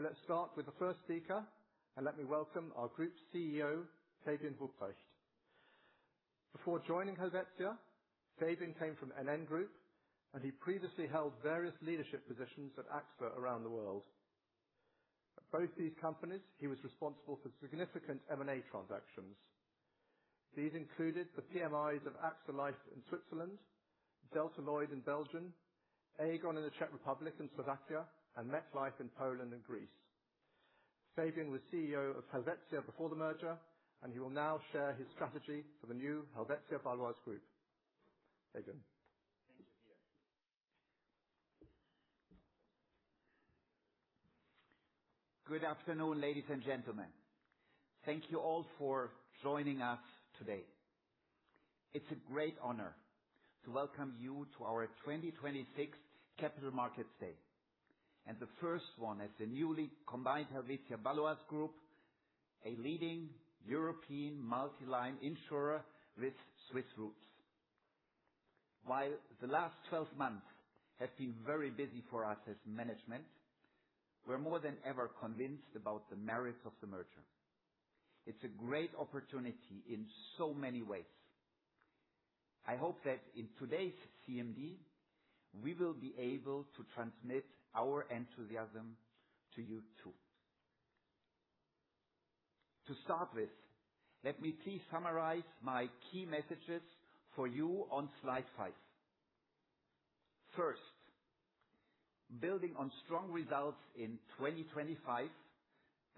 Let's start with the first speaker, and let me welcome our Group CEO, Fabian Rupprecht. Before joining Helvetia, Fabian came from NN Group, and he previously held various leadership positions at AXA around the world. At both these companies, he was responsible for significant M&A transactions. These included the PMIs of AXA Life in Switzerland, Delta Lloyd in Belgium, Aegon in the Czech Republic and Slovakia, and MetLife in Poland and Greece. Fabian was CEO of Helvetia before the merger, and he will now share his strategy for the new Helvetia Baloise Group. Fabian. Thank you, Peter. Good afternoon, ladies and gentlemen. Thank you all for joining us today. It's a great honor to welcome you to our 2026 Capital Markets Day, the first one as the newly combined Helvetia Baloise Group, a leading European multi-line insurer with Swiss roots. While the last 12 months have been very busy for us as management, we're more than ever convinced about the merits of the merger. It's a great opportunity in so many ways. I hope that in today's CMD, we will be able to transmit our enthusiasm to you too. To start with, let me please summarize my key messages for you on slide five. First, building on strong results in 2025,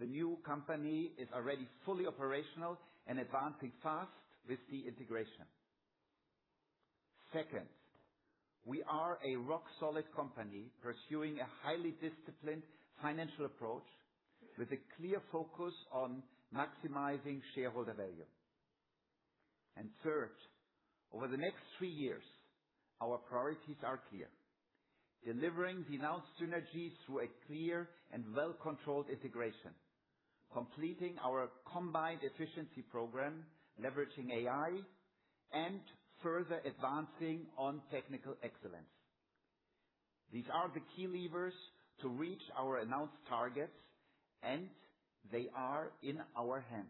the new company is already fully operational and advancing fast with the integration. Second, we are a rock-solid company pursuing a highly disciplined financial approach with a clear focus on maximizing shareholder value. Third, over the next three years, our priorities are clear, delivering the announced synergies through a clear and well-controlled integration, completing our combined efficiency program, leveraging AI, and further advancing on technical excellence. These are the key levers to reach our announced targets, and they are in our hands.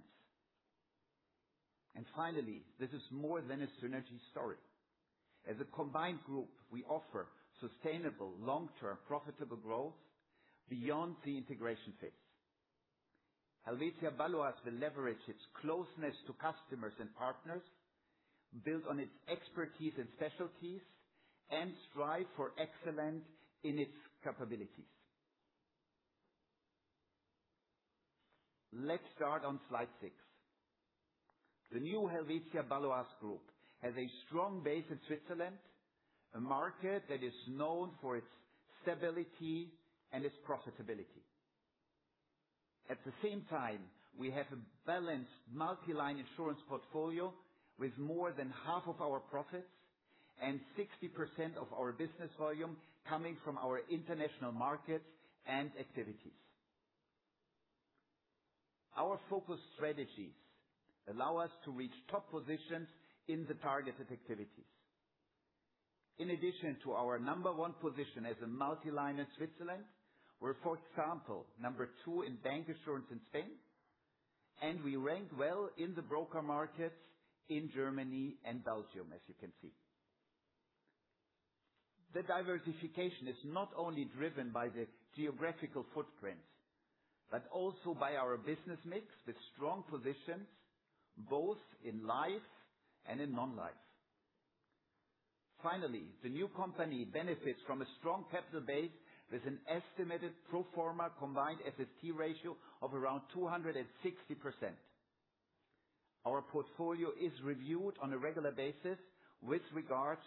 Finally, this is more than a synergy story. As a combined group, we offer sustainable, long-term, profitable growth beyond the integration phase. Helvetia Baloise will leverage its closeness to customers and partners, build on its expertise and specialties, and strive for excellence in its capabilities. Let's start on slide six. The new Helvetia Baloise Group has a strong base in Switzerland, a market that is known for its stability and its profitability. At the same time, we have a balanced multi-line insurance portfolio with more than half of our profits and 60% of our business volume coming from our international markets and activities. Our focus strategies allow us to reach top positions in the targeted activities. In addition to our number one position as a multi-line in Switzerland, we're, for example, number two in [bancassurance] in Spain, and we rank well in the broker markets in Germany and Belgium, as you can see. The diversification is not only driven by the geographical footprint, but also by our business mix with strong positions both in life and in non-life. Finally, the new company benefits from a strong capital base with an estimated pro forma combined SST ratio of around 260%. Our portfolio is reviewed on a regular basis with regards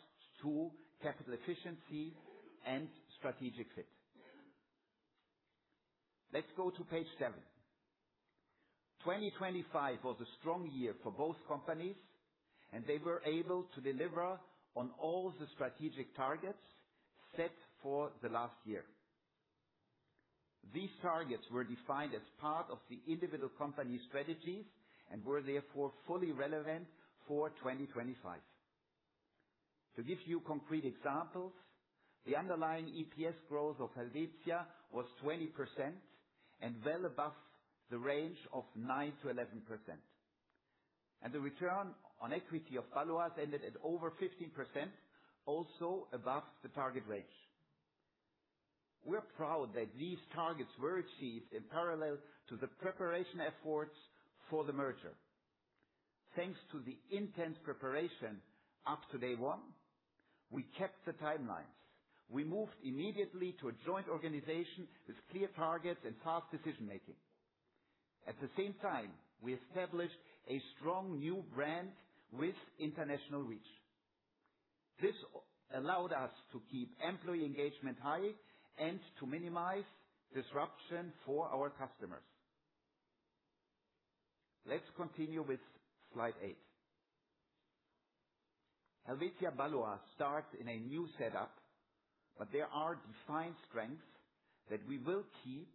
to capital efficiency and strategic fit. Let's go to page seven. 2025 was a strong year for both companies, and they were able to deliver on all the strategic targets set for the last year. These targets were defined as part of the individual company strategies and were therefore fully relevant for 2025. To give you concrete examples, the underlying EPS growth of Helvetia was 20% and well above the range of 9%-11%. The return on equity of Baloise ended at over 15%, also above the target range. We're proud that these targets were achieved in parallel to the preparation efforts for the merger. Thanks to the intense preparation up to day one, we kept the timelines. We moved immediately to a joint organization with clear targets and fast decision-making. At the same time, we established a strong new brand with international reach. This allowed us to keep employee engagement high and to minimize disruption for our customers. Let's continue with slide eight. Helvetia Baloise starts in a new setup, but there are defined strengths that we will keep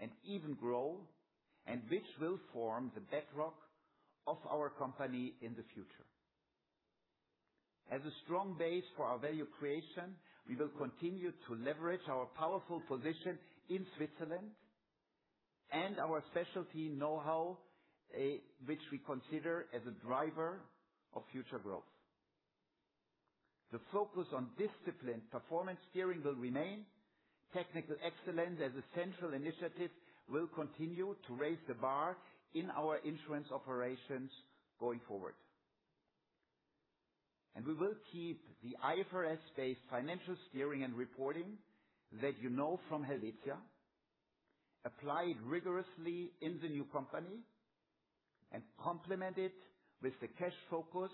and even grow, and which will form the bedrock of our company in the future. As a strong base for our value creation, we will continue to leverage our powerful position in Switzerland and our specialty know-how, which we consider as a driver of future growth. The focus on disciplined performance steering will remain. Technical excellence as a central initiative will continue to raise the bar in our insurance operations going forward. We will keep the IFRS-based financial steering and reporting that you know from Helvetia, applied rigorously in the new company, and complement it with the cash focus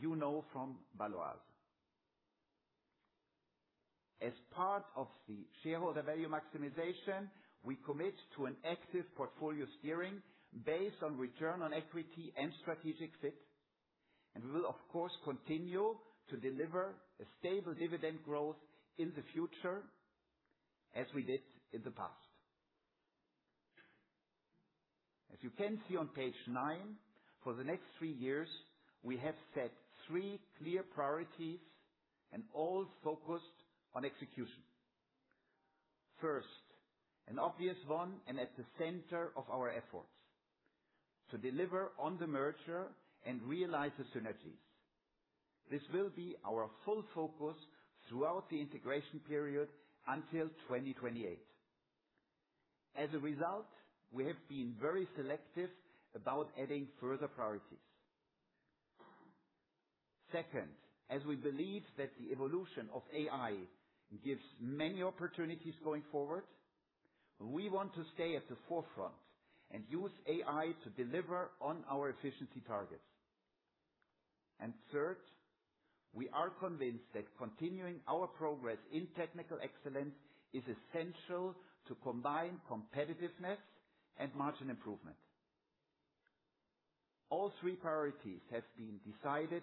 you know from Baloise. As part of the shareholder value maximization, we commit to an active portfolio steering based on return on equity and strategic fit, and we will, of course, continue to deliver a stable dividend growth in the future as we did in the past. As you can see on page nine, for the next three years, we have set three clear priorities and all focused on execution. First, an obvious one and at the center of our efforts, to deliver on the merger and realize the synergies. This will be our full focus throughout the integration period until 2028. As a result, we have been very selective about adding further priorities. Second, as we believe that the evolution of AI gives many opportunities going forward, we want to stay at the forefront and use AI to deliver on our efficiency targets. Third, we are convinced that continuing our progress in technical excellence is essential to combine competitiveness and margin improvement. All three priorities have been decided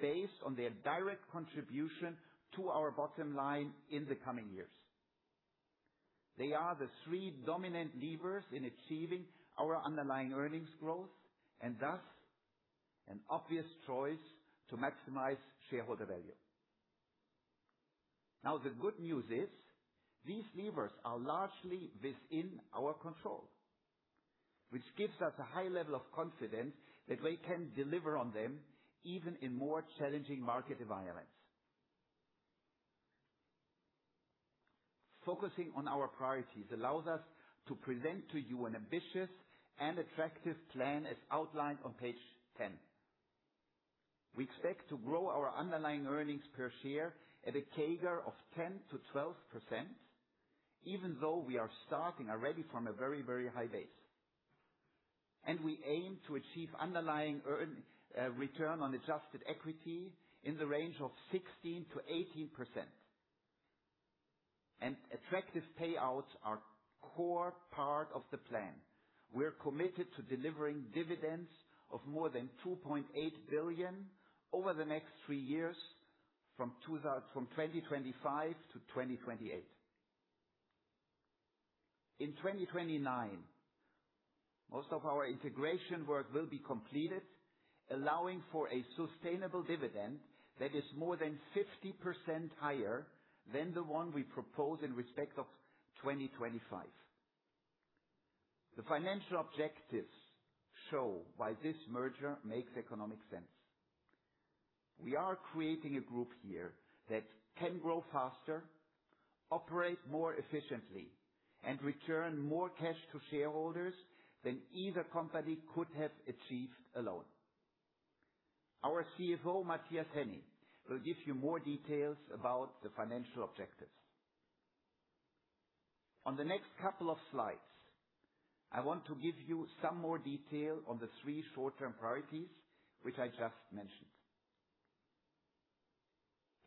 based on their direct contribution to our bottom line in the coming years. They are the three dominant levers in achieving our underlying earnings growth and thus an obvious choice to maximize shareholder value. Now the good news is these levers are largely within our control, which gives us a high level of confidence that we can deliver on them even in more challenging market environments. Focusing on our priorities allows us to present to you an ambitious and attractive plan as outlined on page 10. We expect to grow our underlying earnings per share at a CAGR of 10%-12%, even though we are starting already from a very high base. We aim to achieve underlying return on adjusted equity in the range of 16%-18%. Attractive payouts are a core part of the plan. We are committed to delivering dividends of more than 2.8 billion over the next three years, from 2025-2028. In 2029, most of our integration work will be completed, allowing for a sustainable dividend that is more than 50% higher than the one we propose in respect of 2025. The financial objectives show why this merger makes economic sense. We are creating a group here that can grow faster, operate more efficiently, and return more cash to shareholders than either company could have achieved alone. Our CFO, Matthias Henny, will give you more details about the financial objectives. On the next couple of slides, I want to give you some more detail on the three short-term priorities, which I just mentioned.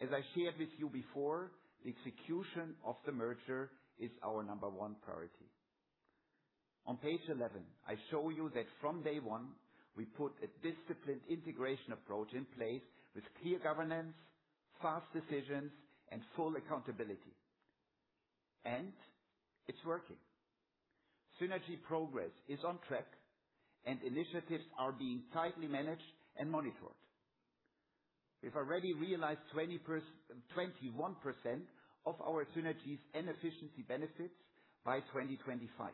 As I shared with you before, the execution of the merger is our number one priority. On page 11, I show you that from day one, we put a disciplined integration approach in place with clear governance, fast decisions, and full accountability. It's working. Synergy progress is on track, and initiatives are being tightly managed and monitored. We've already realized 21% of our synergies and efficiency benefits by 2025.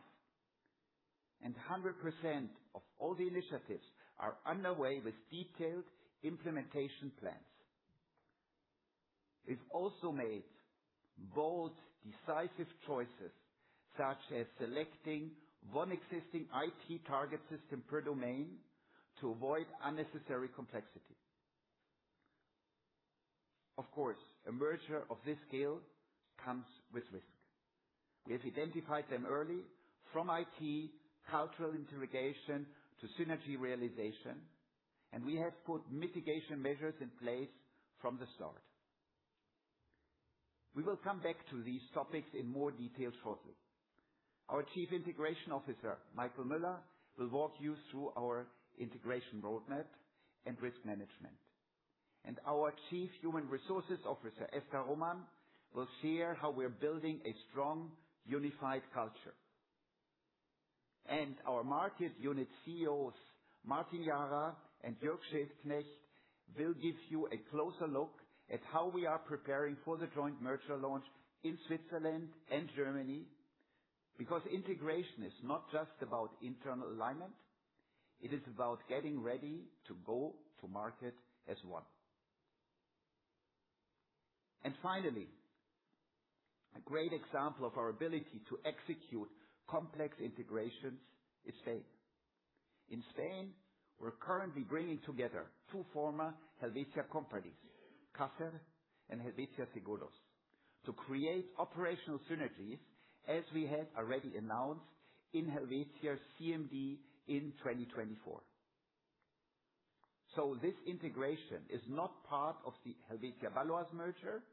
100% of all the initiatives are underway with detailed implementation plans. We've also made bold, decisive choices, such as selecting one existing IT target system per domain to avoid unnecessary complexity. Of course, a merger of this scale comes with risk. We have identified them early from IT, cultural integration to synergy realization, and we have put mitigation measures in place from the start. We will come back to these topics in more detail shortly. Our Chief Integration Officer, Michael Müller, will walk you through our integration roadmap and risk management. Our Chief Human Resources Officer, Esther Roman, will share how we're building a strong, unified culture. Our Market Unit CEOs, Martin Jara and Jürg Schiltknecht, will give you a closer look at how we are preparing for the joint merger launch in Switzerland and Germany. Because integration is not just about internal alignment, it is about getting ready to go to market as one. Finally, a great example of our ability to execute complex integrations is Spain. In Spain, we're currently bringing together two former Helvetia companies, Caser and Helvetia Seguros, to create operational synergies, as we had already announced in Helvetia CMD in 2024. This integration is not part of the Helvetia Baloise merger,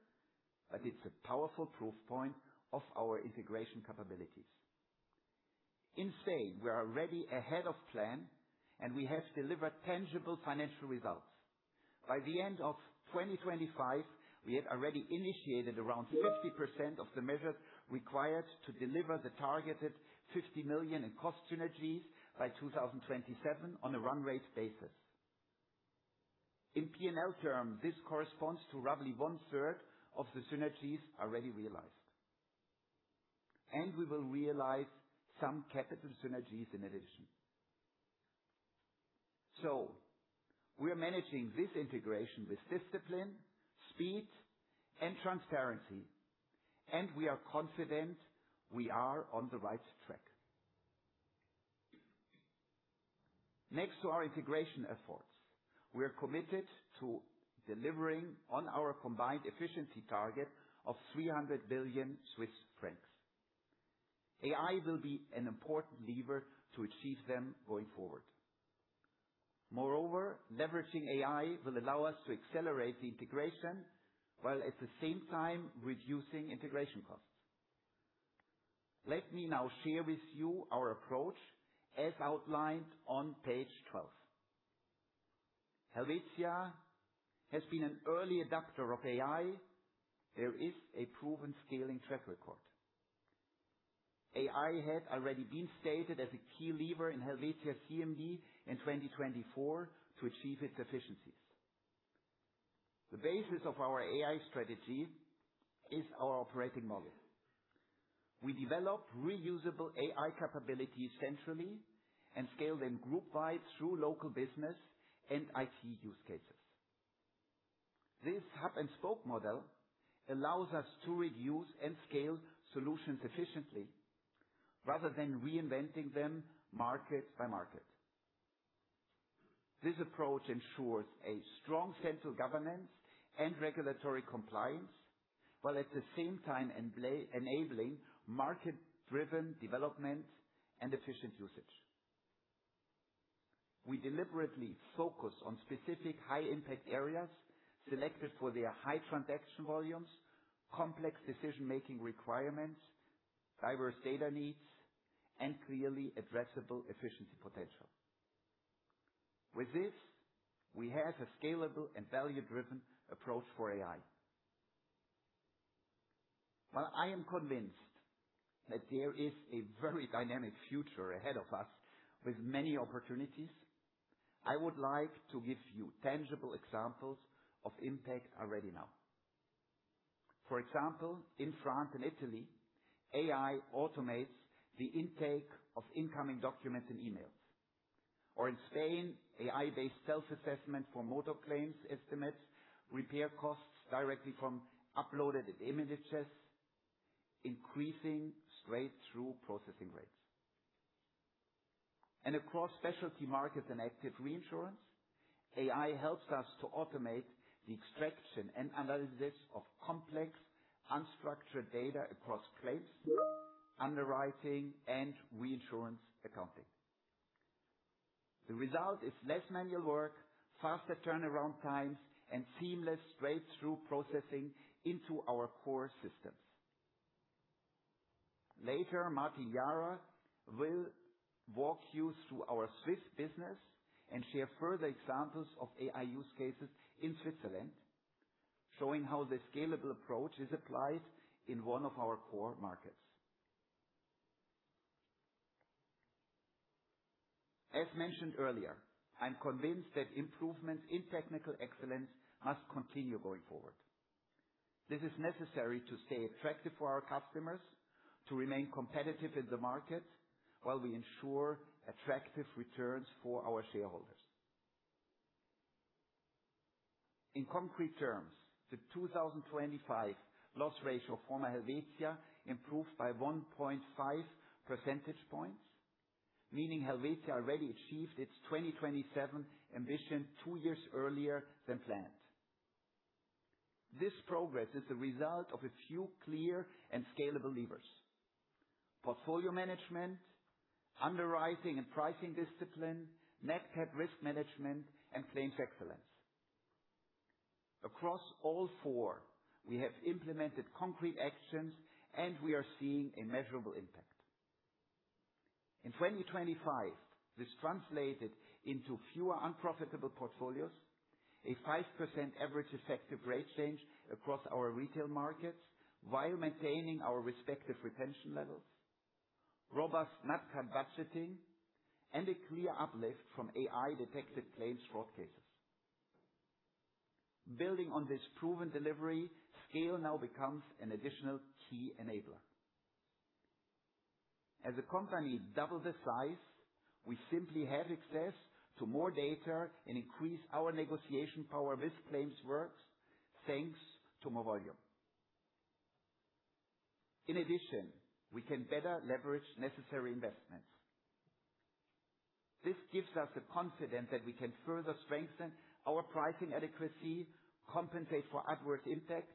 but it's a powerful proof point of our integration capabilities. In Spain, we are already ahead of plan, and we have delivered tangible financial results. By the end of 2025, we had already initiated around 60% of the measures required to deliver the targeted 50 million in cost synergies by 2027 on a run rate basis. In P&L term, this corresponds to roughly 1/3 of the synergies already realized. We will realize some capital synergies in addition. We are managing this integration with discipline, speed, and transparency, and we are confident we are on the right track. Next to our integration efforts, we are committed to delivering on our combined efficiency target of 300 billion Swiss francs. AI will be an important lever to achieve them going forward. Moreover, leveraging AI will allow us to accelerate the integration while at the same time reducing integration costs. Let me now share with you our approach as outlined on page 12. Helvetia has been an early adopter of AI. There is a proven scaling track record. AI had already been stated as a key lever in Helvetia CMD in 2024 to achieve its efficiencies. The basis of our AI strategy is our operating model. We develop reusable AI capabilities centrally and scale them group-wide through local business and IT use cases. This hub and spoke model allows us to reuse and scale solutions efficiently rather than reinventing them market by market. This approach ensures a strong sense of governance and regulatory compliance, while at the same time enabling market-driven development and efficient usage. We deliberately focus on specific high-impact areas selected for their high transaction volumes, complex decision-making requirements, diverse data needs, and clearly addressable efficiency potential. With this, we have a scalable and value-driven approach for AI. While I am convinced that there is a very dynamic future ahead of us with many opportunities, I would like to give you tangible examples of impact already now. For example, in France and Italy, AI automates the intake of incoming documents and emails. In Spain, AI-based self-assessment for motor claims estimates repair costs directly from uploaded images, increasing straight-through processing rates. Across specialty markets and active reinsurance, AI helps us to automate the extraction and analysis of complex unstructured data across claims, underwriting, and reinsurance accounting. The result is less manual work, faster turnaround times, and seamless straight-through processing into our core systems. Later, Martin Jara will walk you through our Swiss business and share further examples of AI use cases in Switzerland, showing how the scalable approach is applied in one of our core markets. As mentioned earlier, I'm convinced that improvements in technical excellence must continue going forward. This is necessary to stay attractive for our customers, to remain competitive in the market while we ensure attractive returns for our shareholders. In concrete terms, the 2025 loss ratio of former Helvetia improved by 1.5 percentage points, meaning Helvetia already achieved its 2027 ambition two years earlier than planned. This progress is the result of a few clear and scalable levers. Portfolio management, underwriting and pricing discipline, med tech risk management, and claims excellence. Across all four, we have implemented concrete actions, and we are seeing a measurable impact. In 2025, this translated into fewer unprofitable portfolios. A 5% average effective rate change across our retail markets while maintaining our respective retention levels, robust Nat Cat budgeting, and a clear uplift from AI-detected claims fraud cases. Building on this proven delivery, scale now becomes an additional key enabler. As a company double the size, we simply have access to more data and increase our negotiation power with claims works thanks to more volume. In addition, we can better leverage necessary investments. This gives us the confidence that we can further strengthen our pricing adequacy, compensate for adverse impacts,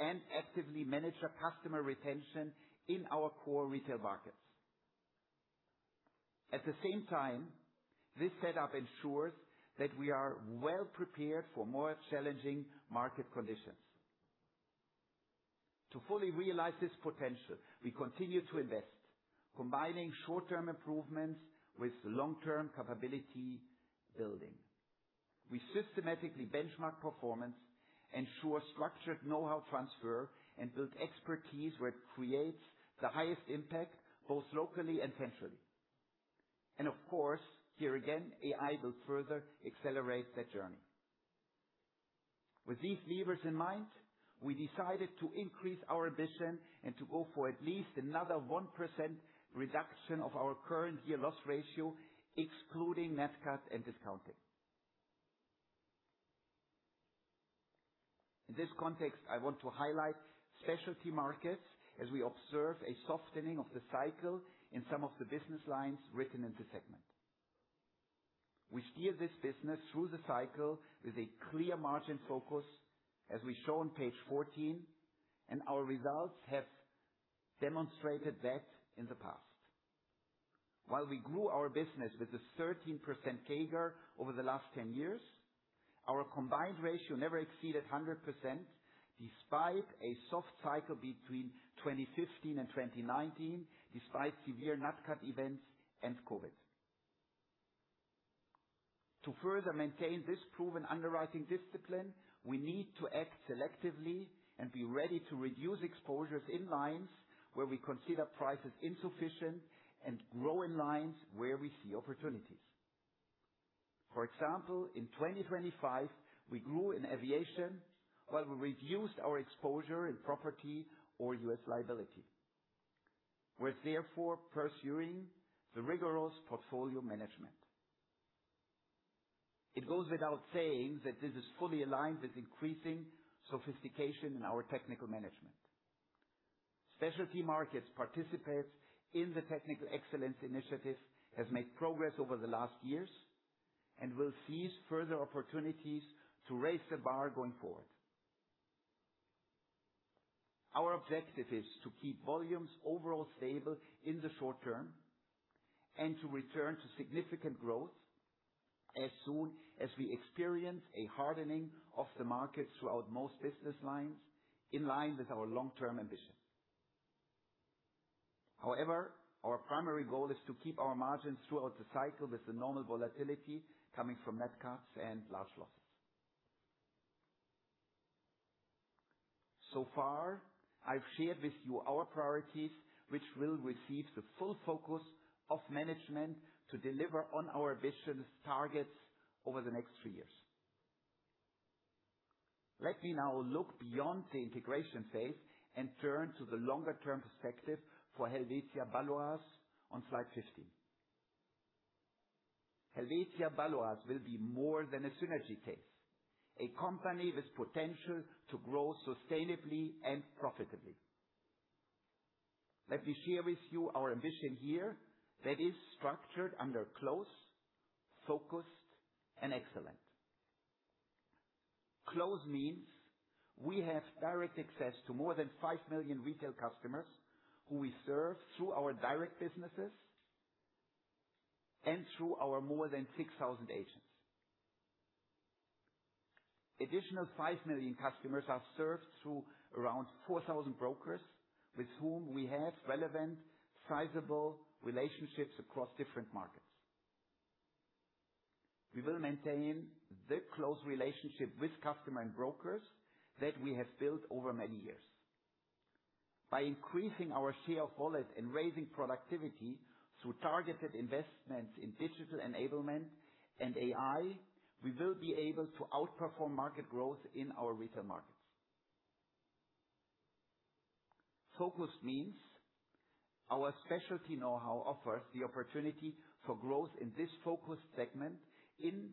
and actively manage the customer retention in our core retail markets. At the same time, this setup ensures that we are well prepared for more challenging market conditions. To fully realize this potential, we continue to invest, combining short-term improvements with long-term capability building. We systematically benchmark performance, ensure structured know-how transfer, and build expertise where it creates the highest impact, both locally and centrally. Of course, here again, AI will further accelerate that journey. With these levers in mind, we decided to increase our ambition and to go for at least another 1% reduction of our current year loss ratio, excluding Nat Cat and discounting. In this context, I want to highlight Specialty Markets as we observe a softening of the cycle in some of the business lines written in the segment. We steer this business through the cycle with a clear margin focus, as we show on page 14, and our results have demonstrated that in the past. While we grew our business with a 13% CAGR over the last 10 years, our combined ratio never exceeded 100%, despite a soft cycle between 2015 and 2019, despite severe Nat Cat events and COVID. To further maintain this proven underwriting discipline, we need to act selectively and be ready to reduce exposures in lines where we consider prices insufficient and grow in lines where we see opportunities. For example, in 2025, we grew in aviation while we reduced our exposure in property or U.S. liability. We're therefore pursuing the rigorous portfolio management. It goes without saying that this is fully aligned with increasing sophistication in our technical management. Specialty Markets participate in the Technical Excellence initiative, has made progress over the last years, and will seize further opportunities to raise the bar going forward. Our objective is to keep volumes overall stable in the short term and to return to significant growth as soon as we experience a hardening of the markets throughout most business lines in line with our long-term ambition. However, our primary goal is to keep our margins throughout the cycle with the normal volatility coming from Nat Cats and large losses. I've shared with you our priorities, which will receive the full focus of management to deliver on our vision's targets over the next three years. Let me now look beyond the integration phase and turn to the longer-term perspective for Helvetia Baloise on slide 15. Helvetia Baloise will be more than a synergy case, a company with potential to grow sustainably and profitably. Let me share with you our ambition here that is structured under close, focused, and excellent. Close means we have direct access to more than 5 million retail customers who we serve through our direct businesses and through our more than 6,000 agents. Additional 5 million customers are served through around 4,000 brokers with whom we have relevant, sizable relationships across different markets. We will maintain the close relationship with customer and brokers that we have built over many years. By increasing our share of wallet and raising productivity through targeted investments in digital enablement and AI, we will be able to outperform market growth in our retail markets. Focused means our specialty know-how offers the opportunity for growth in this focused segment in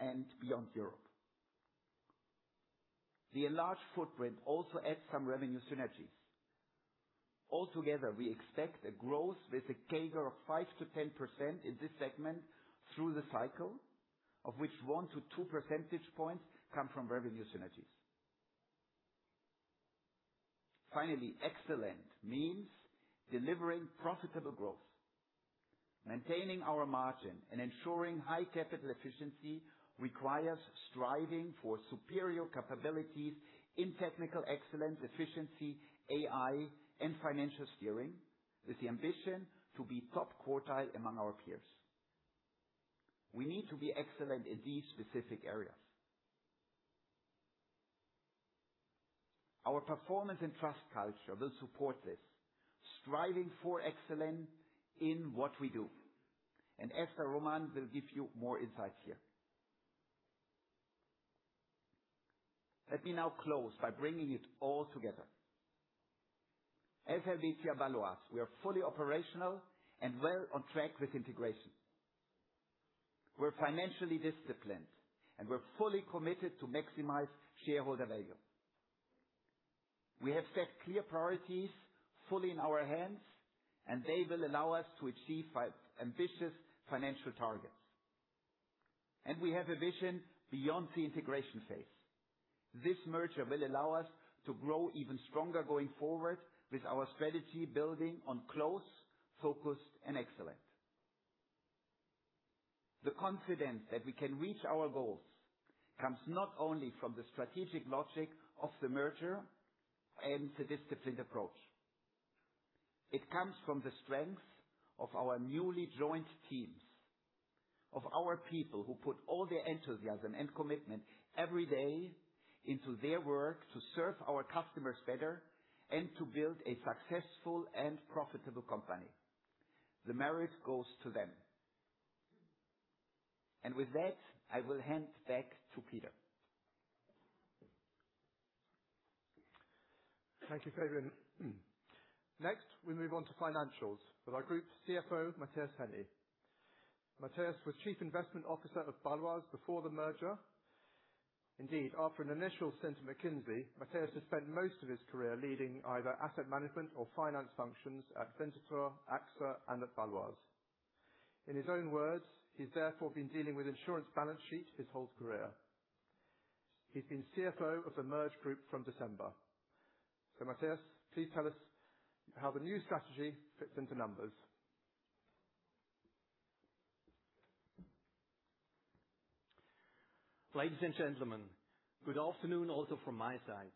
and beyond Europe. The enlarged footprint also adds some revenue synergies. Altogether, we expect a growth with a CAGR of 5%-10% in this segment through the cycle, of which 1 percentage-2 percentage points come from revenue synergies. Finally, excellent means delivering profitable growth. Maintaining our margin and ensuring high capital efficiency requires striving for superior capabilities in technical excellence, efficiency, AI, and financial steering with the ambition to be top quartile among our peers. We need to be excellent in these specific areas. Our performance and trust culture will support this, striving for excellence in what we do. Esther Roman will give you more insights here. Let me now close by bringing it all together. As Helvetia Baloise, we are fully operational and well on track with integration. We're financially disciplined, and we're fully committed to maximize shareholder value. We have set clear priorities fully in our hands, and they will allow us to achieve our ambitious financial targets. We have a vision beyond the integration phase. This merger will allow us to grow even stronger going forward with our strategy, building on close, focused, and excellent. The confidence that we can reach our goals comes not only from the strategic logic of the merger and the disciplined approach. It comes from the strength of our newly joined teams, of our people who put all their enthusiasm and commitment every day into their work to serve our customers better and to build a successful and profitable company. The merit goes to them. With that, I will hand back to Peter. Thank you, Fabian. Next, we move on to financials with our Group CFO, Matthias Henny. Matthias was Chief Investment Officer of Baloise before the merger. Indeed, after an initial stint at McKinsey, Matthias has spent most of his career leading either asset management or finance functions at [Winterthur], AXA, and at Baloise. In his own words, he's therefore been dealing with insurance balance sheet his whole career. He's been CFO of the merged group from December. Matthias, please tell us how the new strategy fits into numbers. Ladies and gentlemen, good afternoon also from my side.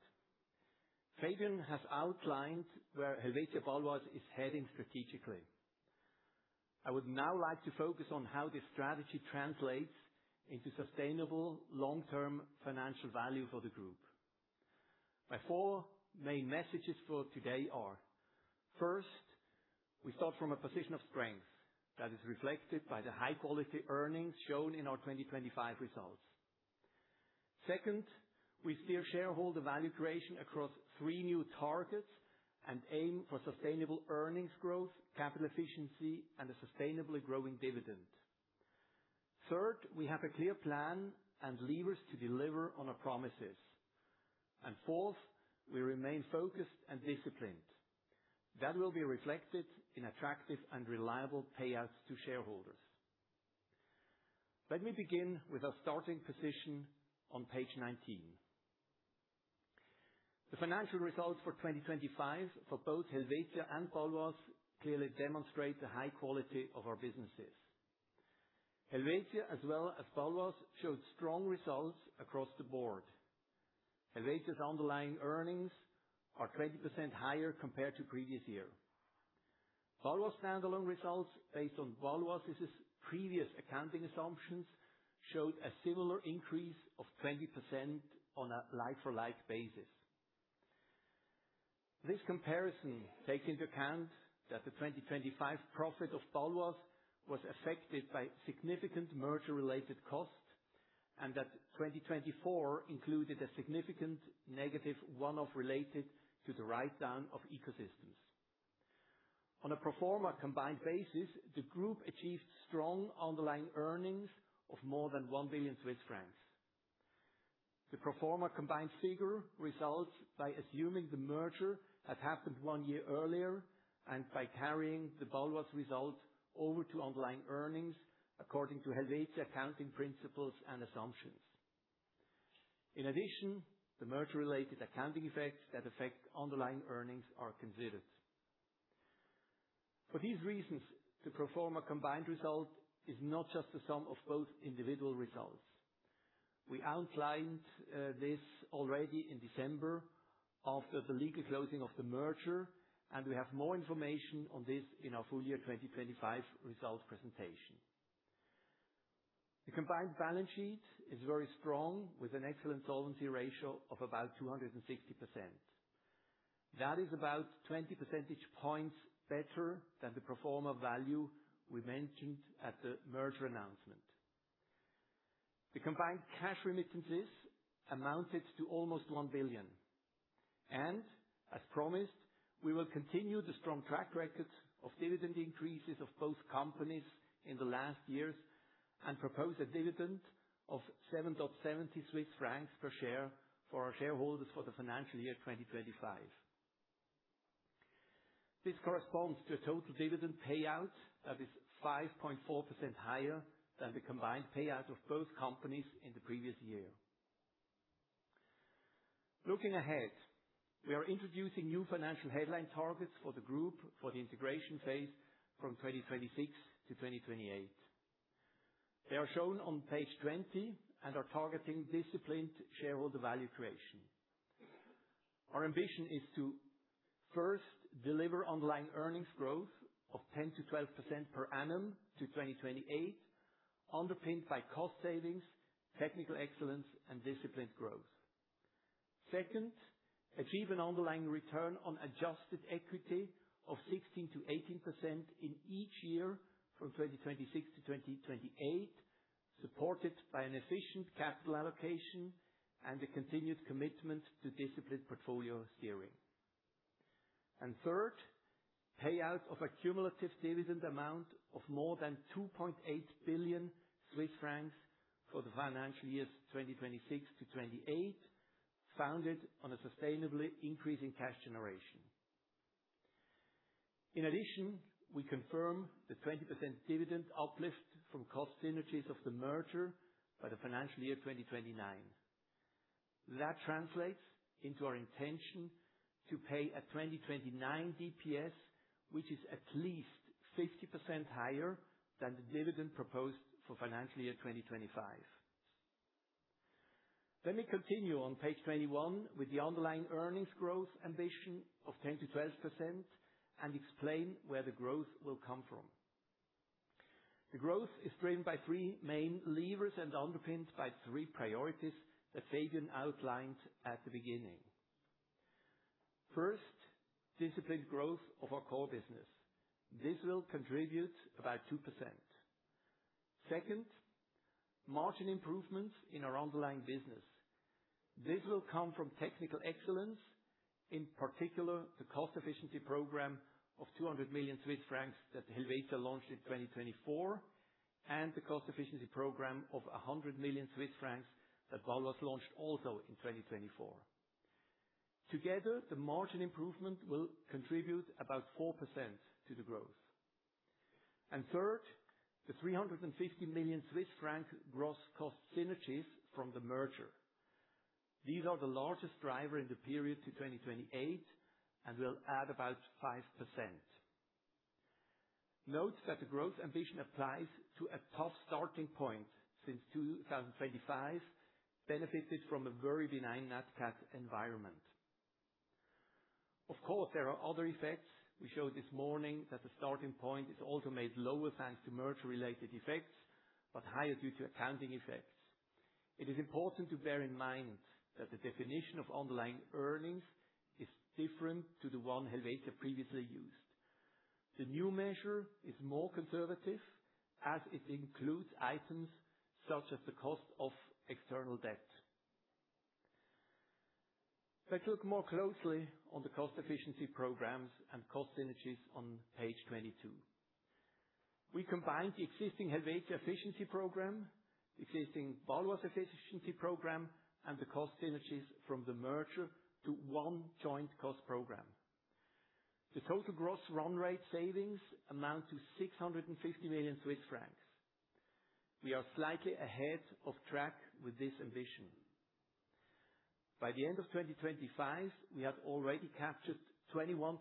Fabian has outlined where Helvetia Baloise is heading strategically. I would now like to focus on how this strategy translates into sustainable long-term financial value for the group. My four main messages for today are, first, we start from a position of strength that is reflected by the high-quality earnings shown in our 2025 results. Second, we steer shareholder value creation across three new targets and aim for sustainable earnings growth, capital efficiency, and a sustainably growing dividend. Third, we have a clear plan and levers to deliver on our promises. Fourth, we remain focused and disciplined. That will be reflected in attractive and reliable payouts to shareholders. Let me begin with our starting position on page 19. The financial results for 2025 for both Helvetia and Baloise clearly demonstrate the high quality of our businesses. Helvetia, as well as Baloise, showed strong results across the board. Helvetia's underlying earnings are 20% higher compared to previous year. Baloise standalone results based on Baloise's previous accounting assumptions showed a similar increase of 20% on a like-for-like basis. This comparison takes into account that the 2025 profit of Baloise was affected by significant merger-related costs, and that 2024 included a significant negative one-off related to the write-down of ecosystems. On a pro forma combined basis, the group achieved strong underlying earnings of more than 1 billion Swiss francs. The pro forma combined figure results by assuming the merger had happened one year earlier and by carrying the Baloise result over to underlying earnings according to Helvetia accounting principles and assumptions. In addition, the merger-related accounting effects that affect underlying earnings are considered. For these reasons, the pro forma combined result is not just the sum of both individual results. We outlined this already in December after the legal closing of the merger, and we have more information on this in our Full Year 2025 Results presentation. The combined balance sheet is very strong, with an excellent solvency ratio of about 260%. That is about 20 percentage points better than the pro forma value we mentioned at the merger announcement. The combined cash remittances amounted to almost 1 billion. As promised, we will continue the strong track record of dividend increases of both companies in the last years and propose a dividend of 7.70 Swiss francs per share for our shareholders for the financial year 2025. This corresponds to a total dividend payout that is 5.4% higher than the combined payout of both companies in the previous year. Looking ahead, we are introducing new financial headline targets for the group for the integration phase from 2026-2028. They are shown on page 20 and are targeting disciplined shareholder value creation. Our ambition is to, first, deliver underlying earnings growth of 10%-12% per annum to 2028, underpinned by cost savings, technical excellence and disciplined growth. Second, achieve an underlying return on adjusted equity of 16%-18% in each year from 2026-2028, supported by an efficient capital allocation and a continued commitment to disciplined portfolio steering. Third, payout of a cumulative dividend amount of more than 2.8 billion Swiss francs for the financial years 2026-2028, founded on a sustainably increasing cash generation. In addition, we confirm the 20% dividend uplift from cost synergies of the merger by the financial year 2029. That translates into our intention to pay a 2029 DPS, which is at least 50% higher than the dividend proposed for financial year 2025. Let me continue on page 21 with the underlying earnings growth ambition of 10%-12% and explain where the growth will come from. The growth is driven by three main levers and underpinned by three priorities that Fabian outlined at the beginning. First, disciplined growth of our core business. This will contribute about 2%. Second, margin improvements in our underlying business. This will come from technical excellence, in particular, the cost efficiency program of 200 million Swiss francs that Helvetia launched in 2024, and the cost efficiency program of 100 million Swiss francs that Baloise launched also in 2024. Together, the margin improvement will contribute about 4% to the growth. Third, the 350 million Swiss franc gross cost synergies from the merger. These are the largest driver in the period to 2028 and will add about 5%. Note that the growth ambition applies to a tough starting point since 2025, benefited from a very benign Nat Cat environment. Of course, there are other effects. We showed this morning that the starting point is also made lower thanks to merger-related effects, but higher due to accounting effects. It is important to bear in mind that the definition of underlying earnings is different to the one Helvetia previously used. The new measure is more conservative as it includes items such as the cost of external debt. Let's look more closely on the cost-efficiency programs and cost synergies on page 22. We combined the existing Helvetia efficiency program, the existing Baloise efficiency program, and the cost synergies from the merger to one joint cost program. The total gross run-rate savings amount to 650 million Swiss francs. We are slightly ahead of track with this ambition. By the end of 2025, we have already captured 21%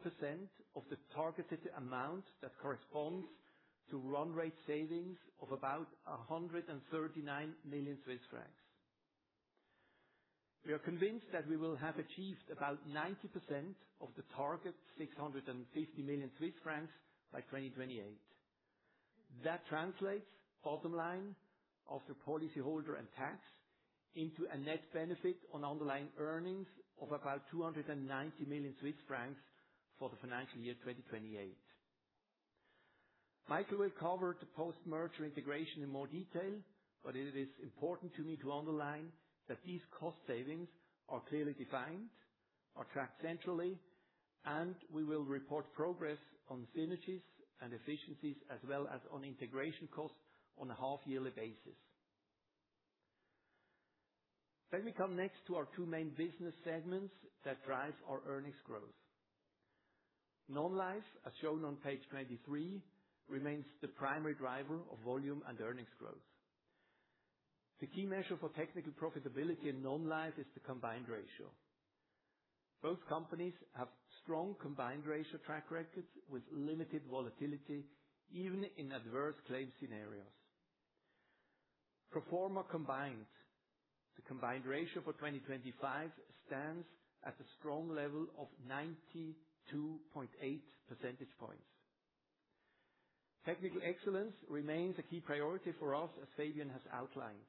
of the targeted amount that corresponds to run-rate savings of about 139 million Swiss francs. We are convinced that we will have achieved about 90% of the target 650 million Swiss francs by 2028. That translates bottom line after policyholder and tax into a net benefit on underlying earnings of about 290 million Swiss francs for the financial year 2028. Michael will cover the post-merger integration in more detail, but it is important to me to underline that these cost savings are clearly defined, are tracked centrally, and we will report progress on synergies and efficiencies as well as on integration costs on a half-yearly basis. We come next to our two main business segments that drives our earnings growth. Non-life, as shown on page 23, remains the primary driver of volume and earnings growth. The key measure for technical profitability in Non-life is the combined ratio. Both companies have strong combined ratio track records with limited volatility, even in adverse claim scenarios. Pro forma combined, the combined ratio for 2025 stands at a strong level of 92.8 percentage points. Technical excellence remains a key priority for us as Fabian has outlined.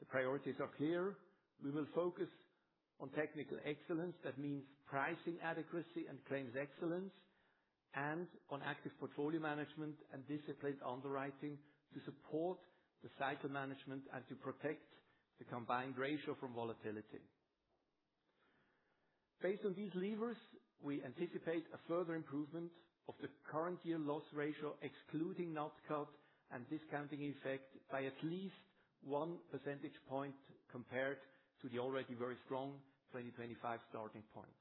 The priorities are clear. We will focus on technical excellence. That means pricing adequacy and claims excellence, and on active portfolio management and disciplined underwriting to support the cycle management and to protect the combined ratio from volatility. Based on these levers, we anticipate a further improvement of the current year loss ratio, excluding Nat Cat and discounting effect by at least 1 percentage point compared to the already very strong 2025 starting point.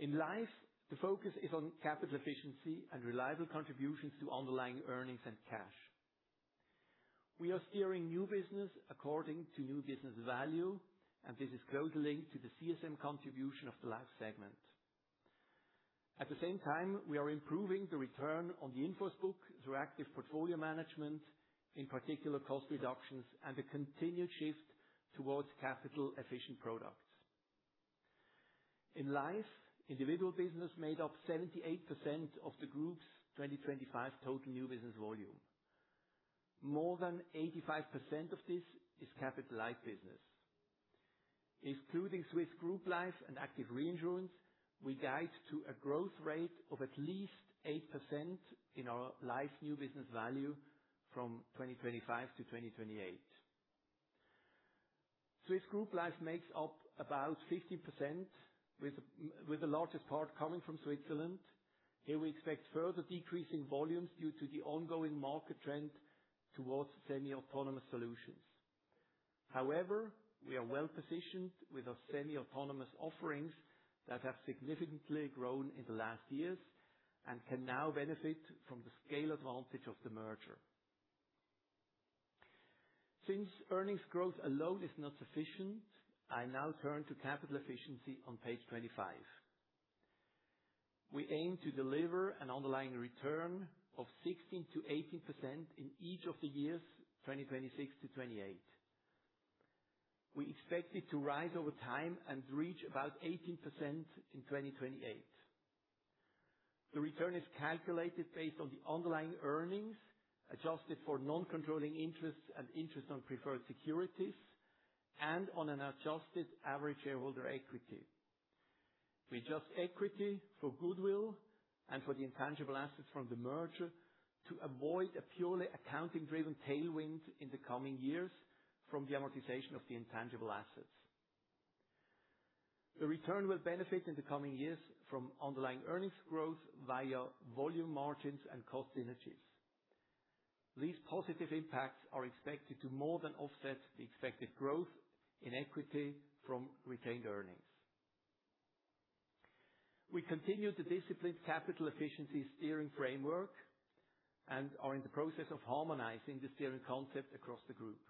In Life, the focus is on capital efficiency and reliable contributions to underlying earnings and cash. We are steering new business according to new business value, and this is closely linked to the CSM contribution of the Life segment. At the same time, we are improving the return on the in-force book through active portfolio management, in particular cost reductions and a continued shift towards capital-efficient products. In Life, individual business made up 78% of the group's 2025 total new business volume. More than 85% of this is capital-light business. Including Swiss Group Life and active reinsurance, we guide to a growth rate of at least 8% in our life new business value from 2025-2028. Swiss Group Life makes up about 50% with the largest part coming from Switzerland. Here we expect further decrease in volumes due to the ongoing market trend towards semi-autonomous solutions. However, we are well-positioned with our semi-autonomous offerings that have significantly grown in the last years and can now benefit from the scale advantage of the merger. Since earnings growth alone is not sufficient, I now turn to capital efficiency on page 25. We aim to deliver an underlying return of 16%-18% in each of the years 2026-2028. We expect it to rise over time and reach about 18% in 2028. The return is calculated based on the underlying earnings, adjusted for non-controlling interests and interest on preferred securities and on an adjusted average shareholder equity. We adjust equity for goodwill and for the intangible assets from the merger to avoid a purely accounting-driven tailwind in the coming years from the amortization of the intangible assets. The return will benefit in the coming years from underlying earnings growth via volume margins and cost synergies. These positive impacts are expected to more than offset the expected growth in equity from retained earnings. We continue the disciplined capital efficiency steering framework and are in the process of harmonizing the steering concept across the group.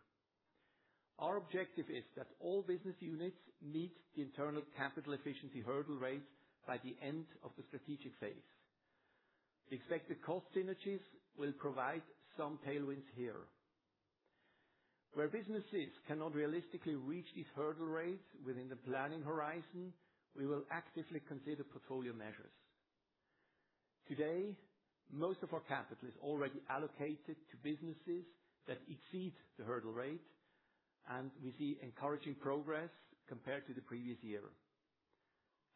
Our objective is that all business units meet the internal capital efficiency hurdle rate by the end of the strategic phase. The expected cost synergies will provide some tailwinds here. Where businesses cannot realistically reach these hurdle rates within the planning horizon, we will actively consider portfolio measures. Today, most of our capital is already allocated to businesses that exceed the hurdle rate, and we see encouraging progress compared to the previous year.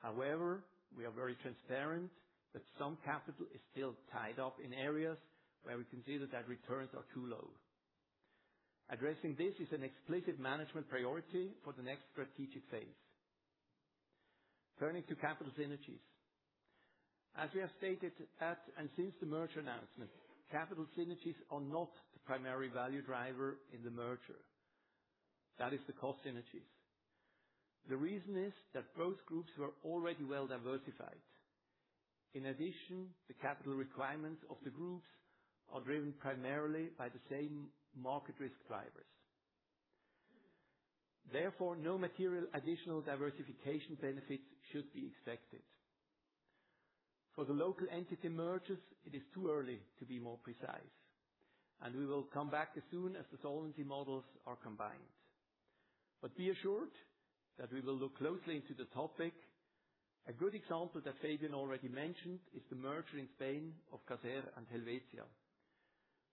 However, we are very transparent that some capital is still tied up in areas where we consider that returns are too low. Addressing this is an explicit management priority for the next strategic phase. Turning to capital synergies, as we have stated at and since the merger announcement, capital synergies are not the primary value driver in the merger. That is the cost synergies. The reason is that both groups were already well diversified. In addition, the capital requirements of the groups are driven primarily by the same market risk drivers. Therefore, no material additional diversification benefits should be expected. For the local entity mergers, it is too early to be more precise, and we will come back as soon as the solvency models are combined. Be assured that we will look closely into the topic. A good example that Fabian already mentioned is the merger in Spain of Caser and Helvetia.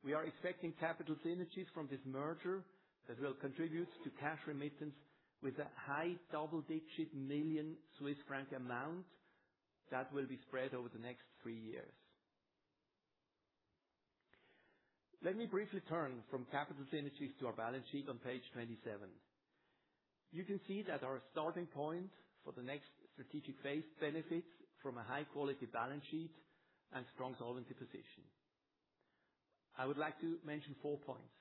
We are expecting capital synergies from this merger that will contribute to cash remittance with a high double-digit million Swiss franc amount that will be spread over the next three years. Let me briefly turn from capital synergies to our balance sheet on page 27. You can see that our starting point for the next strategic phase benefits from a high-quality balance sheet and strong solvency position. I would like to mention four points.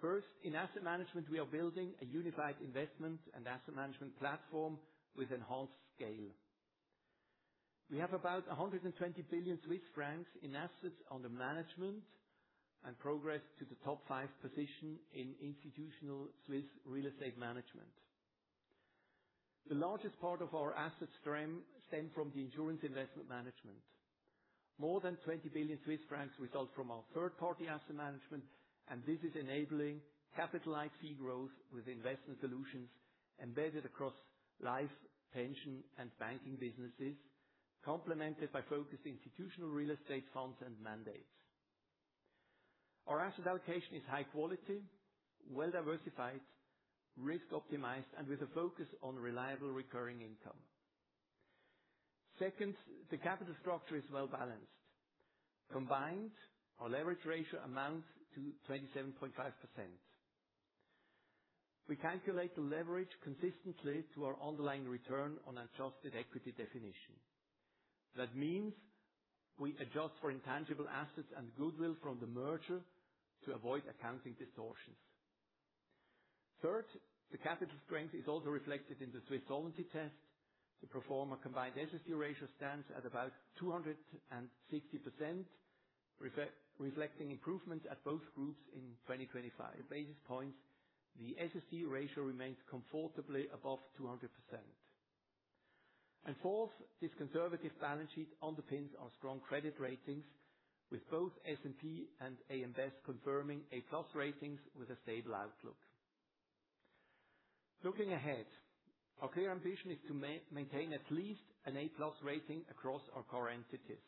First, in asset management, we are building a unified investment and asset management platform with enhanced scale. We have about 120 billion Swiss francs in assets under management and progress to the top five position in institutional Swiss real estate management. The largest part of our assets stem from the insurance investment management. More than 20 billion Swiss francs result from our third-party asset management, and this is enabling capital-light fee growth with investment solutions embedded across life, pension, and banking businesses, complemented by focused institutional real estate funds and mandates. Our asset allocation is high quality, well-diversified, risk-optimized, and with a focus on reliable recurring income. Second, the capital structure is well-balanced. Combined, our leverage ratio amounts to 27.5%. We calculate the leverage consistently to our underlying return on adjusted equity definition. That means we adjust for intangible assets and goodwill from the merger to avoid accounting distortions. Third, the capital strength is also reflected in the Swiss Solvency Test. Pro forma combined SST ratio stands at about 260%, reflecting improvements at both groups in 2025. Basis points, the SST ratio remains comfortably above 200%. Fourth, this conservative balance sheet underpins our strong credit ratings with both S&P and AM Best confirming A+ ratings with a stable outlook. Looking ahead, our clear ambition is to maintain at least an A+ rating across our core entities.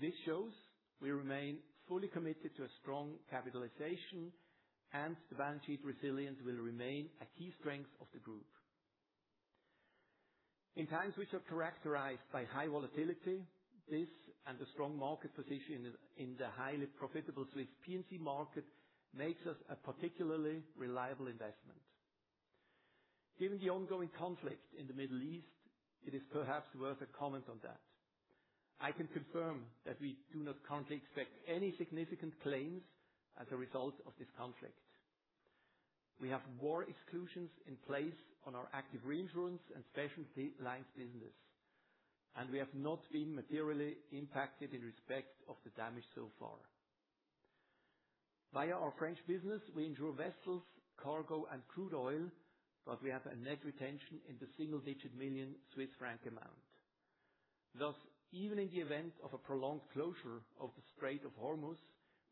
This shows we remain fully committed to a strong capitalization, and the balance sheet resilience will remain a key strength of the group. In times which are characterized by high volatility, this and the strong market position in the highly profitable Swiss P&C market makes us a particularly reliable investment. Given the ongoing conflict in the Middle East, it is perhaps worth a comment on that. I can confirm that we do not currently expect any significant claims as a result of this conflict. We have war exclusions in place on our active reinsurance and specialty lines business, and we have not been materially impacted in respect of the damage so far. Via our French business, we insure vessels, cargo, and crude oil, but we have a net retention in the single-digit million Swiss franc amount. Thus, even in the event of a prolonged closure of the Strait of Hormuz,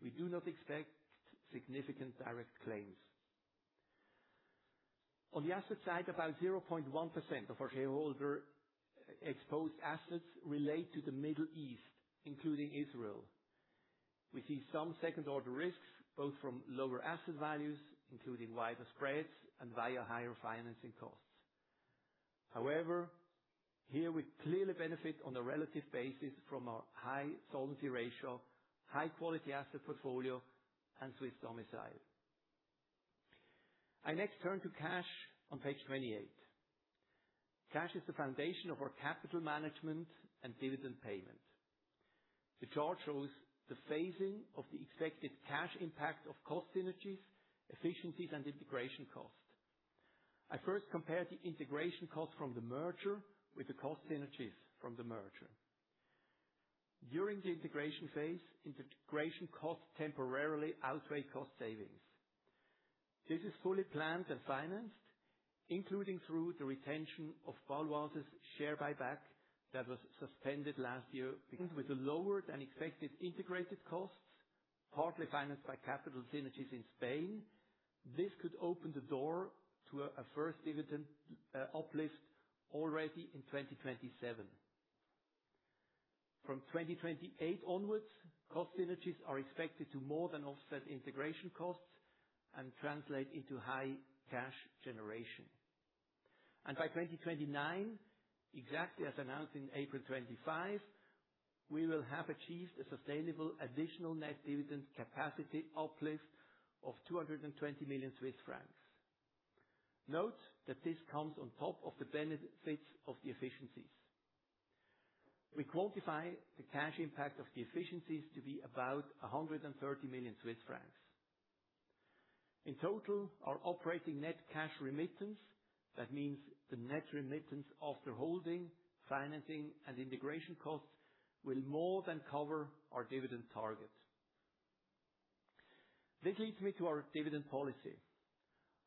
we do not expect significant direct claims. On the asset side, about 0.1% of our shareholder-exposed assets relate to the Middle East, including Israel. We see some second-order risks, both from lower asset values, including wider spreads, and via higher financing costs. However, here we clearly benefit on a relative basis from our high solvency ratio, high-quality asset portfolio, and Swiss domicile. I next turn to cash on page 28. Cash is the foundation of our capital management and dividend payment. The chart shows the phasing of the expected cash impact of cost synergies, efficiencies, and integration cost. I first compared the integration cost from the merger with the cost synergies from the merger. During the integration phase, integration costs temporarily outweigh cost savings. This is fully planned and financed, including through the retention of Baloise's share buyback that was suspended last year. Because with the lower than expected integration costs, partly financed by capital synergies in Spain, this could open the door to a first dividend uplift already in 2027. From 2028 onwards, cost synergies are expected to more than offset the integration costs and translate into high cash generation. By 2029, exactly as announced in April 2025, we will have achieved a sustainable additional net dividend capacity uplift of 220 million Swiss francs. Note that this comes on top of the benefits of the efficiencies. We quantify the cash impact of the efficiencies to be about 130 million Swiss francs. In total, our operating net cash remittance, that means the net remittance after holding, financing, and integration costs, will more than cover our dividend target. This leads me to our dividend policy.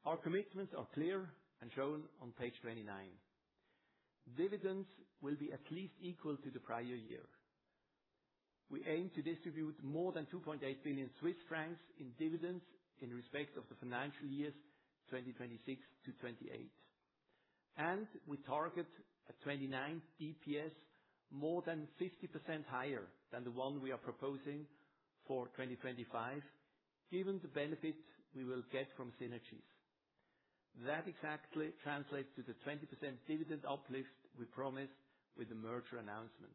Our commitments are clear and shown on page 29. Dividends will be at least equal to the prior year. We aim to distribute more than 2.8 billion Swiss francs in dividends in respect of the financial years 2026-2028. We target a 2029 DPS more than 50% higher than the one we are proposing for 2025, given the benefits we will get from synergies. That exactly translates to the 20% dividend uplift we promised with the merger announcement.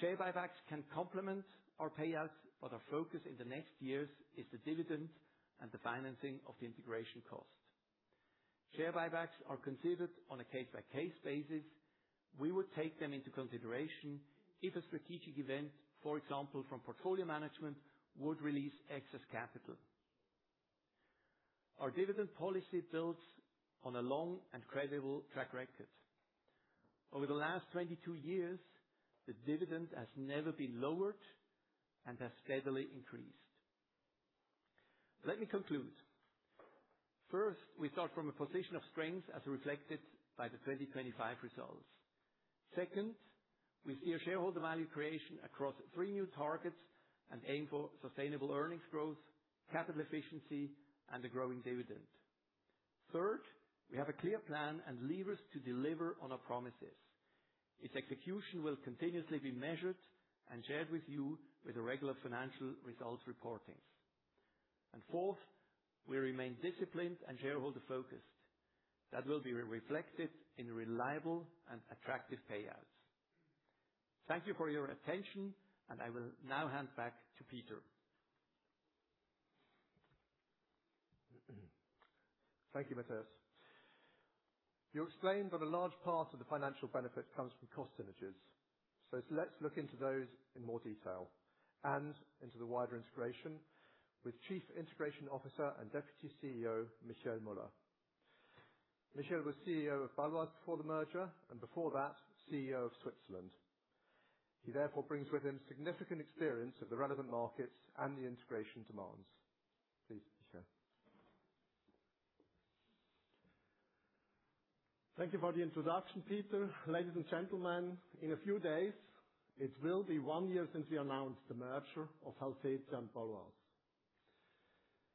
Share buybacks can complement our payouts, but our focus in the next years is the dividend and the financing of the integration cost. Share buybacks are considered on a case-by-case basis. We would take them into consideration if a strategic event, for example, from portfolio management, would release excess capital. Our dividend policy builds on a long and credible track record. Over the last 22 years, the dividend has never been lowered and has steadily increased. Let me conclude. First, we start from a position of strength as reflected by the 2025 results. Second, we see a shareholder value creation across three new targets and aim for sustainable earnings growth, capital efficiency, and a growing dividend. Third, we have a clear plan and levers to deliver on our promises. Its execution will continuously be measured and shared with you with the regular financial results reportings. Fourth, we remain disciplined and shareholder-focused. That will be reflected in reliable and attractive payouts. Thank you for your attention, and I will now hand back to Peter. Thank you, Matthias. You explained that a large part of the financial benefit comes from cost synergies. Let's look into those in more detail and into the wider integration with Chief Integration Officer and Deputy CEO, Michael Müller. Michael was CEO of Baloise before the merger, and before that, CEO of Switzerland. He therefore brings with him significant experience of the relevant markets and the integration demands. Please, Michael. Thank you for the introduction, Peter. Ladies and gentlemen, in a few days, it will be one year since we announced the merger of Helvetia and Baloise.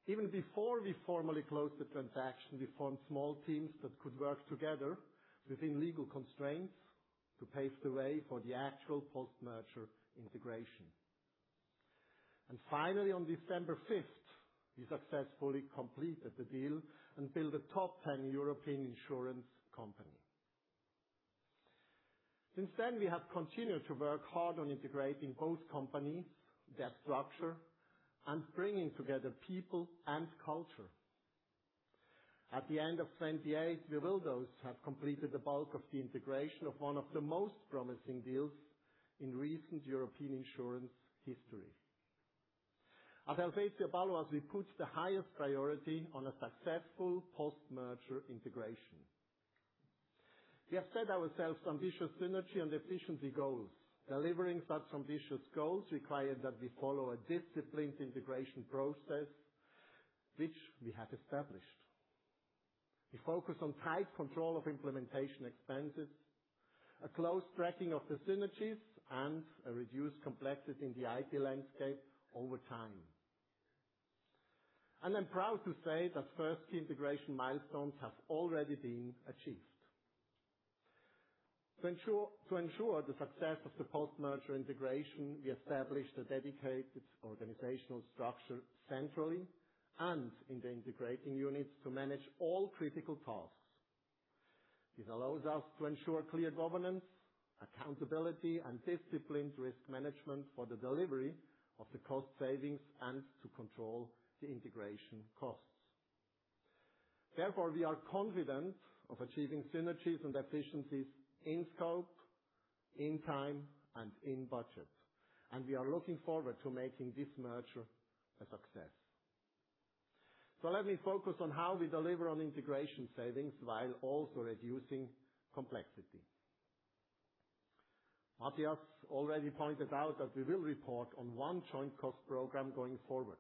Even before we formally closed the transaction, we formed small teams that could work together within legal constraints to pave the way for the actual post-merger integration. Finally, on December 5th, we successfully completed the deal and built a top 10 European insurance company. Since then, we have continued to work hard on integrating both companies, their structure, and bringing together people and culture. At the end of 2028, we will thus have completed the bulk of the integration of one of the most promising deals in recent European insurance history. At Helvetia Baloise, we put the highest priority on a successful post-merger integration. We have set ourselves ambitious synergy and efficiency goals. Delivering such ambitious goals require that we follow a disciplined integration process, which we have established. We focus on tight control of implementation expenses, a close tracking of the synergies, and a reduced complexity in the IT landscape over time. I'm proud to say that first key integration milestones have already been achieved. To ensure the success of the post-merger integration, we established a dedicated organizational structure centrally and in the integrating units to manage all critical tasks. This allows us to ensure clear governance, accountability, and disciplined risk management for the delivery of the cost savings and to control the integration costs. Therefore, we are confident of achieving synergies and efficiencies in scope, in time, and in budget, and we are looking forward to making this merger a success. Let me focus on how we deliver on integration savings while also reducing complexity. Matthias already pointed out that we will report on one joint cost program going forward.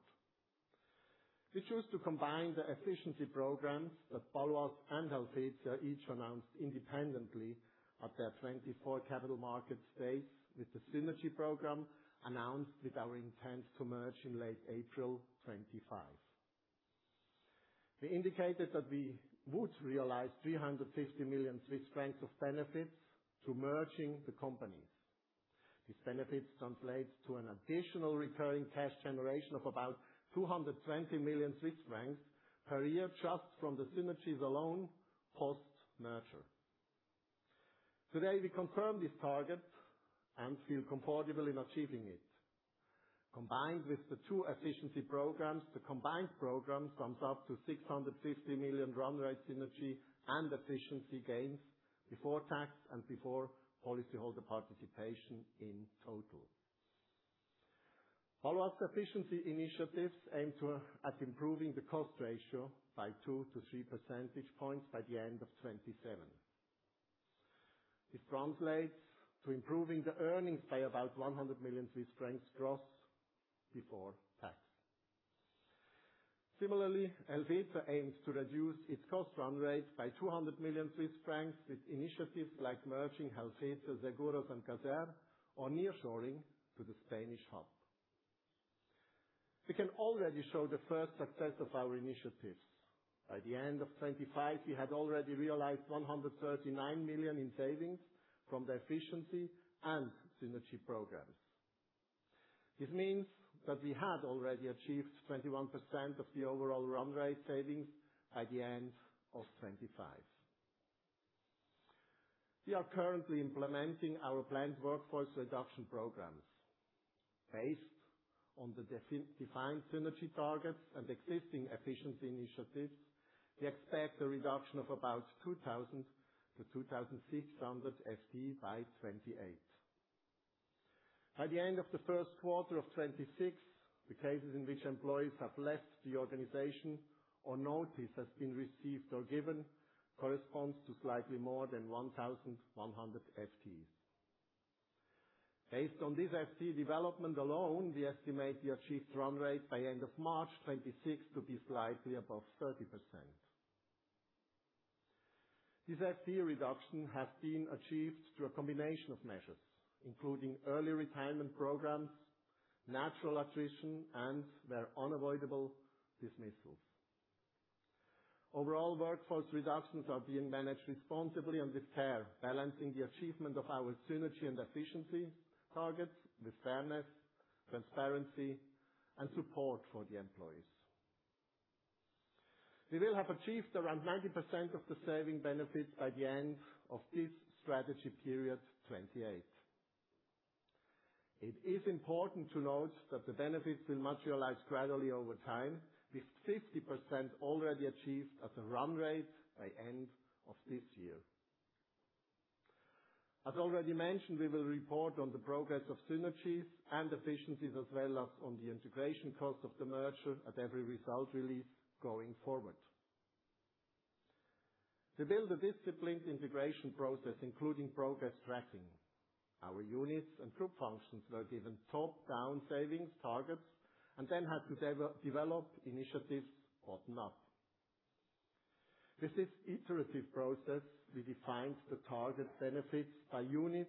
We choose to combine the efficiency programs that Baloise and Helvetia each announced independently at their [2024] Capital Markets Day with the synergy program announced with our intent to merge in late April 2025. We indicated that we would realize 350 million Swiss francs of benefits through merging the companies. This benefit translates to an additional recurring cash generation of about 220 million Swiss francs per year just from the synergies alone post-merger. Today, we confirm this target and feel comfortable in achieving it. Combined with the two efficiency programs, the combined program sums up to 650 million run rate synergy and efficiency gains before tax and before policyholder participation in total. Baloise efficiency initiatives aim at improving the cost ratio by 2 percentage-3 percentage points by the end of 2027. It translates to improving the earnings by about 100 million Swiss francs gross before tax. Similarly, Helvetia aims to reduce its cost run rate by 200 million Swiss francs with initiatives like merging Helvetia Seguros and Caser, or nearshoring to the Spanish hub. We can already show the first success of our initiatives. By the end of 2025, we had already realized 139 million in savings from the efficiency and synergy programs. This means that we had already achieved 21% of the overall run rate savings by the end of 2025. We are currently implementing our planned workforce reduction programs. Based on the defined synergy targets and existing efficiency initiatives, we expect a reduction of about 2,000 to 2,600 FT by [2028]. By the end of the first quarter of [2026], the cases in which employees have left the organization or notice has been received or given corresponds to slightly more than 1,100 FTs. Based on this FT development alone, we estimate the achieved run rate by end of March [2026] to be slightly above 30%. This FT reduction has been achieved through a combination of measures, including early retirement programs, natural attrition, and where unavoidable, dismissals. Overall workforce reductions are being managed responsibly and with care, balancing the achievement of our synergy and efficiency targets with fairness, transparency, and support for the employees. We will have achieved around 90% of the saving benefits by the end of this strategy period, [2028]. It is important to note that the benefits will materialize gradually over time, with 50% already achieved at a run rate by end of this year. As already mentioned, we will report on the progress of synergies and efficiencies, as well as on the integration cost of the merger at every result release going forward. To build a disciplined integration process, including progress tracking, our units and group functions were given top-down savings targets, and then had to develop initiatives or not. This iterative process redefines the target benefits by unit,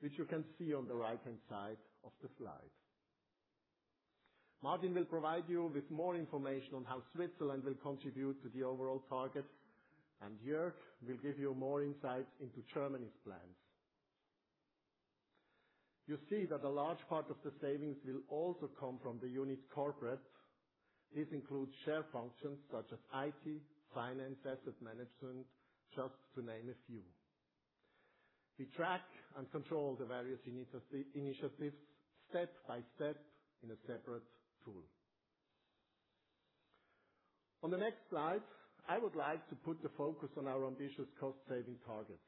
which you can see on the right-hand side of the slide. Martin will provide you with more information on how Switzerland will contribute to the overall target, and Jürg will give you more insight into Germany's plans. You see that a large part of the savings will also come from the unit corporate. This includes shared functions such as IT, finance, asset management, just to name a few. We track and control the various initiatives step by step in a separate tool. On the next slide, I would like to put the focus on our ambitious cost-saving targets.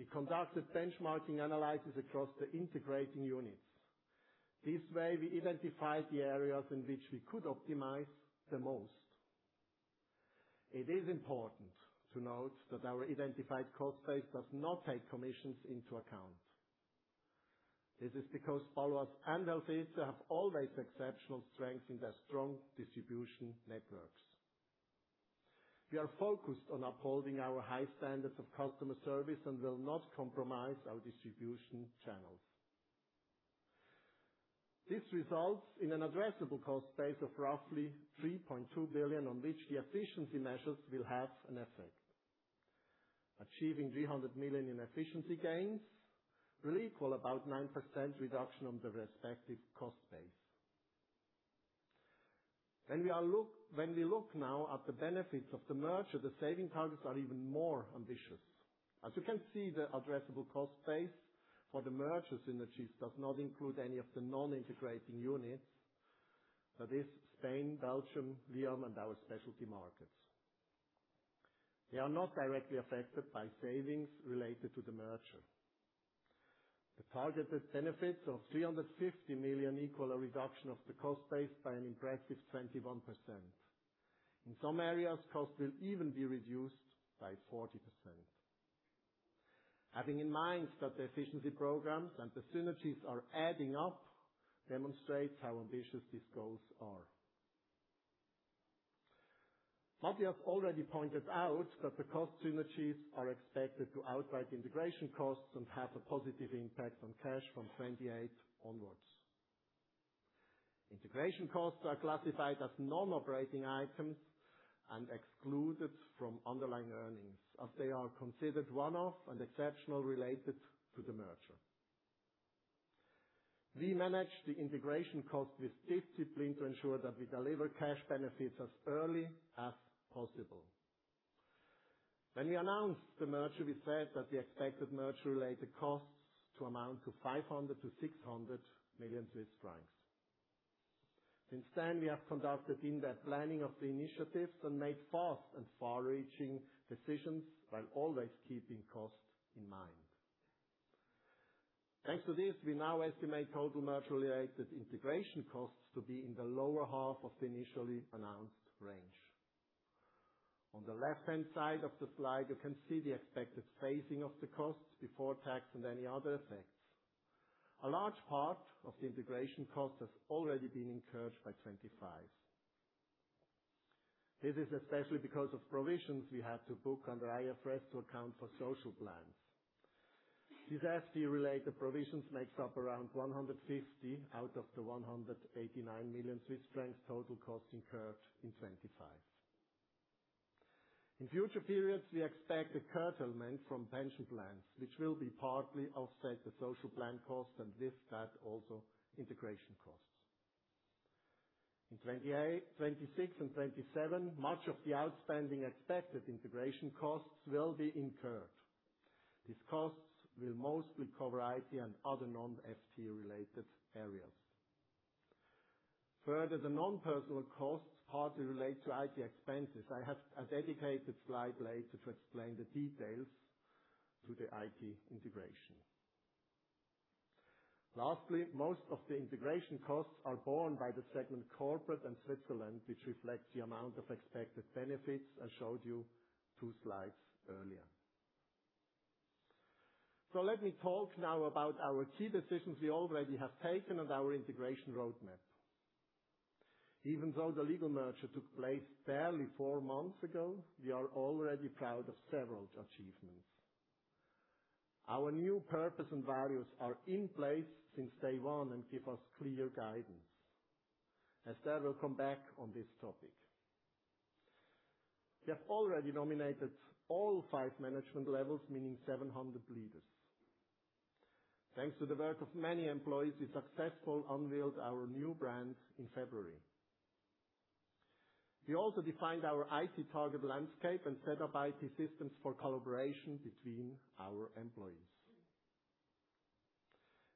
We conducted benchmarking analysis across the integrating units. This way, we identified the areas in which we could optimize the most. It is important to note that our identified cost base does not take commissions into account. This is because Baloise and Helvetia have always exceptional strength in their strong distribution networks. We are focused on upholding our high standards of customer service and will not compromise our distribution channels. This results in an addressable cost base of roughly 3.2 billion, on which the efficiency measures will have an effect. Achieving 300 million in efficiency gains will equal about 9% reduction on the respective cost base. When we look now at the benefits of the merger, the saving targets are even more ambitious. As you can see, the addressable cost base for the merger synergies does not include any of the non-integrating units. That is Spain, Belgium, Vietnam, and our Specialty Markets. They are not directly affected by savings related to the merger. The targeted benefits of 350 million equal a reduction of the cost base by an impressive 21%. In some areas, costs will even be reduced by 40%. Having in mind that the efficiency programs and the synergies are adding up demonstrates how ambitious these goals are. Martin has already pointed out that the cost synergies are expected to outweigh integration costs and have a positive impact on cash from 2028 onwards. Integration costs are classified as non-operating items and excluded from underlying earnings, as they are considered one-off and exceptional related to the merger. We manage the integration cost with discipline to ensure that we deliver cash benefits as early as possible. When we announced the merger, we said that we expected merger-related costs to amount to 500 million-600 million Swiss francs. Since then, we have conducted in-depth planning of the initiatives and made fast and far-reaching decisions while always keeping costs in mind. Thanks to this, we now estimate total merger-related integration costs to be in the lower half of the initially announced range. On the left-hand side of the slide, you can see the expected phasing of the costs before tax and any other effects. A large part of the integration cost has already been incurred by 2025. This is especially because of provisions we had to book under IFRS to account for social plans. This FTE-related provisions makes up around 150 out of the 189 million Swiss francs total cost incurred in 2025. In future periods, we expect a curtailment from pension plans, which will be partly offset the social plan cost, and with that, also integration costs. In 2028, 2026, and 2027, much of the outstanding expected integration costs will be incurred. These costs will mostly cover IT and other non-FTE-related areas. Further, the non-personal costs partly relate to IT expenses. I have a dedicated slide later to explain the details to the IT integration. Lastly, most of the integration costs are borne by the segment corporate and Switzerland, which reflects the amount of expected benefits I showed you two slides earlier. Let me talk now about our key decisions we already have taken and our integration roadmap. Even though the legal merger took place barely four months ago, we are already proud of several achievements. Our new purpose and values are in place since day one and give us clear guidance. Esther will come back on this topic. We have already nominated all five management levels, meaning 700 leaders. Thanks to the work of many employees, we successfully unveiled our new brand in February. We also defined our IT target landscape and set up IT systems for collaboration between our employees.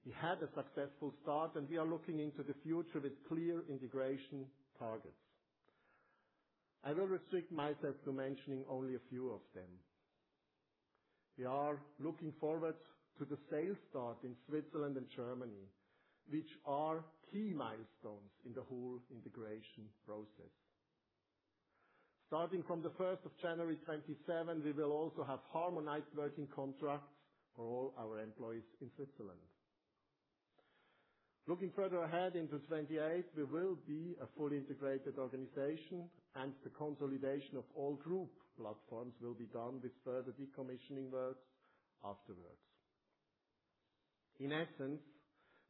We had a successful start, and we are looking into the future with clear integration targets. I will restrict myself to mentioning only a few of them. We are looking forward to the sales start in Switzerland and Germany, which are key milestones in the whole integration process. Starting from the 1st of January 2027, we will also have harmonized working contracts for all our employees in Switzerland. Looking further ahead into 2028, we will be a fully integrated organization, and the consolidation of all group platforms will be done with further decommissioning work afterwards. In essence,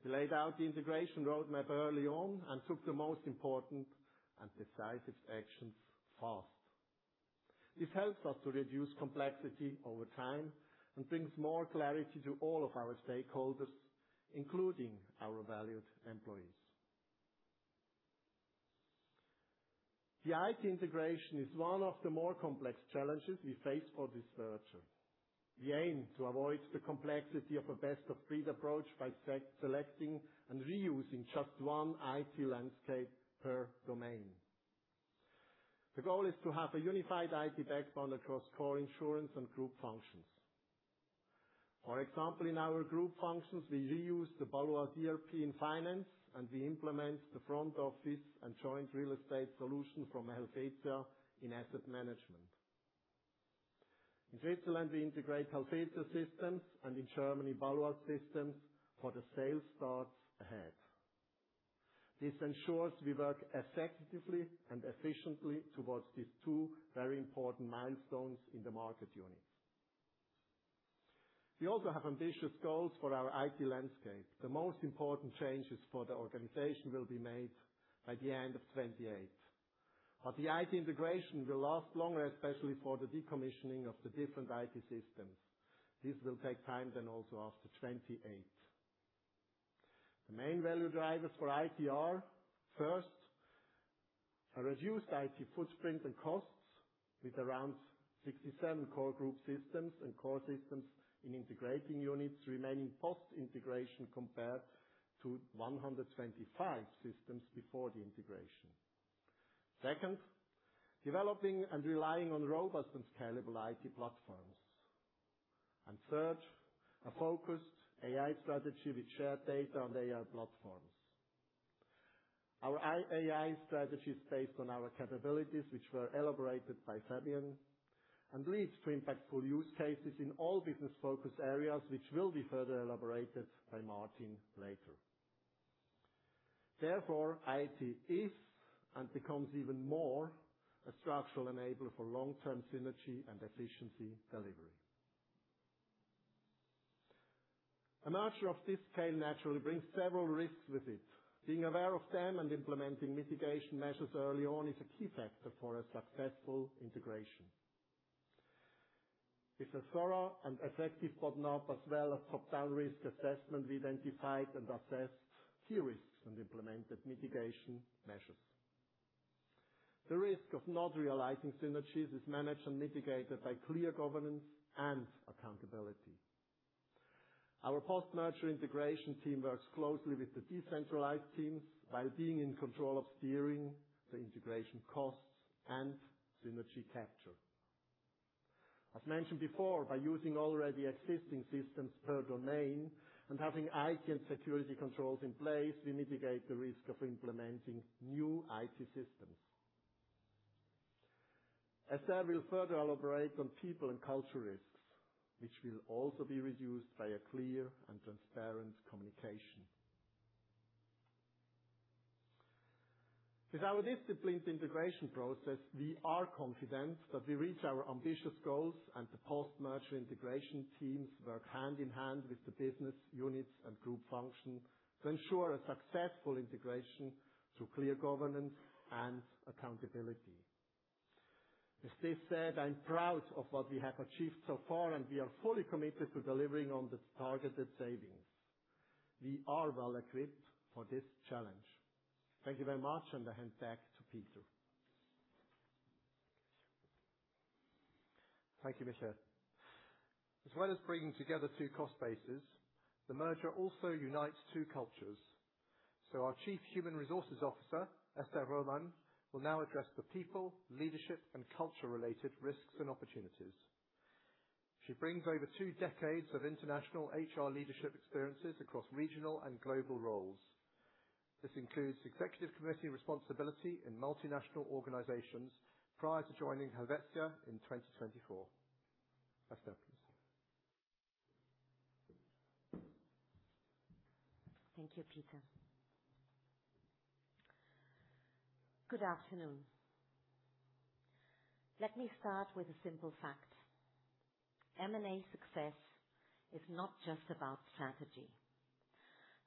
we laid out the integration roadmap early on and took the most important and decisive actions fast. This helps us to reduce complexity over time and brings more clarity to all of our stakeholders, including our valued employees. The IT integration is one of the more complex challenges we face for this merger. We aim to avoid the complexity of a best-of-breed approach by selecting and reusing just one IT landscape per domain. The goal is to have a unified IT backbone across core insurance and group functions. For example, in our group functions, we reuse the Baloise ERP in finance, and we implement the front office and joint real estate solution from Helvetia in asset management. In Switzerland, we integrate Helvetia systems, and in Germany, Baloise systems for the sales force ahead. This ensures we work effectively and efficiently towards these two very important milestones in the market units. We also have ambitious goals for our IT landscape. The most important changes for the organization will be made by the end of 2028. The IT integration will last longer, especially for the decommissioning of the different IT systems. This will take time then also after 2028. The main value drivers for IT are, first, a reduced IT footprint and costs with around 67 core group systems and core systems in integrating units remaining post-integration compared to 125 systems before the integration. Second, developing and relying on robust and scalable IT platforms. Third, a focused AI strategy with shared data on AI platforms. Our AI strategy is based on our capabilities, which were elaborated by Fabian, and leads to impactful use cases in all business focus areas, which will be further elaborated by Martin later. Therefore, IT is, and becomes even more, a structural enabler for long-term synergy and efficiency delivery. A merger of this scale naturally brings several risks with it. Being aware of them and implementing mitigation measures early on is a key factor for a successful integration. With a thorough and effective bottom-up as well as top-down risk assessment, we identified and assessed key risks and implemented mitigation measures. The risk of not realizing synergies is managed and mitigated by clear governance and accountability. Our post-merger integration team works closely with the decentralized teams while being in control of steering the integration costs and synergy capture. As mentioned before, by using already existing systems per domain and having IT and security controls in place, we mitigate the risk of implementing new IT systems. Esther will further elaborate on people and culture risks, which will also be reduced by a clear and transparent communication. With our disciplined integration process, we are confident that we reach our ambitious goals, and the post-merger integration teams work hand in hand with the business units and group function to ensure a successful integration through clear governance and accountability. With this said, I'm proud of what we have achieved so far, and we are fully committed to delivering on the targeted savings. We are well-equipped for this challenge. Thank you very much, and I hand back to Peter. Thank you, Michael. As well as bringing together two cost bases, the merger also unites two cultures. Our Chief Human Resources Officer, Esther Roman, will now address the people, leadership, and culture related risks and opportunities. She brings over two decades of international HR leadership experiences across regional and global roles. This includes executive committee responsibility in multinational organizations prior to joining Helvetia in 2024. Esther, please. Thank you, Peter. Good afternoon. Let me start with a simple fact. M&A success is not just about strategy.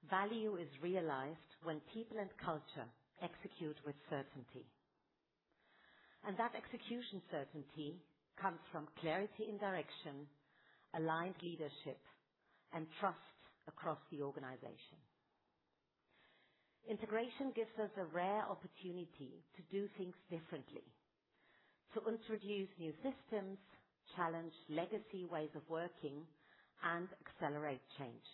Value is realized when people and culture execute with certainty. That execution certainty comes from clarity and direction, aligned leadership, and trust across the organization. Integration gives us a rare opportunity to do things differently, to introduce new systems, challenge legacy ways of working, and accelerate change.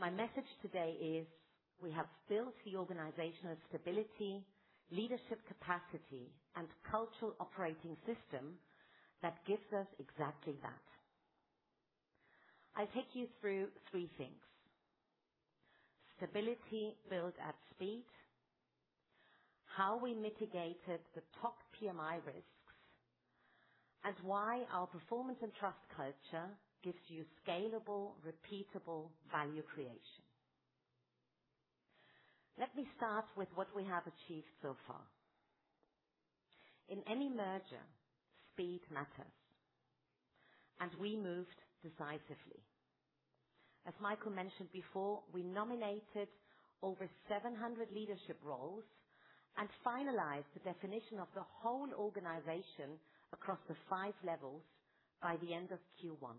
My message today is we have built the organizational stability, leadership capacity, and cultural operating system that gives us exactly that. I'll take you through three things, stability built at speed, how we mitigated the top PMI risks, and why our performance and trust culture gives you scalable, repeatable value creation. Let me start with what we have achieved so far. In any merger, speed matters, and we moved decisively. As Michael mentioned before, we nominated over 700 leadership roles and finalized the definition of the whole organization across the five levels by the end of Q1.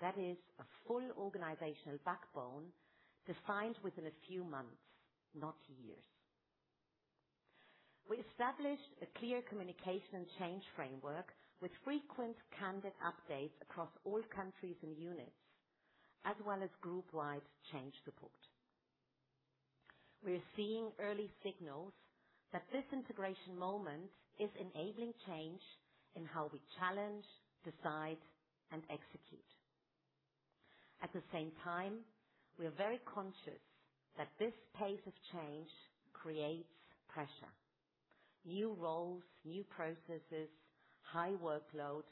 That is a full organizational backbone defined within a few months, not years. We established a clear communication change framework with frequent candid updates across all countries and units, as well as group-wide change support. We are seeing early signals that this integration moment is enabling change in how we challenge, decide, and execute. At the same time, we are very conscious that this pace of change creates pressure, new roles, new processes, high workload,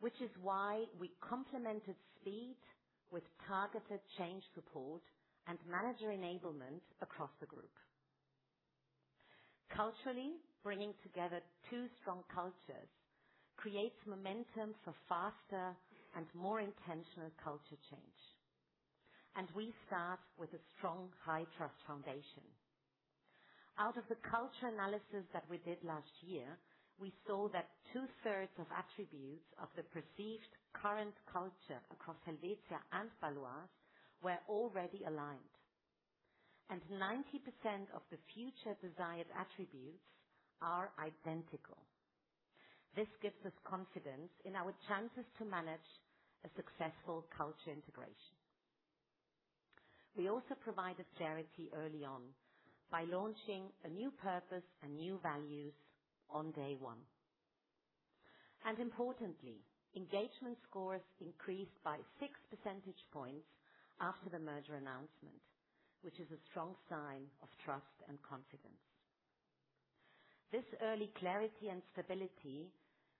which is why we complemented speed with targeted change support and manager enablement across the group. Culturally, bringing together two strong cultures creates momentum for faster and more intentional culture change. We start with a strong high-trust foundation. Out of the culture analysis that we did last year, we saw that 2/3 of attributes of the perceived current culture across Helvetia and Baloise were already aligned, and 90% of the future desired attributes are identical. This gives us confidence in our chances to manage a successful culture integration. We also provided clarity early on by launching a new purpose and new values on day one. Importantly, engagement scores increased by 6 percentage points after the merger announcement, which is a strong sign of trust and confidence. This early clarity and stability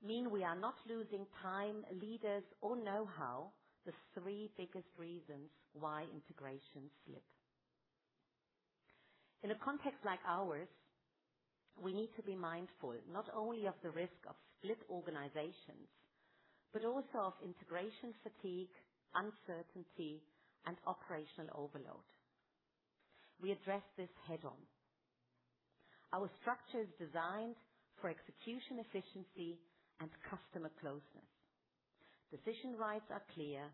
mean we are not losing time, leaders, or know-how, the three biggest reasons why integrations slip. In a context like ours, we need to be mindful, not only of the risk of split organizations, but also of integration fatigue, uncertainty, and operational overload. We address this head-on. Our structure is designed for execution efficiency and customer closeness. Decision rights are clear,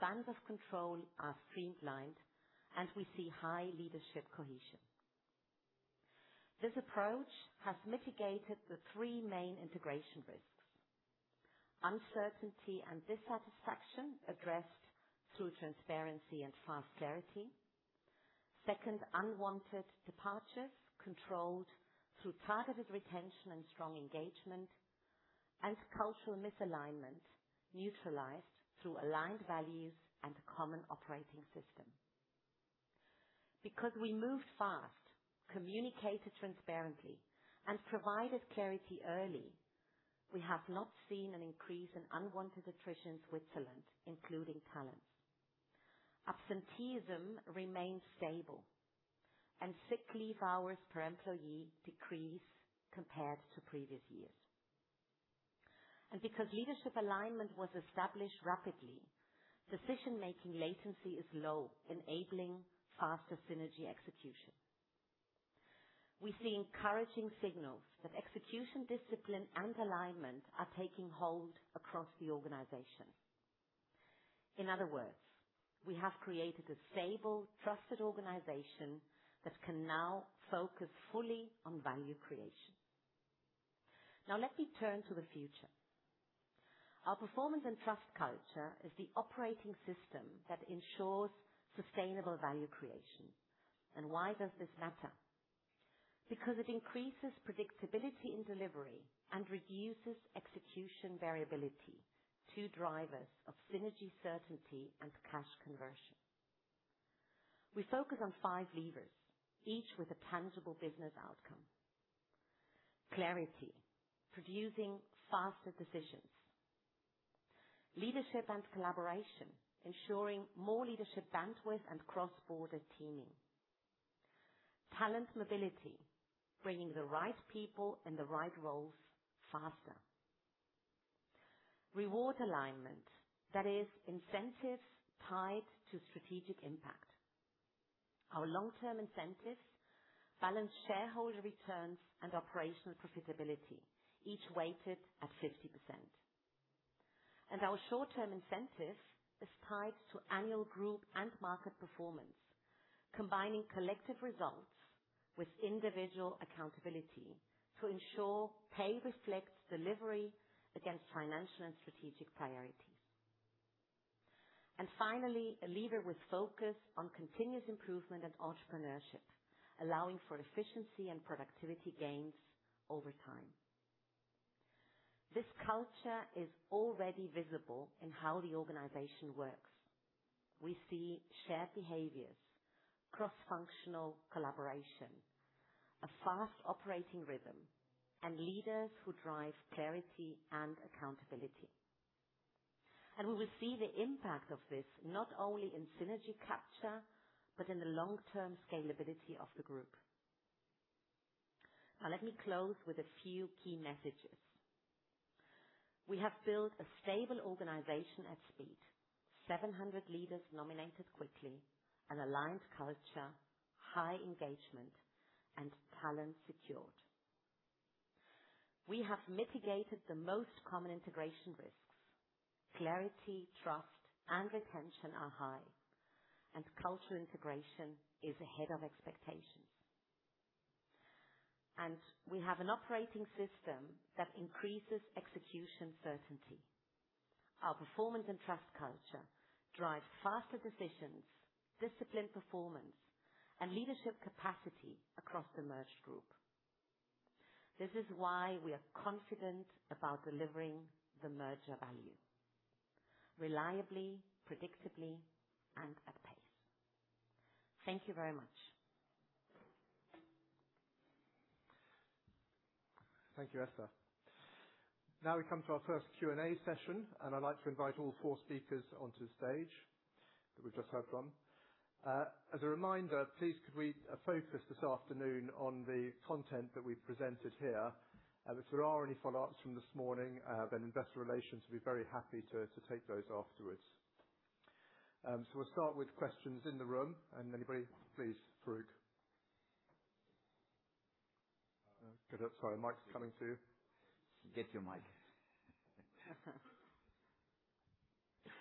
spans of control are streamlined, and we see high leadership cohesion. This approach has mitigated the three main integration risks. Uncertainty and dissatisfaction addressed through transparency and fast clarity. Second, unwanted departures controlled through targeted retention and strong engagement. Cultural misalignment neutralized through aligned values and a common operating system. Because we moved fast, communicated transparently, and provided clarity early, we have not seen an increase in unwanted attrition in Switzerland, including talents. Absenteeism remains stable and sick leave hours per employee decrease compared to previous years. Because leadership alignment was established rapidly, decision-making latency is low, enabling faster synergy execution. We see encouraging signals that execution discipline and alignment are taking hold across the organization. In other words, we have created a stable, trusted organization that can now focus fully on value creation. Now let me turn to the future. Our performance and trust culture is the operating system that ensures sustainable value creation. Why does this matter? Because it increases predictability in delivery and reduces execution variability, two drivers of synergy certainty and cash conversion. We focus on five levers, each with a tangible business outcome. Clarity, producing faster decisions. Leadership and collaboration, ensuring more leadership bandwidth and cross-border teaming. Talent mobility, bringing the right people in the right roles faster. Reward alignment, that is, incentives tied to strategic impact. Our long-term incentives balance shareholder returns and operational profitability, each weighted at 50%. Our short-term incentives is tied to annual group and market performance, combining collective results with individual accountability to ensure pay reflects delivery against financial and strategic priorities. Finally, a leader with focus on continuous improvement and entrepreneurship, allowing for efficiency and productivity gains over time. This culture is already visible in how the organization works. We see shared behaviors, cross-functional collaboration, a fast operating rhythm, and leaders who drive clarity and accountability. We will see the impact of this, not only in synergy capture, but in the long-term scalability of the group. Now, let me close with a few key messages. We have built a stable organization at speed, 700 leaders nominated quickly, an aligned culture, high engagement, and talent secured. We have mitigated the most common integration risks. Clarity, trust, and retention are high. Cultural integration is ahead of expectations. We have an operating system that increases execution certainty. Our performance and trust culture drive faster decisions, disciplined performance, and leadership capacity across the merged group. This is why we are confident about delivering the merger value reliably, predictably, and at pace. Thank you very much. Thank you, Esther. Now we come to our first Q&A session, and I'd like to invite all four speakers onto the stage, who we've just heard from. As a reminder, please could we focus this afternoon on the content that we've presented here? If there are any follow-ups from this morning, then Investor Relations will be very happy to take those afterwards. We'll start with questions in the room. Anybody? Please, Farooq. Sorry, mic is coming to you. Get your mic.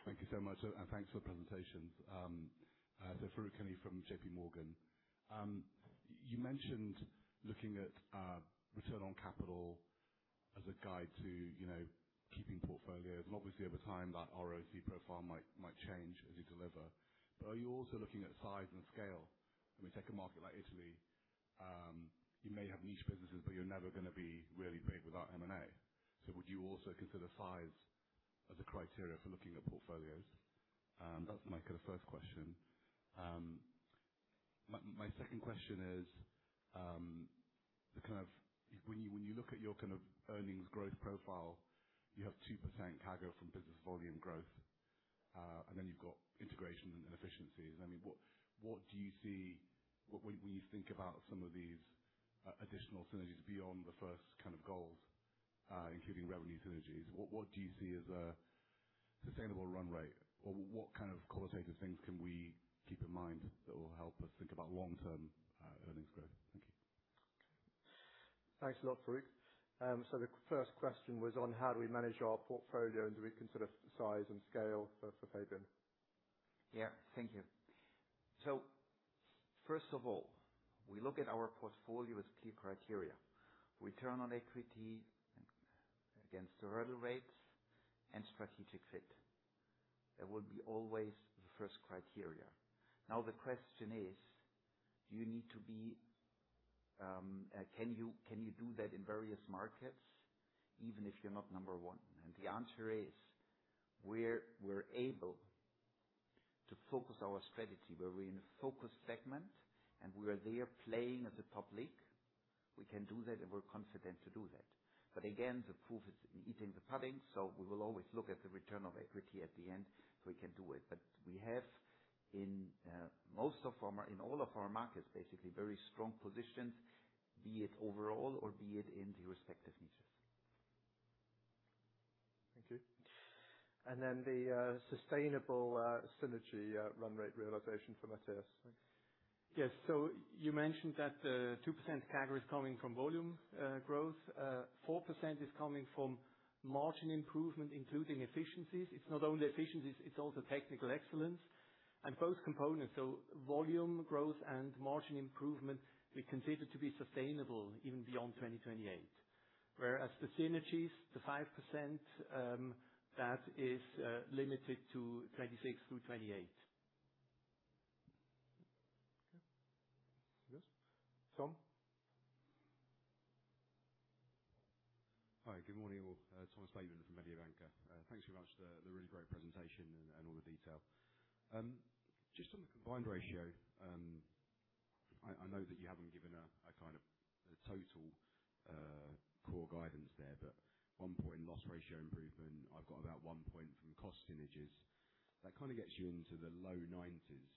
Thank you so much. Thanks for the presentations. Farooq Hanif from JPMorgan. You mentioned looking at return on capital as a guide to keeping portfolios, and obviously, over time, that ROC profile might change as you deliver. Are you also looking at size and scale? When we take a market like Italy, you may have niche businesses, but you're never gonna be really big without M&A. Would you also consider size as a criteria for looking at portfolios? That's my first question. My second question is, when you look at your earnings growth profile, you have 2% CAGR from business volume growth, and then you've got integration and efficiencies. When you think about some of these additional synergies beyond the first goals, including revenue synergies, what do you see as a sustainable run rate? What kind of qualitative things can we keep in mind that will help us think about long-term earnings growth? Thank you. Thanks a lot, Farooq. The first question was on how do we manage our portfolio, and do we consider size and scale for [Fabian]? Yeah. Thank you. First of all, we look at our portfolio as key criteria, return on equity against the hurdle rates and strategic fit. That will be always the first criteria. Now the question is, can you do that in various markets even if you're not number one? The answer is, we're able to focus our strategy where we're in a focused segment and we are there playing at the top. We can do that, and we're confident to do that. Again, the proof is in eating the pudding, so we will always look at the return on equity at the end, so we can do it. We have in all of our markets, basically, very strong positions, be it overall or be it in the respective niches. Thank you. The sustainable synergy run rate realization from Matthias. Thanks. Yes. You mentioned that 2% CAGR is coming from volume growth. 4% is coming from margin improvement, including efficiencies. It's not only efficiencies, it's also technical excellence. Both components, so volume growth and margin improvement, we consider to be sustainable even beyond 2028. Whereas the synergies, the 5%, that is limited to 2026 through 2028. Okay. Yes. Tom? Hi. Good morning, all. Thomas Bateman from Mediobanca. Thanks very much for the really great presentation and all the detail. Just on the combined ratio, I know that you haven't given a kind of a total core guidance there, but one point in loss ratio improvement, I've got about one point from cost synergies. That kind of gets you into the low 90s.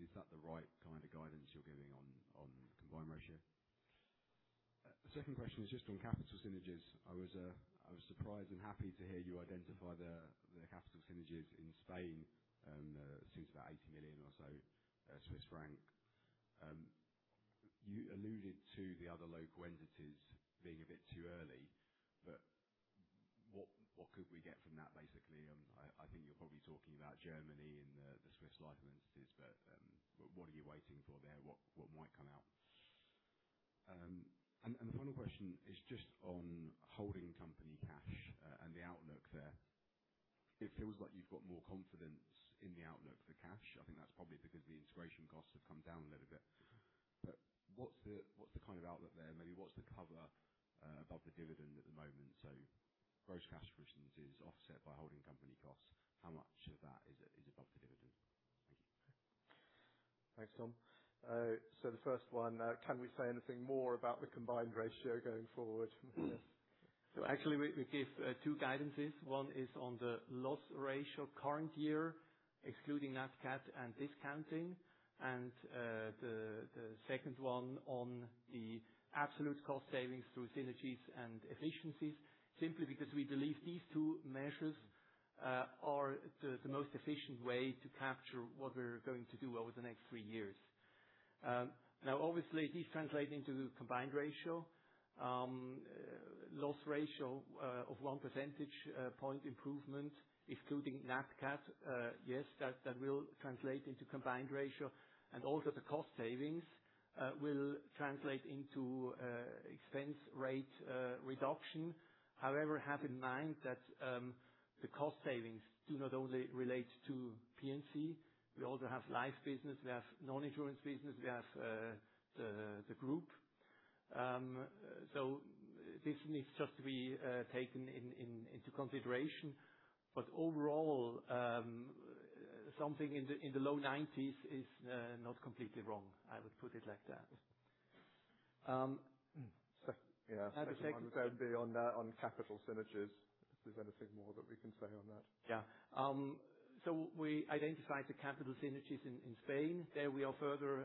Is that the right kind of guidance you're giving on combined ratio? The second question is just on capital synergies. I was surprised and happy to hear you identify the [capital] synergies in Spain since about 80 million or so. You alluded to the other local entities being a bit too early, but what could we get from that, basically? I think you're probably talking about Germany and the Swiss life entities, but what are you waiting for there? What might come out? The final question is just on holding company cash and the outlook there. It feels like you've got more confidence in the outlook for cash. I think that's probably because the integration costs have come down a little bit. What's the kind of outlook there? Maybe what's the cover above the dividend at the moment? Gross cash remittances offset by holding company costs. How much of that is above the dividend? Thank you. Thanks, Tom. The first one, can we say anything more about the combined ratio going forward? Actually, we give two guidances. One is on the loss ratio current year, excluding Nat Cat and discounting, and the second one on the absolute cost savings through synergies and efficiencies, simply because we believe these two measures are the most efficient way to capture what we're going to do over the next three years. Now, obviously, these translate into combined ratio. Loss ratio of 1 percentage point improvement including Nat Cat, yes, that will translate into combined ratio. Also, the cost savings will translate into expense rate reduction. However, have in mind that the cost savings do not only relate to P&C. We also have Life business. We have non-insurance business. We have the group. This needs just to be taken into consideration. Overall, something in the low 90s is not completely wrong. I would put it like that. Yeah. The second. On capital synergies, if there's anything more that we can say on that. Yeah. We identified the capital synergies in Spain. There we are further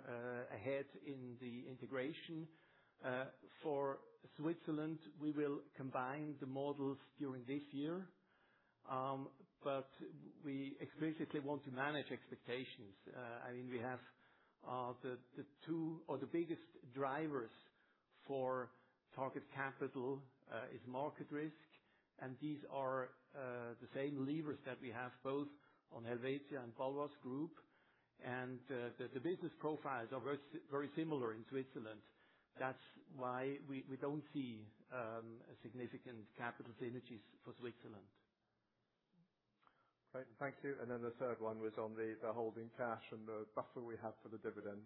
ahead in the integration. For Switzerland, we will combine the models during this year, but we explicitly want to manage expectations. I mean, the biggest drivers for target capital is market risk. These are the same levers that we have both on Helvetia and Baloise Group. The business profiles are very similar in Switzerland. That's why we don't see a significant capital synergies for Switzerland. Great. Thank you. The third one was on the holding cash and the buffer we have for the dividend.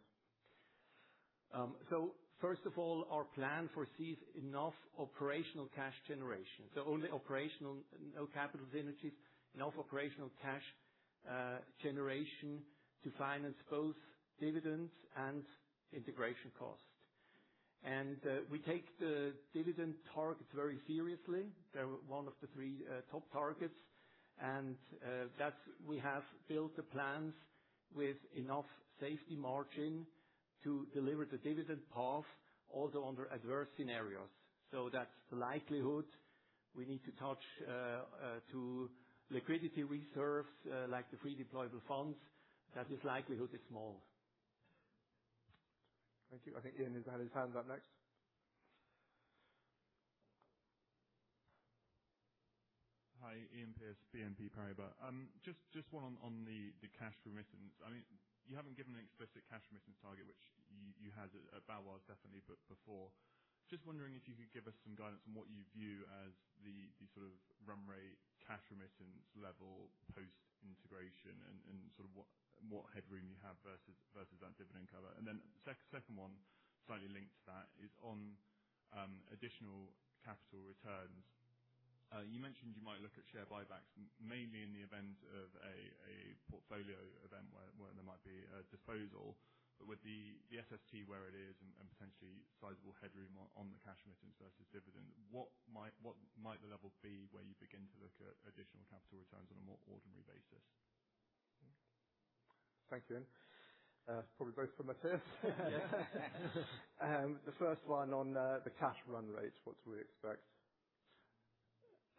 First of all, our plan foresees enough operational cash generation, only operational, no capital synergies, enough operational cash generation to finance both dividends and integration costs. We take the dividend targets very seriously. They're one of the three top targets. That we have built the plans with enough safety margin to deliver the dividend path, although under adverse scenarios. That likelihood we need to touch to liquidity reserves, like the free deployable funds, that its likelihood is small. Thank you. I think Iain has had his hand up next. Hi, Iain Pearce, BNP Paribas. Just one on the cash remittance. You haven't given an explicit cash remittance target, which you had at Baloise definitely before. Just wondering if you could give us some guidance on what you view as the sort of run rate cash remittance level post-integration and sort of what headroom you have versus that dividend cover. Second one, slightly linked to that is on additional capital returns. You mentioned you might look at share buybacks mainly in the event of a portfolio event where there might be a disposal. With the SST where it is and potentially sizable headroom on the cash remittance versus dividend, what might the level be where you begin to look at additional capital returns on a more ordinary basis? Thank you, Iain. Probably both for Matthias. The first one on the cash run rate, what should we expect?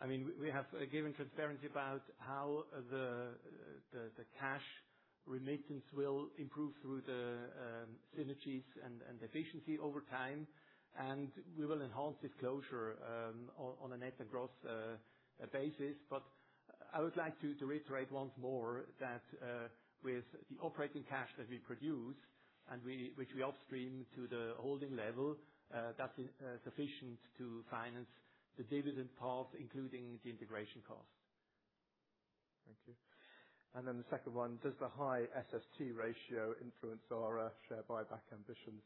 We have given transparency about how the cash remittance will improve through the synergies and efficiency over time. We will enhance disclosure on a net and gross basis. I would like to reiterate once more that with the operating cash that we produce, and which we upstream to the holding level, that's sufficient to finance the dividend path, including the integration cost. Thank you. The second one, does the high SST ratio influence our share buyback ambitions?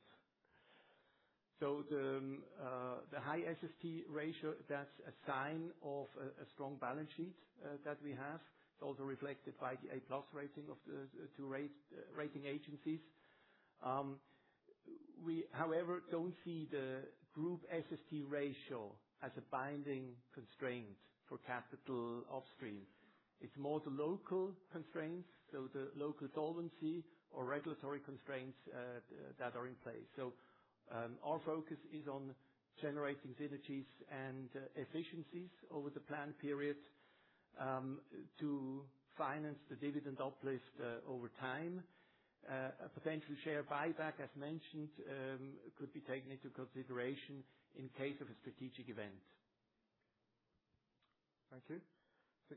The high SST ratio, that's a sign of a strong balance sheet that we have. It's also reflected by the A+ rating of the two rating agencies. We, however, don't see the group SST ratio as a binding constraint for capital upstream. It's more the local solvency or regulatory constraints that are in place. Our focus is on generating synergies and efficiencies over the plan period, to finance the dividend uplift over time. A potential share buyback, as mentioned, could be taken into consideration in case of a strategic event. Thank you.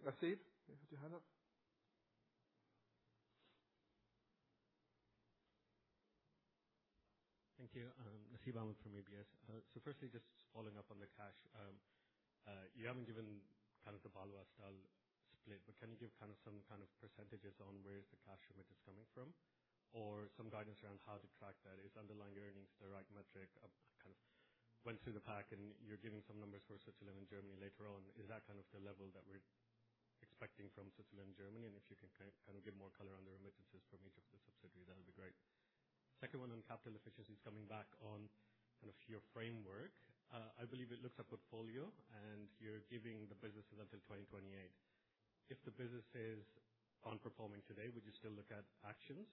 I think Nasib, you have your hand up. Thank you. Nasib Ahmed from UBS. Firstly, just following up on the cash. You haven't given the Baloise-style split, but can you give some kind of percentages on where is the cash, where it is coming from, or some guidance around how to track that? Is underlying earnings the right metric? I kind of went through the pack and you're giving some numbers for Switzerland and Germany later on. Is that the level that we're expecting from Switzerland, Germany? If you can give more color on the remittances from each of the subsidiaries that would be great. Second one on capital efficiency, I'm coming back on your framework. I believe it looks at portfolio, and you're giving the businesses until 2028. If the businesses aren't performing today, would you still look at actions?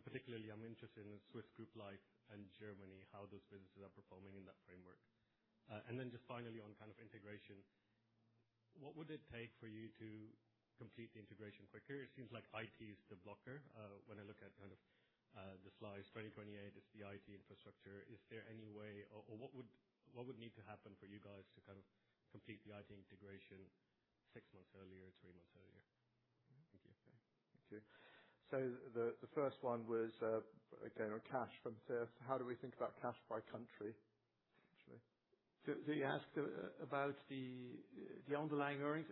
Particularly I'm interested in Swiss Group Life and Germany, how those businesses are performing in that framework. Just finally on integration, what would it take for you to complete the integration quicker? It seems like IT is the blocker. When I look at the slides, 2028 is the IT infrastructure. Is there any way or what would need to happen for you guys to complete the IT integration six months earlier, three months earlier? Thank you. Thank you. The first one was, again, on cash [Matthias]. How do we think about cash by country, actually? You asked about the underlying earnings?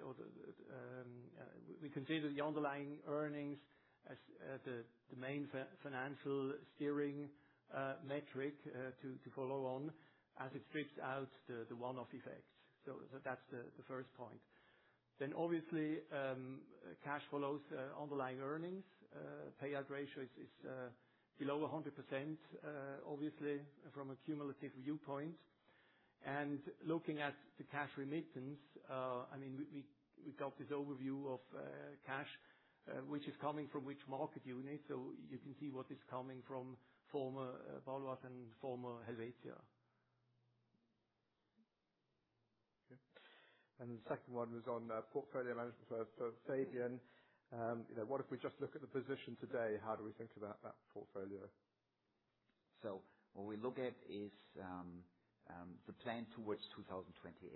We consider the underlying earnings as the main financial steering metric to follow on as it strips out the one-off effects. That's the first point. Obviously, cash follows underlying earnings. Payout ratio is below 100%, obviously from a cumulative viewpoint. Looking at the cash remittance, we got this overview of cash, which is coming from which market unit. You can see what is coming from former Baloise and former Helvetia. Okay. The second one was on portfolio management. Fabian, what if we just look at the position today? How do we think about that portfolio? What we look at is the plan towards 2028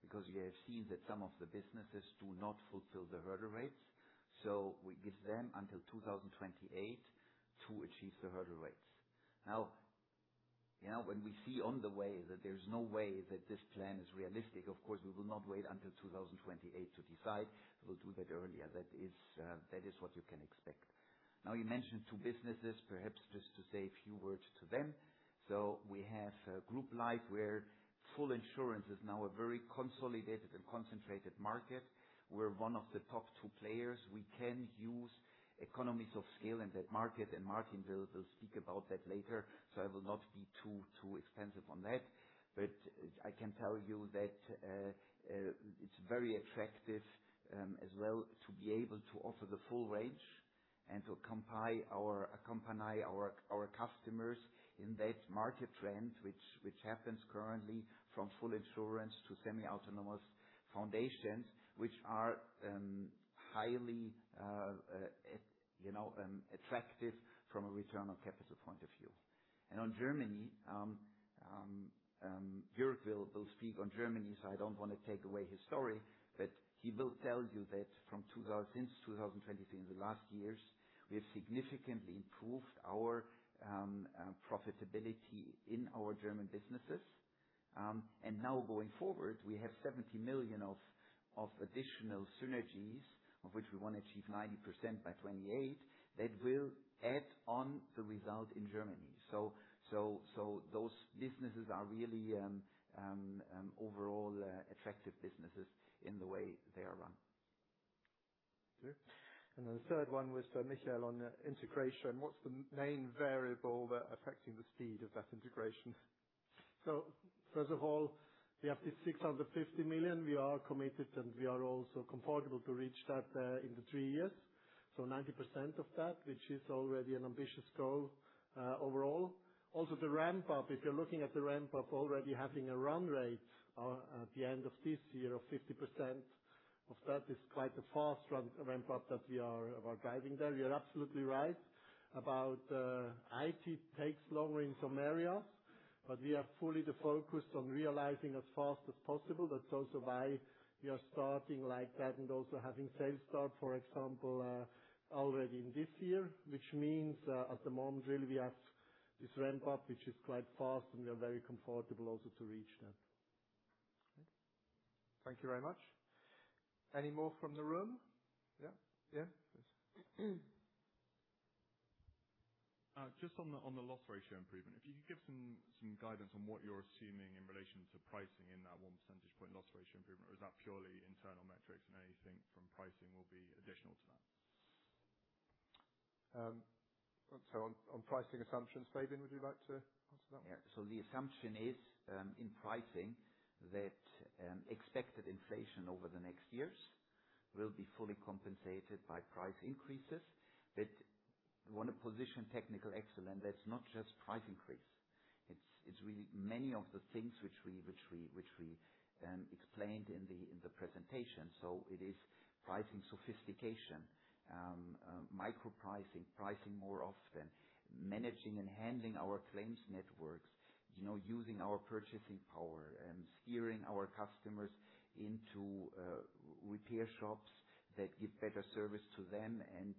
because you have seen that some of the businesses do not fulfill the hurdle rates. We give them until 2028 to achieve the hurdle rates. Now, when we see on the way that there's no way that this plan is realistic, of course, we will not wait until 2028 to decide. We'll do that earlier. That is what you can expect. Now, you mentioned two businesses, perhaps just to say a few words to them. We have Group Life, where full insurance is now a very consolidated and concentrated market. We're one of the top two players. We can use economies of scale in that market, and Martin will speak about that later, so I will not be too extensive on that. I can tell you that it's very attractive, as well, to be able to offer the full range and to accompany our customers in that market trend, which happens currently from full insurance to semi-autonomous foundations, which are highly attractive from a return on capital point of view. On Germany, Jürg will speak on Germany, so I don't want to take away his story, but he will tell you that since 2023, in the last years, we have significantly improved our profitability in our German businesses. Now going forward, we have 70 million of additional synergies of which we want to achieve 90% by 2028. That will add on the result in Germany. Those businesses are really overall attractive businesses in the way they are run. Okay. The third one was to Michael on integration. What's the main variable that affecting the speed of that integration? First of all, we have the 650 million. We are committed, and we are also comfortable to reach that in the three years, 90% of that, which is already an ambitious goal overall. Also the ramp-up, if you're looking at the ramp-up already having a run rate at the end of this year of 50% of that is quite a fast ramp-up that we are guiding there. You're absolutely right about IT takes longer in some areas, but we are fully focused on realizing as fast as possible. That's also why we are starting like that and also having sales start, for example, already in this year, which means, at the moment really we have this ramp-up, which is quite fast, and we are very comfortable also to reach that. Okay. Thank you very much. Any more from the room? Yeah? Yeah. Please. Just on the loss ratio improvement, if you could give some guidance on what you're assuming in relation to pricing in that 1 percentage point loss ratio improvement, or is that purely internal metrics and anything from pricing will be additional to that? On pricing assumptions, Fabian, would you like to answer that? Yeah. The assumption is in pricing that expected inflation over the next years will be fully compensated by price increases. We want to position technical excellence. That's not just price increase. It's really many of the things which we explained in the presentation. It is pricing sophistication, micro-pricing, pricing more often, managing and handling our claims networks, using our purchasing power and steering our customers into repair shops that give better service to them and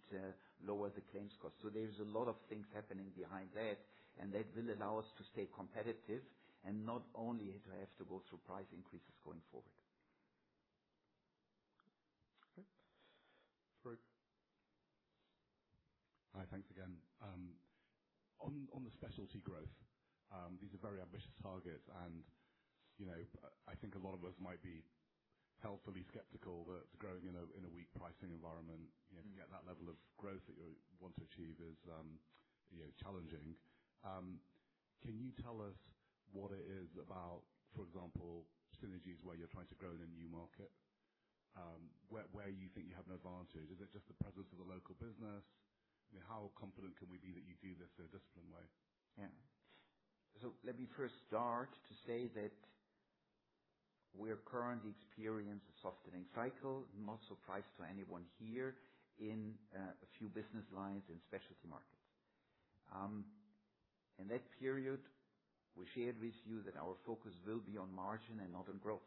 lower the claims cost. There's a lot of things happening behind that, and that will allow us to stay competitive and not only to have to go through price increases going forward. Okay. Farooq? Hi. Thanks again. On the Specialty growth, these are very ambitious targets. I think a lot of us might be healthily skeptical that growing in a weak pricing environment to get that level of growth that you want to achieve is challenging. Can you tell us what it is about, for example, synergies where you're trying to grow in a new market, where you think you have an advantage? Is it just the presence of the local business? How confident can we be that you do this in a disciplined way? Yeah. Let me first start to say that we are currently experiencing a softening cycle, not surprise to anyone here, in a few business lines in Specialty Markets. In that period, we shared with you that our focus will be on margin and not on growth.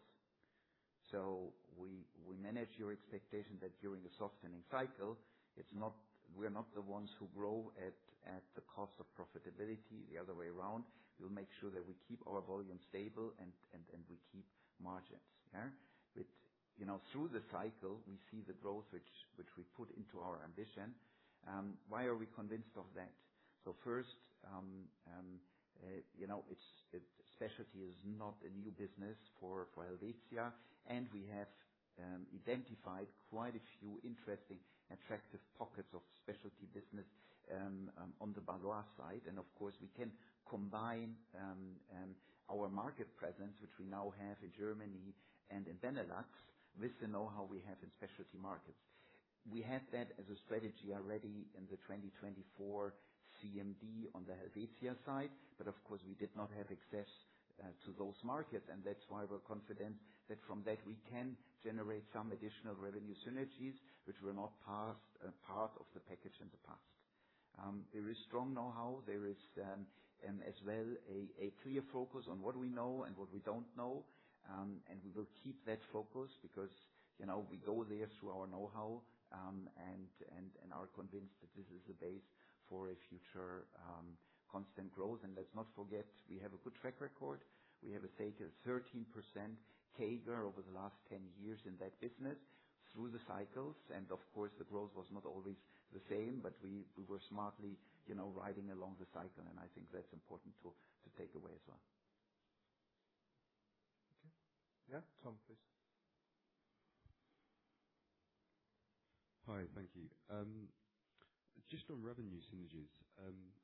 We manage your expectation that during a softening cycle, we are not the ones who grow at the cost of profitability. The other way around, we'll make sure that we keep our volume stable and we keep margins. Yeah. Through the cycle, we see the growth which we put into our ambition. Why are we convinced of that? First, specialty is not a new business for Helvetia, and we have identified quite a few interesting, attractive pockets of specialty business on the Baloise side. Of course, we can combine our market presence, which we now have in Germany and in Benelux, with the know-how we have in Specialty Markets. We had that as a strategy already in the 2024 CMD on the Helvetia side. Of course, we did not have access to those markets. That's why we're confident that from that we can generate some additional revenue synergies, which were not part of the package in the past. There is strong know-how. There is, as well, a clear focus on what we know and what we don't know. We will keep that focus because we go there through our know-how, and are convinced that this is a base for a future constant growth. Let's not forget, we have a good track record. We have a stated 13% CAGR over the last 10 years in that business through the cycles. Of course, the growth was not always the same, but we were smartly riding along the cycle. I think that's important to take away as well. Okay. Yeah. Tom, please. Hi. Thank you. Just on revenue synergies,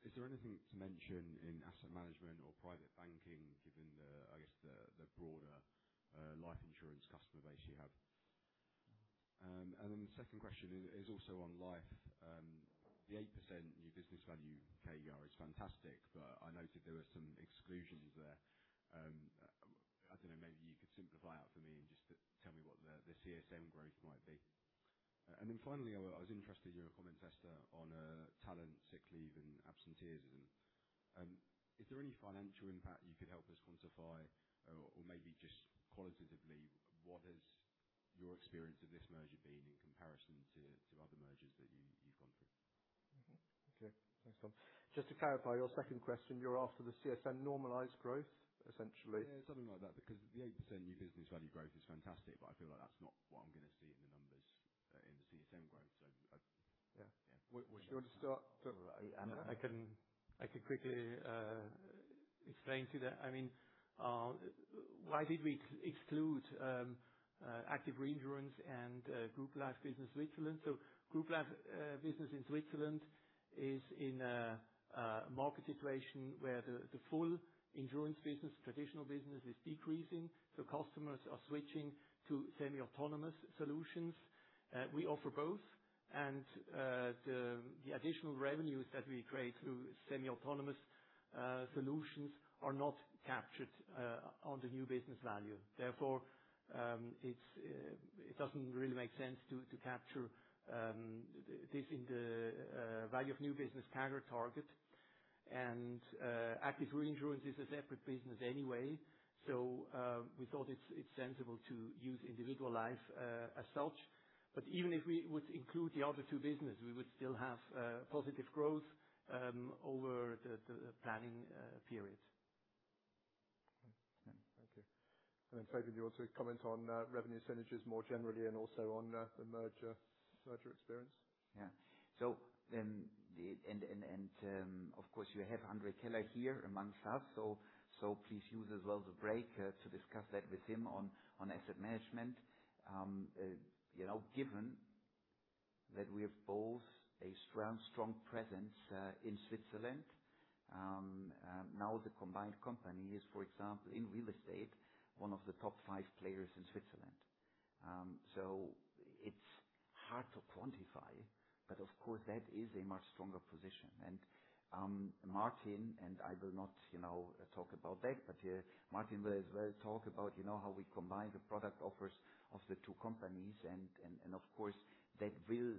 is there anything to mention in asset management or private banking, given the, I guess, the broader life insurance customer base you have? The second question is also on Life. The 8% new business value CAGR is fantastic, but I noted there were some exclusions there. I don't know, maybe you could simplify that for me and just tell me what the CSM growth might be. Finally, I was interested in your comment, Esther, on talent, sick leave, and absenteeism. Is there any financial impact you could help us quantify? Maybe just qualitatively, what has your experience of this merger been in comparison to other mergers that you've gone through? Okay. Thanks, Tom. Just to clarify your second question, you're after the CSM normalized growth, essentially. Yeah, something like that, because the 8% new business value growth is fantastic, but I feel like that's not what I'm going to see in the numbers in the CSM growth. Yeah. Do you want to start? I can quickly explain to you that. Why did we exclude active reinsurance and Group Life business Switzerland? Group Life business in Switzerland is in a market situation where the full insurance business, traditional business, is decreasing. Customers are switching to semi-autonomous solutions. We offer both. The additional revenues that we create through semi-autonomous solutions are not captured on the new business value. Therefore, it doesn't really make sense to capture this in the value of new business CAGR target. Active reinsurance is a separate business anyway. We thought it's sensible to use individual life as such. Even if we would include the other two business, we would still have positive growth over the planning period. Okay. Thank you. Fabian, do you want to comment on revenue synergies more generally and also on the merger experience? Yeah. Of course you have André Keller here amongst us, so please use as well the break to discuss that with him on asset management. Given that we have both a strong presence in Switzerland, now the combined company is, for example, in real estate, one of the top five players in Switzerland. It's hard to quantify, but of course, that is a much stronger position. Martin and I will not talk about that, but Martin will as well talk about how we combine the product offers of the two companies, and of course that will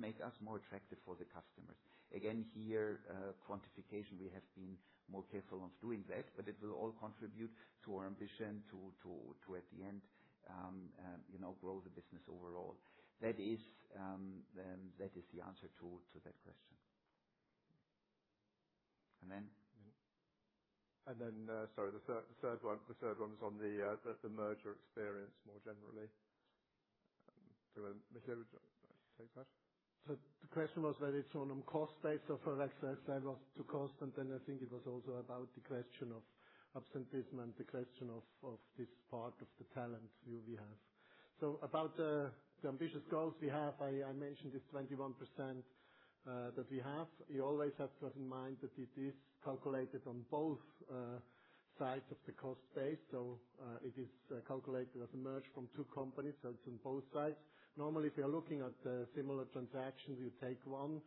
make us more attractive for the customers. Again here, quantification, we have been more careful on doing that, but it will all contribute to our ambition to, at the end, grow the business overall. That is the answer to that question. Sorry, the third one was on the merger experience more generally. Do you want, Michael, to take that? The question was whether it's on cost base of [Alexa], if that was to cost, and then I think it was also about the question of absenteeism and the question of this part of the talent view we have. About the ambitious goals we have, I mentioned this 21% that we have. You always have to keep in mind that it is calculated on both sides of the cost base. It is calculated as a merge from two companies, so it's on both sides. Normally, if you're looking at similar transactions, you take one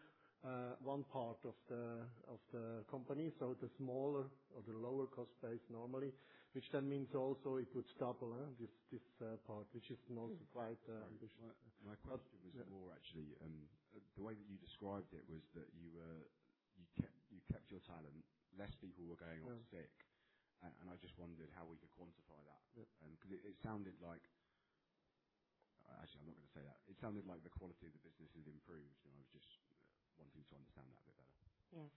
part of the company, so the smaller or the lower cost base normally, which then means also it would double this part, which is also quite ambitious. My question was more actually, the way that you described it was that you kept your talent, less people were going off sick, and I just wondered how we could quantify that. Actually, I'm not going to say that. It sounded like the quality of the business has improved, and I was just wanting to understand that a bit better. Yes.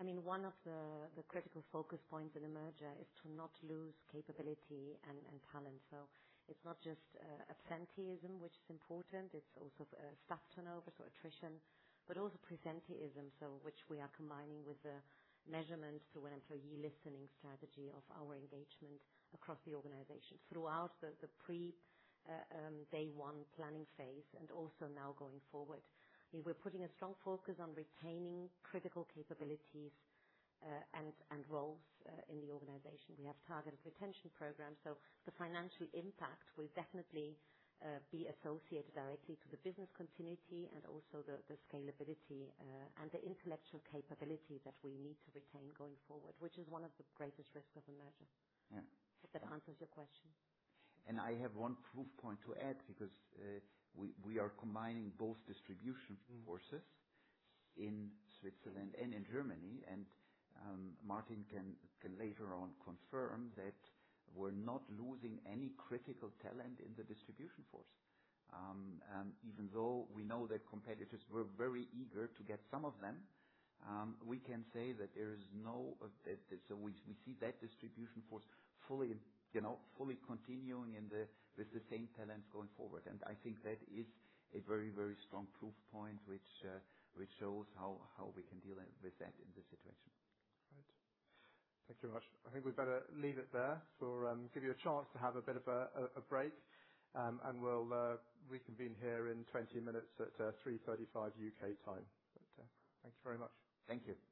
One of the critical focus points of the merger is to not lose capability and talent. It's not just absenteeism, which is important, it's also staff turnover, so attrition, but also presenteeism, so which we are combining with the measurements through an employee listening strategy of our engagement across the organization. Throughout the pre-day one planning phase and also now going forward, we're putting a strong focus on retaining critical capabilities and roles in the organization. We have targeted retention programs, so the financial impact will definitely be associated directly to the business continuity and also the scalability and the intellectual capability that we need to retain going forward, which is one of the greatest risks of a merger. Yeah. If that answers your question. I have one proof point to add because we are combining both distribution forces in Switzerland and in Germany, and Martin can later on confirm that we're not losing any critical talent in the distribution force. Even though we know that competitors were very eager to get some of them, we see that distribution force fully continuing with the same talent going forward. I think that is a very strong proof point which shows how we can deal with that in this situation. Right. Thank you very much. I think we better leave it there. Give you a chance to have a bit of a break, and we'll reconvene here in 20 minutes at 3:35 P.M. U.K. time. Thank you very much. Thank you. Thank you.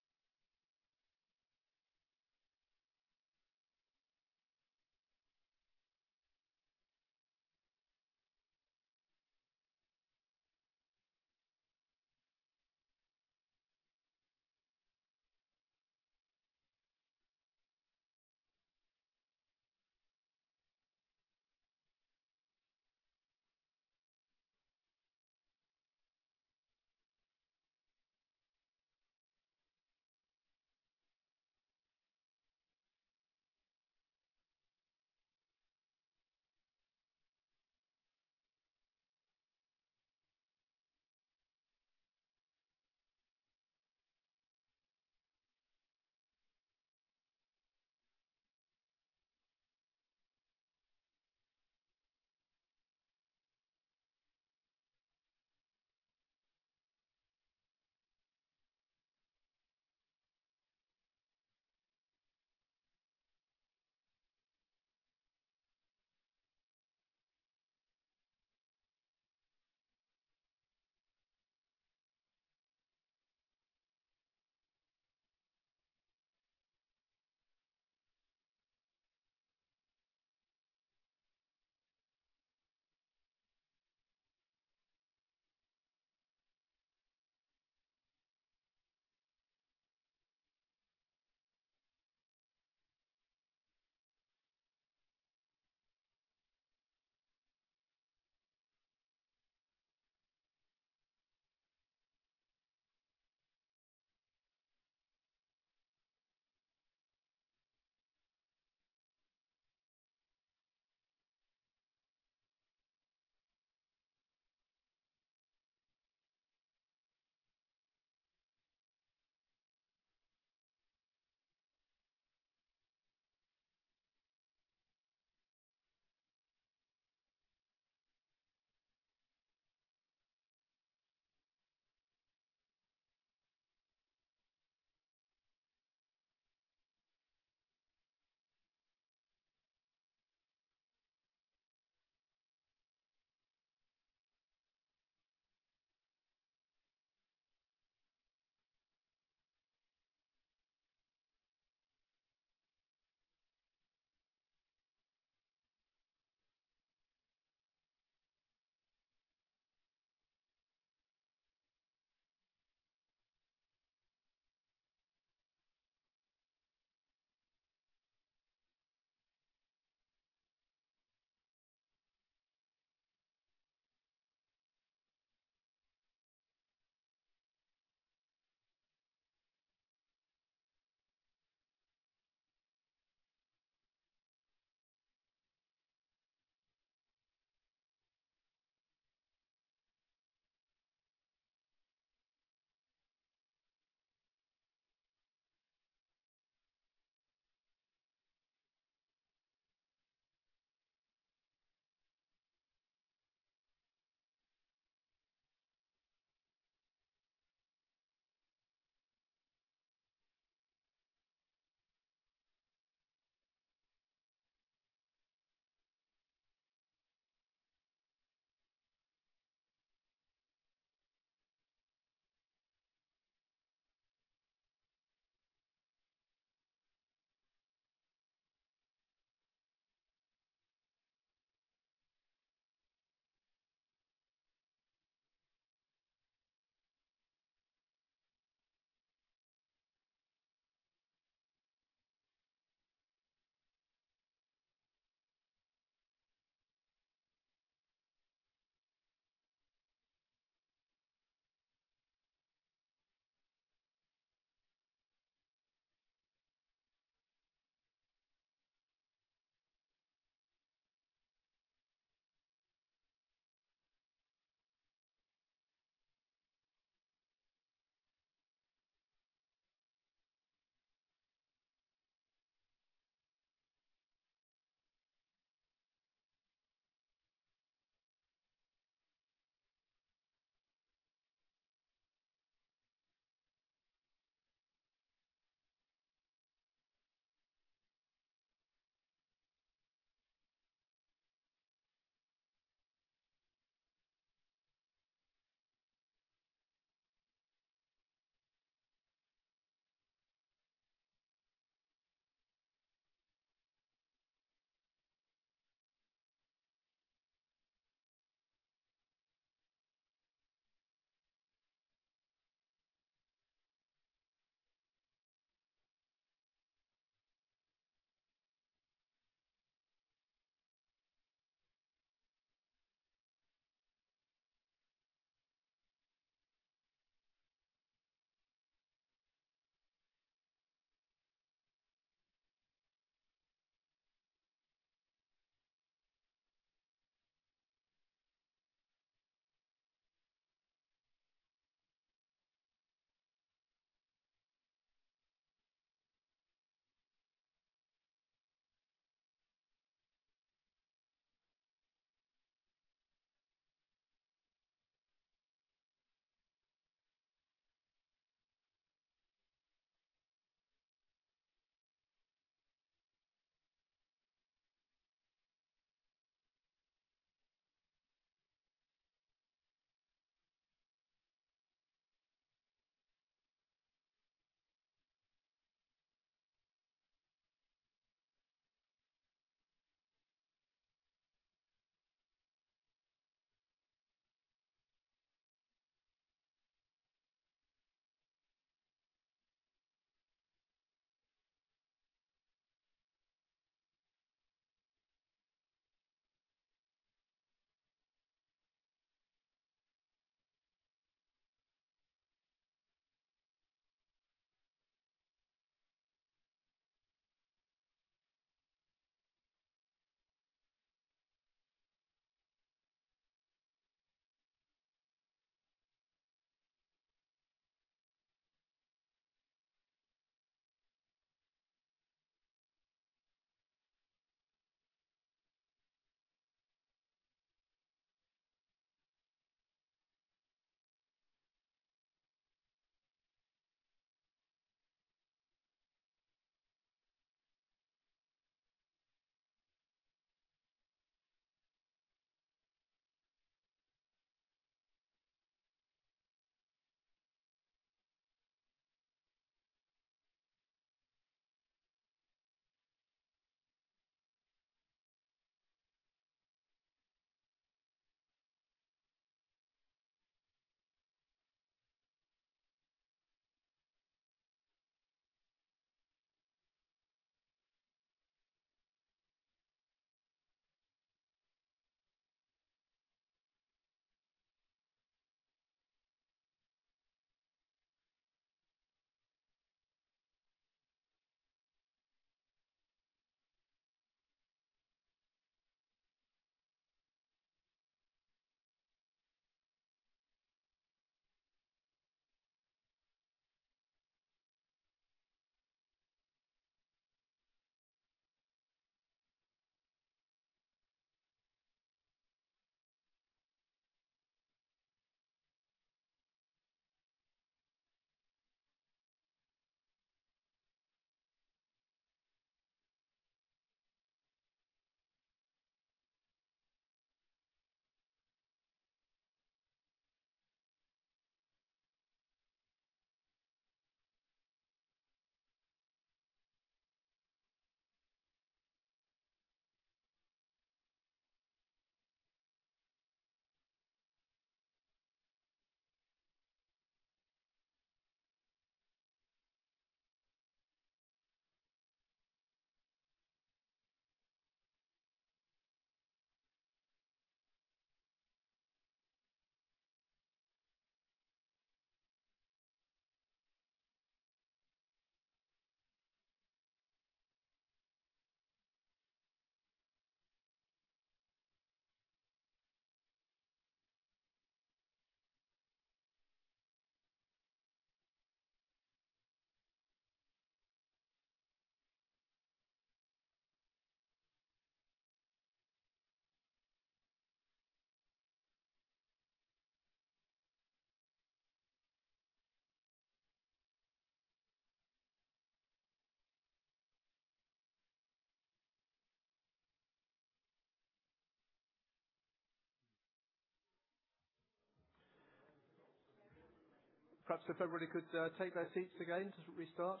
Perhaps if everybody could take their seats again to restart.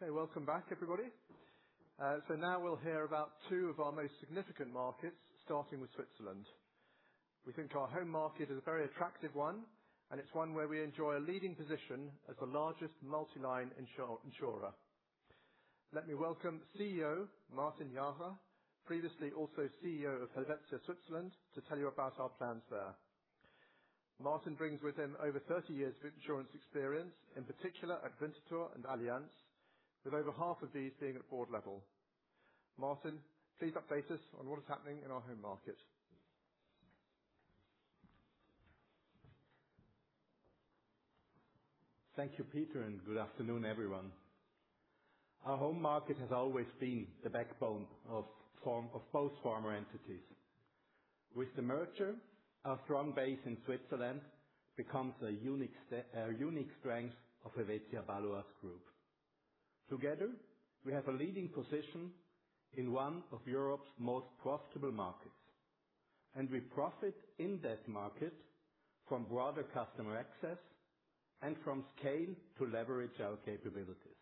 Okay, welcome back everybody. Now we'll hear about two of our most significant markets, starting with Switzerland. We think our home market is a very attractive one, and it's one where we enjoy a leading position as the largest multi-line insurer. Let me welcome CEO Martin Jara, previously also CEO of Helvetia Switzerland, to tell you about our plans there. Martin brings with him over 30 years of insurance experience, in particular at Winterthur and Allianz, with over half of these being at board level. Martin, please update us on what is happening in our home market. Thank you, Peter, and good afternoon, everyone. Our home market has always been the backbone of both former entities. With the merger, our strong base in Switzerland becomes a unique strength of Helvetia Baloise Group. Together, we have a leading position in one of Europe's most profitable markets, and we profit in that market from broader customer access and from scale to leverage our capabilities.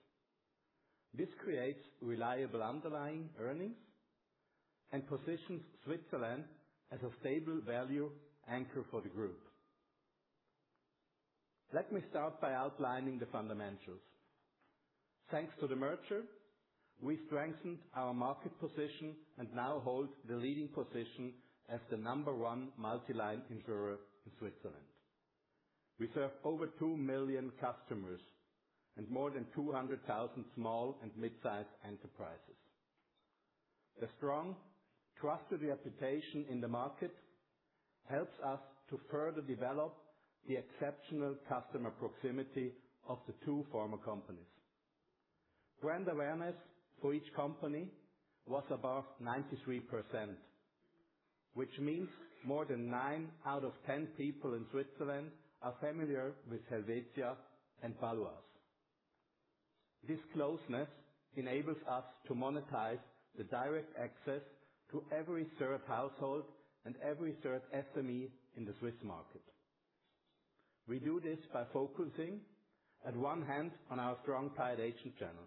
This creates reliable underlying earnings and positions Switzerland as a stable value anchor for the group. Let me start by outlining the fundamentals. Thanks to the merger, we strengthened our market position and now hold the leading position as the number one multi-line insurer in Switzerland. We serve over 2 million customers and more than 200,000 small and mid-sized enterprises. A strong trusted reputation in the market helps us to further develop the exceptional customer proximity of the two former companies. Brand awareness for each company was above 93%, which means more than nine out of 10 people in Switzerland are familiar with Helvetia and Baloise. This closeness enables us to monetize the direct access to every third household and every third SME in the Swiss market. We do this by focusing at one hand on our strong tied agent channel.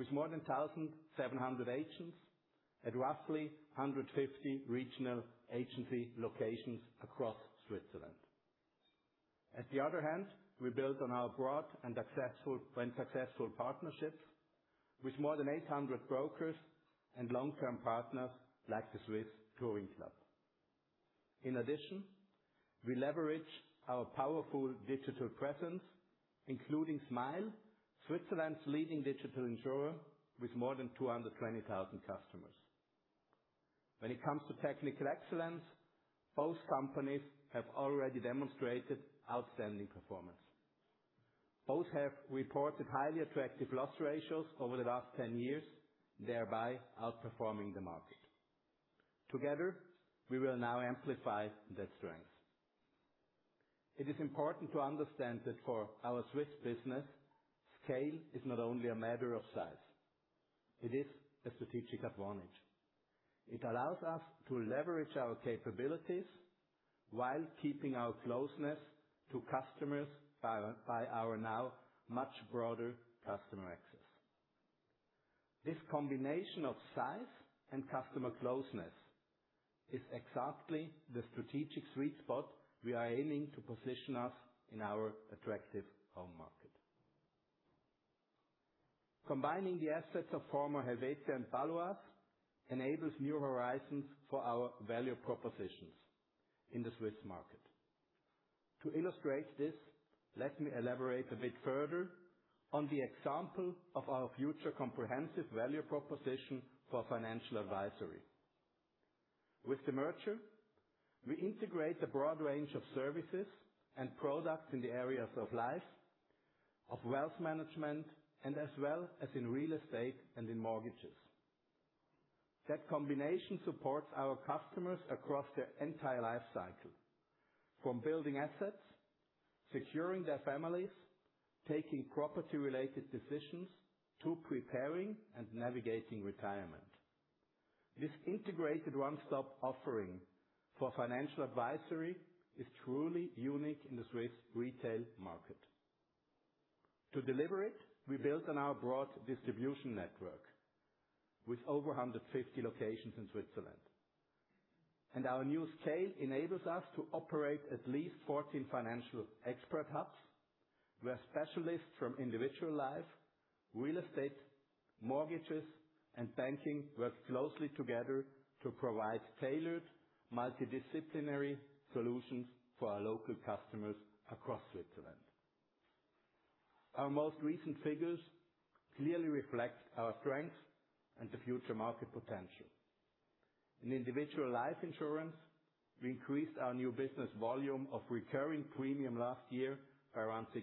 With more than 1,700 agents at roughly 150 regional agency locations across Switzerland. At the other hand, we build on our broad and successful partnerships with more than 800 brokers and long-term partners, like the Swiss Touring Club. In addition, we leverage our powerful digital presence, including Smile, Switzerland's leading digital insurer, with more than 220,000 customers. When it comes to technical excellence, both companies have already demonstrated outstanding performance. Both have reported highly attractive loss ratios over the last 10 years, thereby outperforming the market. Together, we will now amplify that strength. It is important to understand that for our Swiss business, scale is not only a matter of size, it is a strategic advantage. It allows us to leverage our capabilities while keeping our closeness to customers by our now much broader customer access. This combination of size and customer closeness is exactly the strategic sweet spot we are aiming to position us in our attractive home market. Combining the assets of former Helvetia and Baloise enables new horizons for our value propositions in the Swiss market. To illustrate this, let me elaborate a bit further on the example of our future comprehensive value proposition for financial advisory. With the merger, we integrate a broad range of services and products in the areas of life, of wealth management, and as well as in real estate and in mortgages. That combination supports our customers across their entire life cycle, from building assets, securing their families, taking property-related decisions, to preparing and navigating retirement. This integrated one-stop offering for financial advisory is truly unique in the Swiss retail market. To deliver it, we build on our broad distribution network with over 150 locations in Switzerland. Our new scale enables us to operate at least 14 financial expert hubs where specialists from individual life, real estate, mortgages, and banking work closely together to provide tailored, multidisciplinary solutions for our local customers across Switzerland. Our most recent figures clearly reflect our strengths and the future market potential. In individual life insurance, we increased our new business volume of recurring premium last year by around 6%.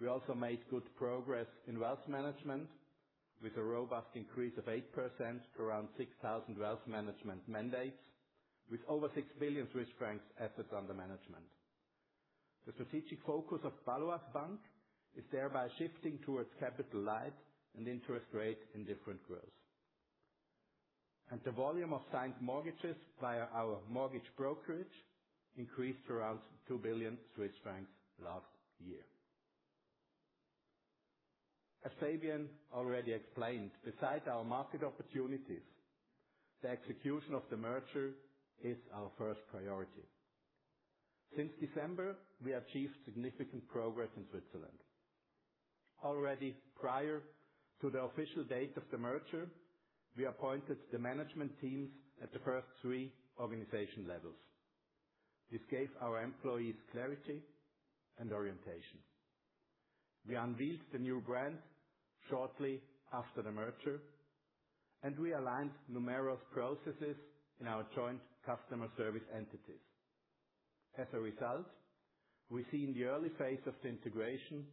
We also made good progress in wealth management with a robust increase of 8% to around 6,000 wealth management mandates, with over 6 billion Swiss francs assets under management. The strategic focus of Baloise Bank is thereby shifting towards capital-light and interest-rate-indifferent growth. The volume of signed mortgages via our mortgage brokerage increased to around 2 billion Swiss francs last year. As Fabian already explained, besides our market opportunities, the execution of the merger is our first priority. Since December, we achieved significant progress in Switzerland. Already prior to the official date of the merger, we appointed the management teams at the first three organization levels. This gave our employees clarity and orientation. We unleashed the new brand shortly after the merger, and we aligned numerous processes in our joint customer service entities. As a result, we see in the early phase of the integration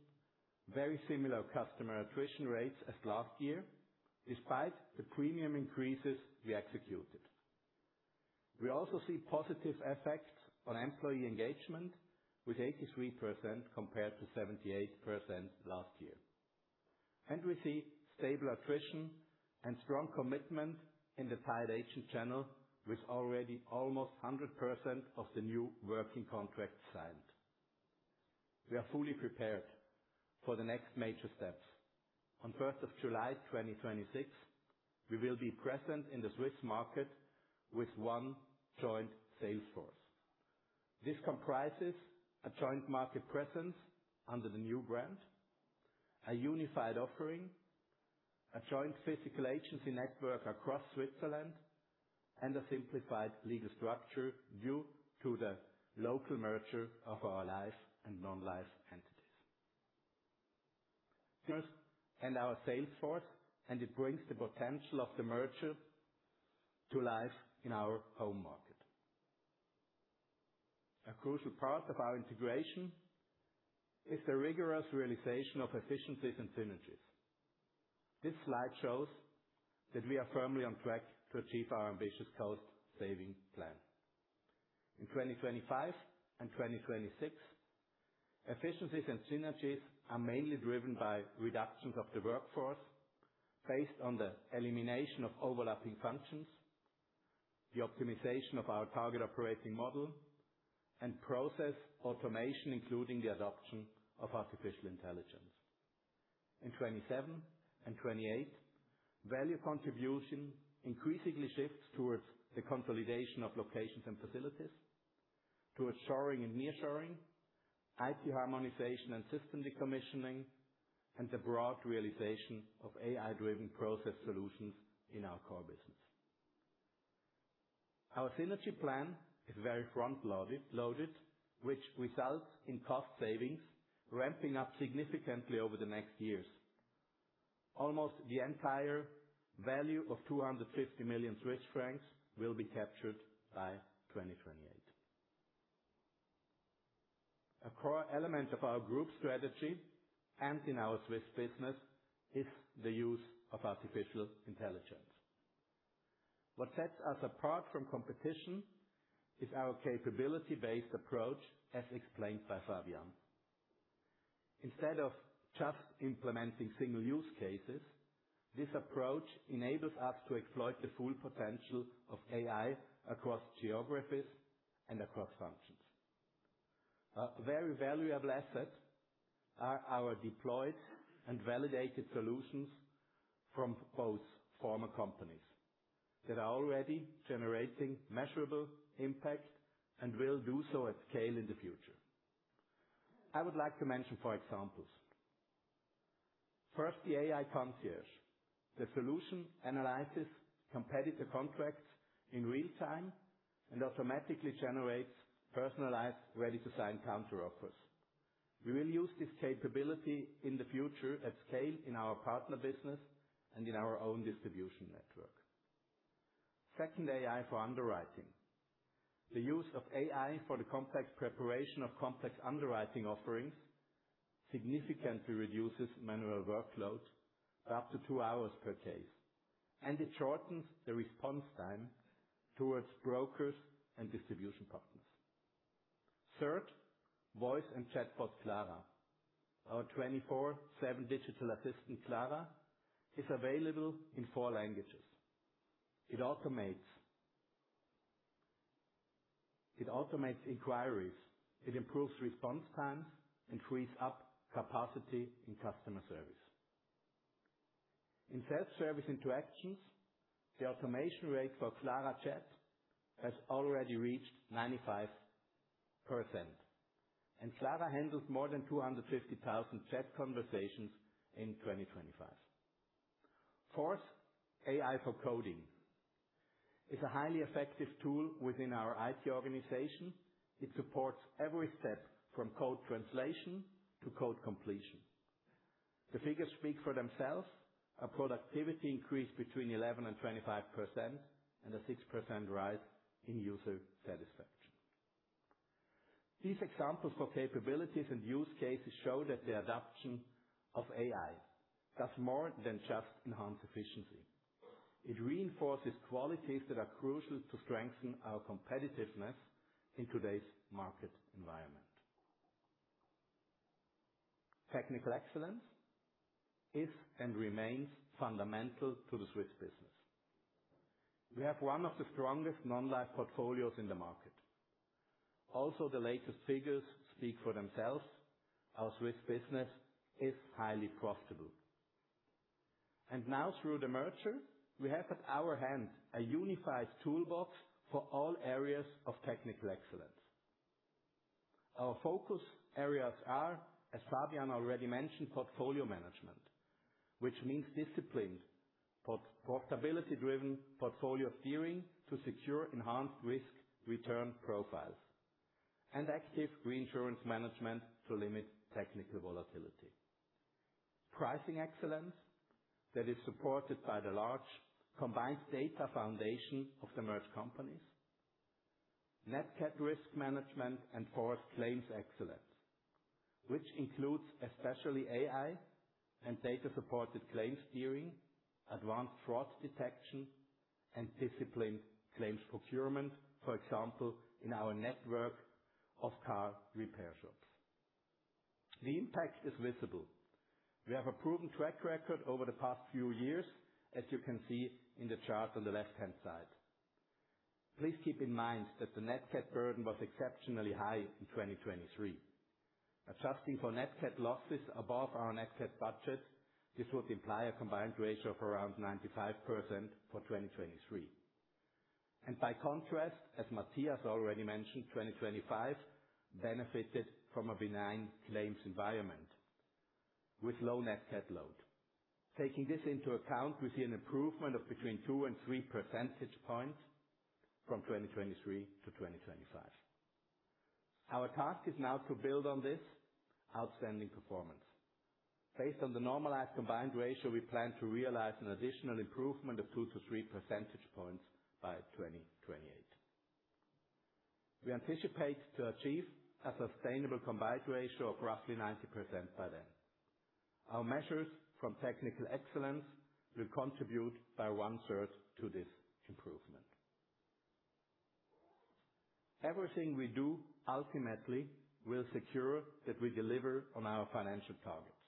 very similar customer attrition rates as last year, despite the premium increases we executed. We also see positive effects on employee engagement with 83% compared to 78% last year. We see stable attrition and strong commitment in the paid agent channel, with already almost 100% of the new working contracts signed. We are fully prepared for the next major steps. On 1st of July 2026, we will be present in the Swiss market with one joint sales force. This comprises a joint market presence under the new brand, a unified offering, a joint physical agency network across Switzerland, and a simplified legal structure due to the local merger of our Life and Non-Life entities. Our sales force, and it brings the potential of the merger to life in our home market. A crucial part of our integration is the rigorous realization of efficiencies and synergies. This slide shows that we are firmly on track to achieve our ambitious cost-saving plan. In 2025 and 2026, efficiencies and synergies are mainly driven by reductions of the workforce based on the elimination of overlapping functions, the optimization of our target operating model, and process automation, including the adoption of artificial intelligence. In 2027 and 2028, value contribution increasingly shifts towards the consolidation of locations and facilities, towards shoring and nearshoring, IT harmonization and system decommissioning, and the broad realization of AI-driven process solutions in our core business. Our synergy plan is very front-loaded, which results in cost savings ramping up significantly over the next years. Almost the entire value of 250 million Swiss francs will be captured by 2028. A core element of our group strategy and in our Swiss business is the use of artificial intelligence. What sets us apart from competition is our capability-based approach, as explained by Fabian. Instead of just implementing single use cases, this approach enables us to exploit the full potential of AI across geographies and across functions. A very valuable asset are our deployed and validated solutions from both former companies that are already generating measurable impact and will do so at scale in the future. I would like to mention a few examples. First, the AI concierge. The solution analyzes competitor contracts in real time and automatically generates personalized, ready-to-sign counter-offers. We will use this capability in the future at scale in our partner business and in our own distribution network. Second, AI for underwriting. The use of AI for the complex preparation of complex underwriting offerings significantly reduces manual workload by up to two hours per case, and it shortens the response time towards brokers and distribution partners. Third, voice and chatbot Clara. Our 24/7 digital assistant, Clara, is available in four languages. It automates inquiries. It improves response times and frees up capacity in customer service. In self-service interactions, the automation rate for Clara Chat has already reached 95%. Clara handles more than 250,000 chat conversations in 2025. Fourth, AI for coding is a highly effective tool within our IT organization. It supports every step from code translation to code completion. The figures speak for themselves. A productivity increase between 11% and 25%, and a 6% rise in user satisfaction. These examples for capabilities and use cases show that the adoption of AI does more than just enhance efficiency. It reinforces qualities that are crucial to strengthen our competitiveness in today's market environment. Technical excellence is and remains fundamental to the Swiss business. We have one of the strongest non-life portfolios in the market. Also, the latest figures speak for themselves. Our Swiss business is highly profitable. Now through the merger, we have at our hand a unified toolbox for all areas of technical excellence. Our focus areas are, as Fabian already mentioned, portfolio management, which means disciplined, profitability-driven portfolio steering to secure enhanced risk-return profiles, and active reinsurance management to limit technical volatility, pricing excellence that is supported by the large combined data foundation of the merged companies, Nat Cat risk management, and fourth, claims excellence, which includes especially AI and data-supported claims steering, advanced fraud detection, and disciplined claims procurement, for example, in our network of car repair shops. The impact is visible. We have a proven track record over the past few years, as you can see in the chart on the left-hand side. Please keep in mind that the Nat Cat burden was exceptionally high in 2023. Adjusting for Nat Cat losses above our Nat Cat budget, this would imply a combined ratio of around 95% for 2023. By contrast, as Matthias already mentioned, 2025 benefited from a benign claims environment with low Nat Cat load. Taking this into account, we see an improvement of between 2 and 3 percentage points from 2023 to 2025. Our task is now to build on this outstanding performance. Based on the normalized combined ratio, we plan to realize an additional improvement of 2 percentage-3 percentage points by 2028. We anticipate to achieve a sustainable combined ratio of roughly 90% by then. Our measures from technical excellence will contribute by 1/3 to this improvement. Everything we do ultimately will secure that we deliver on our financial targets.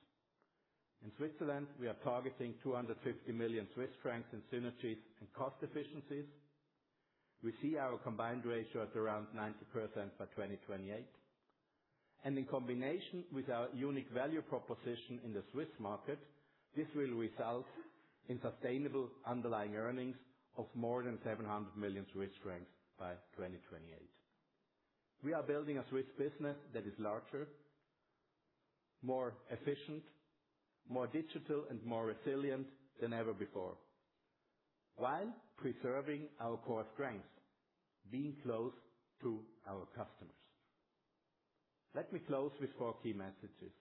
In Switzerland, we are targeting 250 million Swiss francs in synergies and cost efficiencies. We see our combined ratio at around 90% by 2028, and in combination with our unique value proposition in the Swiss market, this will result in sustainable underlying earnings of more than 700 million by 2028. We are building a Swiss business that is larger, more efficient, more digital, and more resilient than ever before, while preserving our core strength, being close to our customers. Let me close with four key messages.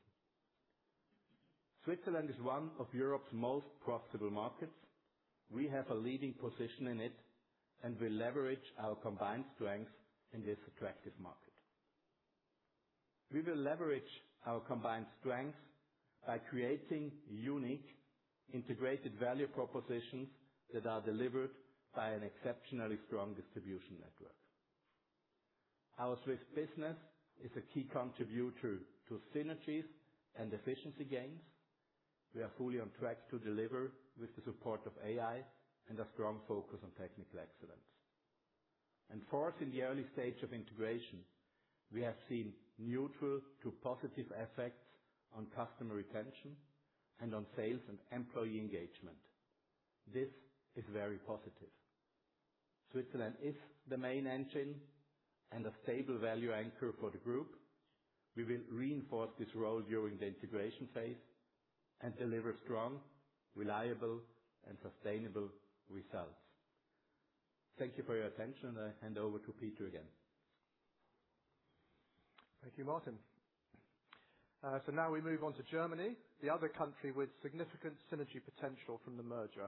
Switzerland is one of Europe's most profitable markets. We have a leading position in it, and we leverage our combined strength in this attractive market. We will leverage our combined strengths by creating unique integrated value propositions that are delivered by an exceptionally strong distribution network. Our Swiss business is a key contributor to synergies and efficiency gains. We are fully on track to deliver with the support of AI and a strong focus on technical excellence. Fourth, in the early stage of integration, we have seen neutral to positive effects on customer retention and on sales and employee engagement. This is very positive. Switzerland is the main engine and a stable value anchor for the group. We will reinforce this role during the integration phase and deliver strong, reliable, and sustainable results. Thank you for your attention. I hand over to Peter again. Thank you, Martin. Now we move on to Germany, the other country with significant synergy potential from the merger.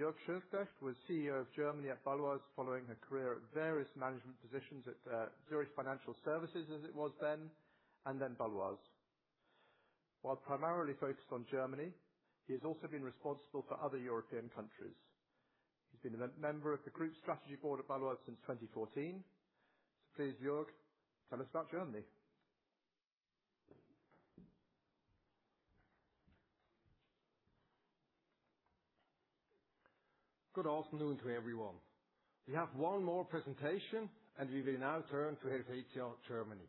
Jürg Schiltknecht was CEO of Germany at Baloise following a career of various management positions at Zurich Financial Services as it was then, and then Baloise. While primarily focused on Germany, he has also been responsible for other European countries. He's been a member of the Group Strategy Board at Baloise since 2014. Please, Jürg, tell us about Germany. Good afternoon to everyone. We have one more presentation, and we will now turn to Helvetia Germany.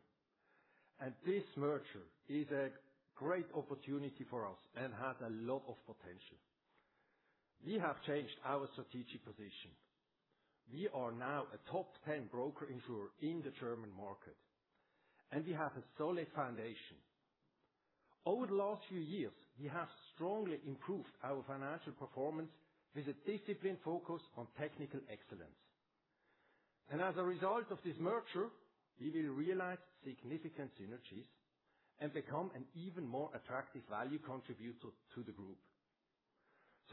This merger is a great opportunity for us and has a lot of potential. We have changed our strategic position. We are now a top 10 broker insurer in the German market, and we have a solid foundation. Over the last few years, we have strongly improved our financial performance with a disciplined focus on technical excellence. As a result of this merger, we will realize significant synergies and become an even more attractive value contributor to the group.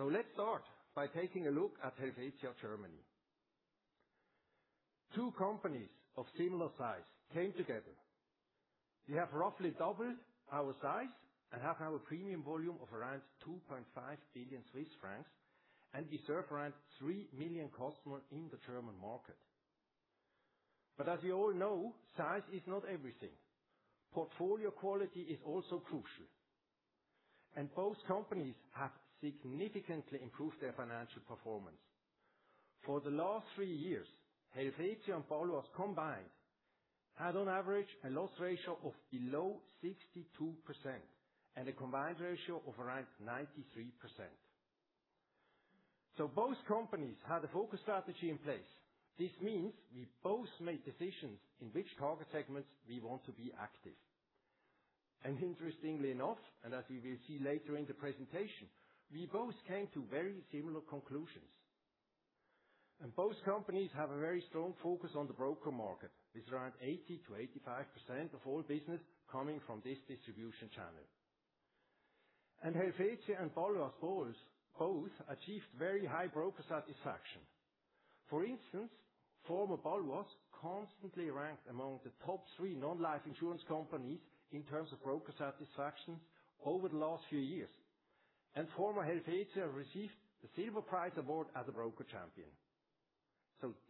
Let's start by taking a look at Helvetia Germany. Two companies of similar size came together. We have roughly doubled our size and have our premium volume of around 2.5 billion Swiss francs, and we serve around 3 million customers in the German market. As you all know, size is not everything. Portfolio quality is also crucial, and both companies have significantly improved their financial performance. For the last three years, Helvetia and Baloise combined had, on average, a loss ratio of below 62% and a combined ratio of around 93%. Both companies had a focus strategy in place. This means we both made decisions in which target segments we want to be active. Interestingly enough, and as we will see later in the presentation, we both came to very similar conclusions. Both companies have a very strong focus on the broker market with around 80%-85% of all business coming from this distribution channel. Helvetia and Baloise both achieved very high broker satisfaction. For instance, former Baloise constantly ranked among the top three non-life insurance companies in terms of broker satisfaction over the last few years. Former Helvetia received the Silver Prize award as a Broker Champion.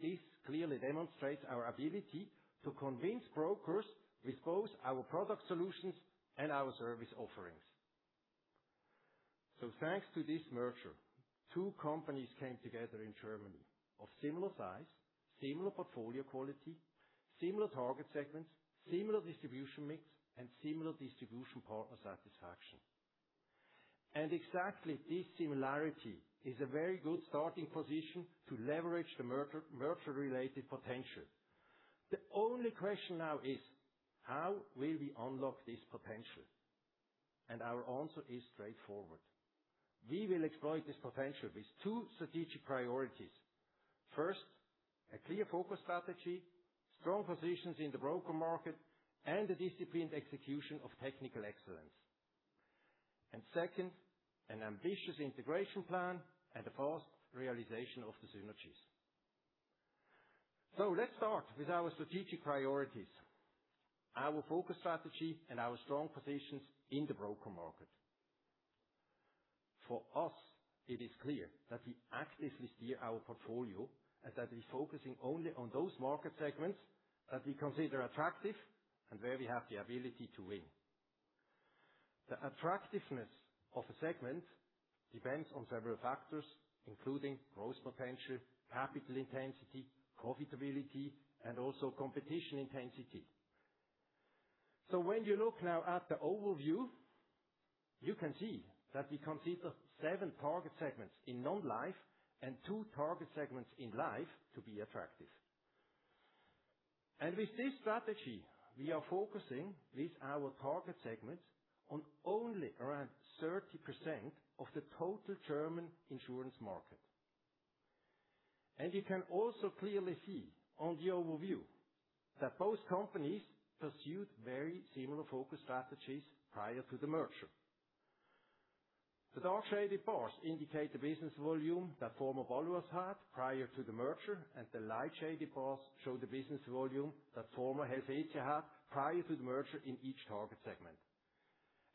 This clearly demonstrates our ability to convince brokers with both our product solutions and our service offerings. Thanks to this merger, two companies came together in Germany of similar size, similar portfolio quality, similar target segments, similar distribution mix, and similar distribution partner satisfaction. Exactly this similarity is a very good starting position to leverage the merger-related potential. The only question now is how will we unlock this potential? Our answer is straightforward. We will exploit this potential with two strategic priorities. First, a clear focus strategy, strong positions in the broker market, and a disciplined execution of technical excellence. Second, an ambitious integration plan and a fast realization of the synergies. Let's start with our strategic priorities, our focus strategy, and our strong positions in the broker market. For us, it is clear that we actively steer our portfolio and that we're focusing only on those market segments that we consider attractive and where we have the ability to win. The attractiveness of a segment depends on several factors, including growth potential, capital intensity, profitability, and also competition intensity. When you look now at the overview, you can see that we consider seven target segments in Non-Life and two target segments in Life to be attractive. With this strategy, we are focusing with our target segments on only around 30% of the total German insurance market. You can also clearly see on the overview that both companies pursued very similar focus strategies prior to the merger. The dark shaded bars indicate the business volume that former Baloise had prior to the merger, and the light shaded bars show the business volume that former Helvetia had prior to the merger in each target segment.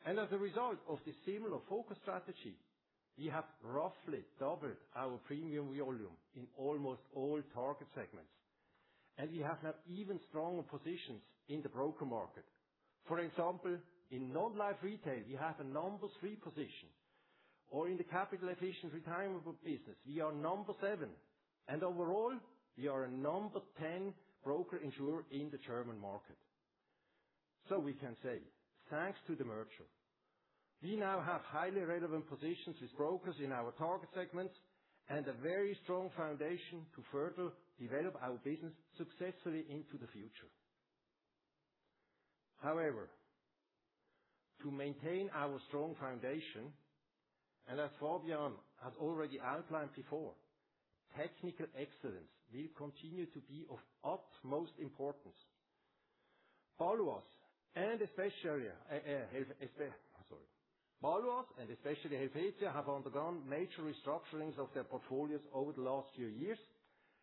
As a result of this similar focus strategy, we have roughly doubled our premium volume in almost all target segments, and we have now even stronger positions in the broker market. For example, in Non-Life retail, we have a number three position, or in the capital-efficient retirement book business, we are number seven. Overall, we are a number 10 broker insurer in the German market. We can say, thanks to the merger, we now have highly relevant positions with brokers in our target segments and a very strong foundation to further develop our business successfully into the future. However, to maintain our strong foundation, and as Fabian has already outlined before, technical excellence will continue to be of utmost importance. Baloise and especially Helvetia have undergone major restructurings of their portfolios over the last few years,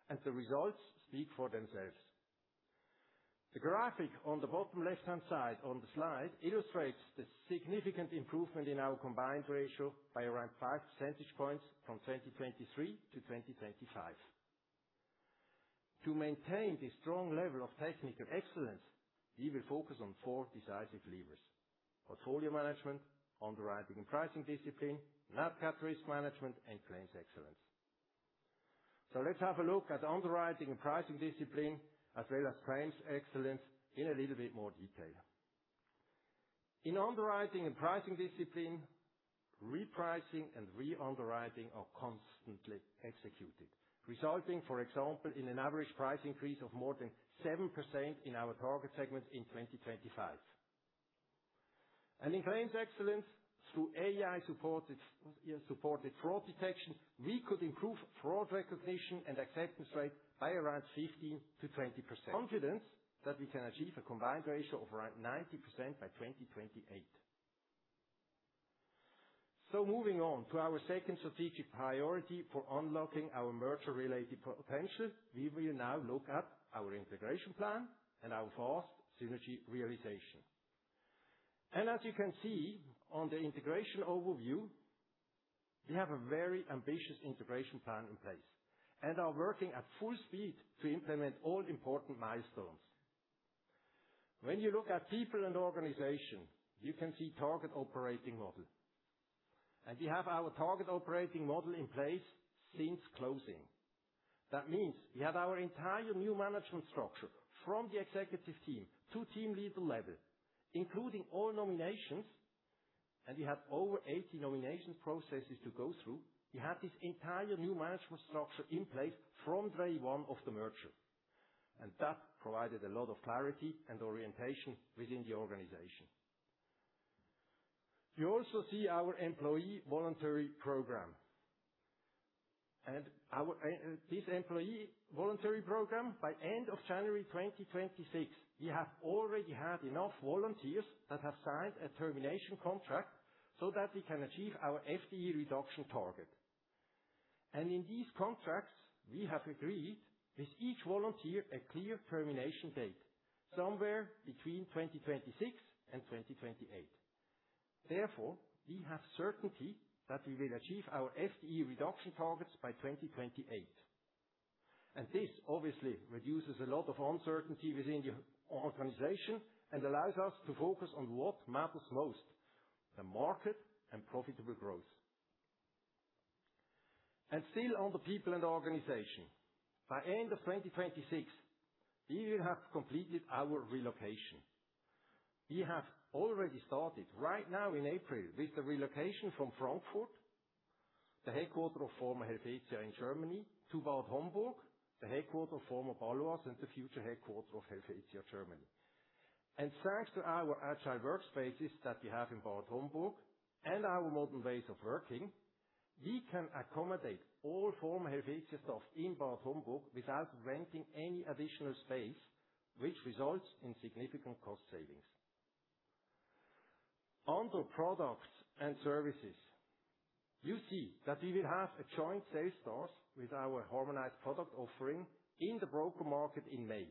and the results speak for themselves. The graphic on the bottom left-hand side on the slide illustrates the significant improvement in our combined ratio by around 5 percentage points from 2023-2025. To maintain the strong level of technical excellence, we will focus on four decisive levers, portfolio management, underwriting and pricing discipline, Nat Cat risk management, and claims excellence. Let's have a look at underwriting and pricing discipline, as well as claims excellence in a little bit more detail. In underwriting and pricing discipline, repricing and re-underwriting are constantly executed, resulting, for example, in an average price increase of more than 7% in our target segment in 2025. In claims excellence, through AI-supported fraud detection, we could improve fraud recognition and acceptance rate by around 15%-20%, confident that we can achieve a combined ratio of around 90% by 2028. Moving on to our second strategic priority for unlocking our merger-related potential, we will now look at our integration plan and our fast synergy realization. As you can see on the integration overview, we have a very ambitious integration plan in place and are working at full speed to implement all important milestones. When you look at people and organization, you can see target operating model. We have our target operating model in place since closing. That means we have our entire new management structure from the executive team to team leader level, including all nominations, and we have over 80 nomination processes to go through. We have this entire new management structure in place from day one of the merger, and that provided a lot of clarity and orientation within the organization. You also see our Employee Voluntary Program. This Employee Voluntary Program, by end of January 2026, we have already had enough volunteers that have signed a termination contract so that we can achieve our FTE reduction target. In these contracts, we have agreed with each volunteer a clear termination date, somewhere between 2026 and 2028. Therefore, we have certainty that we will achieve our FTE reduction targets by 2028. This obviously reduces a lot of uncertainty within the organization and allows us to focus on what matters most, the market and profitable growth. Still on the people and organization, by end of 2026, we will have completed our relocation. We have already started right now in April with the relocation from Frankfurt, the headquarter of former Helvetia in Germany, to Bad Homburg, the headquarter of former Baloise and the future headquarter of Helvetia Germany. Thanks to our agile workspaces that we have in Bad Homburg and our modern ways of working, we can accommodate all former Helvetia staff in Bad Homburg without renting any additional space, which results in significant cost savings. Under products and services, you see that we will have a joint sales force with our harmonized product offering in the broker market in May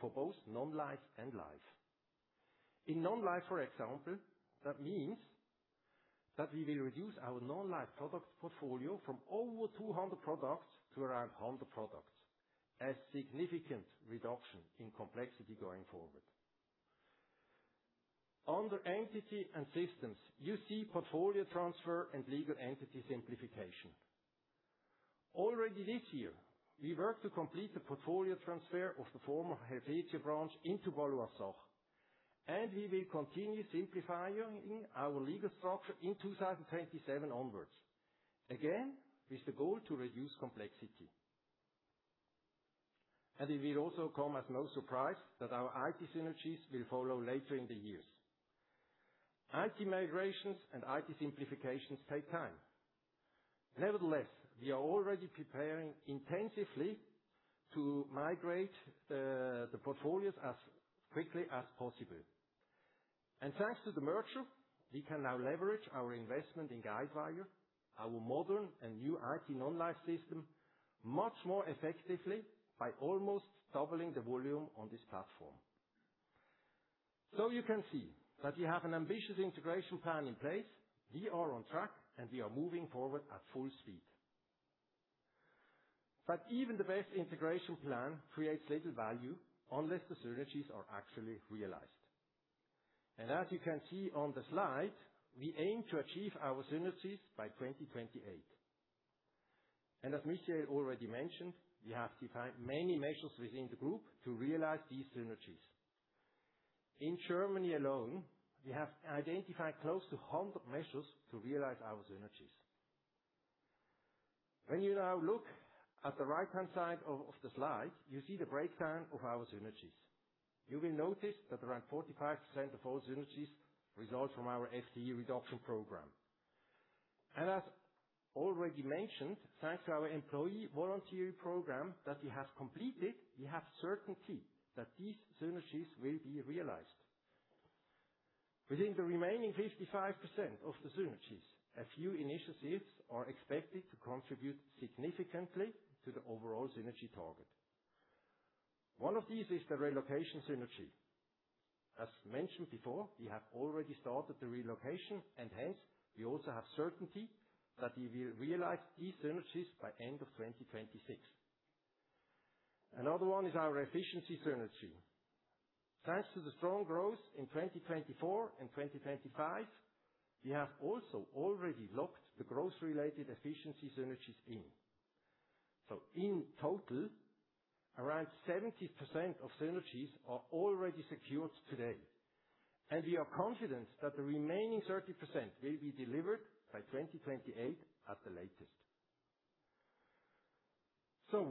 for both Non-life and Life. In Non-life, for example, that means that we will reduce our Non-Life product portfolio from over 200 products to around 100 products, a significant reduction in complexity going forward. Under entity and systems, you see portfolio transfer and legal entity simplification. Already this year, we worked to complete the portfolio transfer of the former Helvetia branch into Baloise. We will continue simplifying our legal structure in 2027 onwards, again, with the goal to reduce complexity. It will also come as no surprise that our IT synergies will follow later in the years. IT migrations and IT simplifications take time. Nevertheless, we are already preparing intensively to migrate the portfolios as quickly as possible. Thanks to the merger, we can now leverage our investment in Guidewire, our modern and new IT non-life system, much more effectively by almost doubling the volume on this platform. You can see that we have an ambitious integration plan in place. We are on track, and we are moving forward at full speed. Even the best integration plan creates little value unless the synergies are actually realized. As you can see on the slide, we aim to achieve our synergies by 2028. As Michael already mentioned, we have defined many measures within the group to realize these synergies. In Germany alone, we have identified close to 100 measures to realize our synergies. When you now look at the right-hand side of the slide, you see the breakdown of our synergies. You will notice that around 45% of all synergies result from our FTE reduction program. As already mentioned, thanks to our employee voluntary program that we have completed, we have certainty that these synergies will be realized. Within the remaining 55% of the synergies, a few initiatives are expected to contribute significantly to the overall synergy target. One of these is the relocation synergy. As mentioned before, we have already started the relocation, and hence, we also have certainty that we will realize these synergies by end of 2026. Another one is our efficiency synergy. Thanks to the strong growth in 2024 and 2025, we have also already locked the growth-related efficiency synergies in. In total, around 70% of synergies are already secured today, and we are confident that the remaining 30% will be delivered by 2028 at the latest.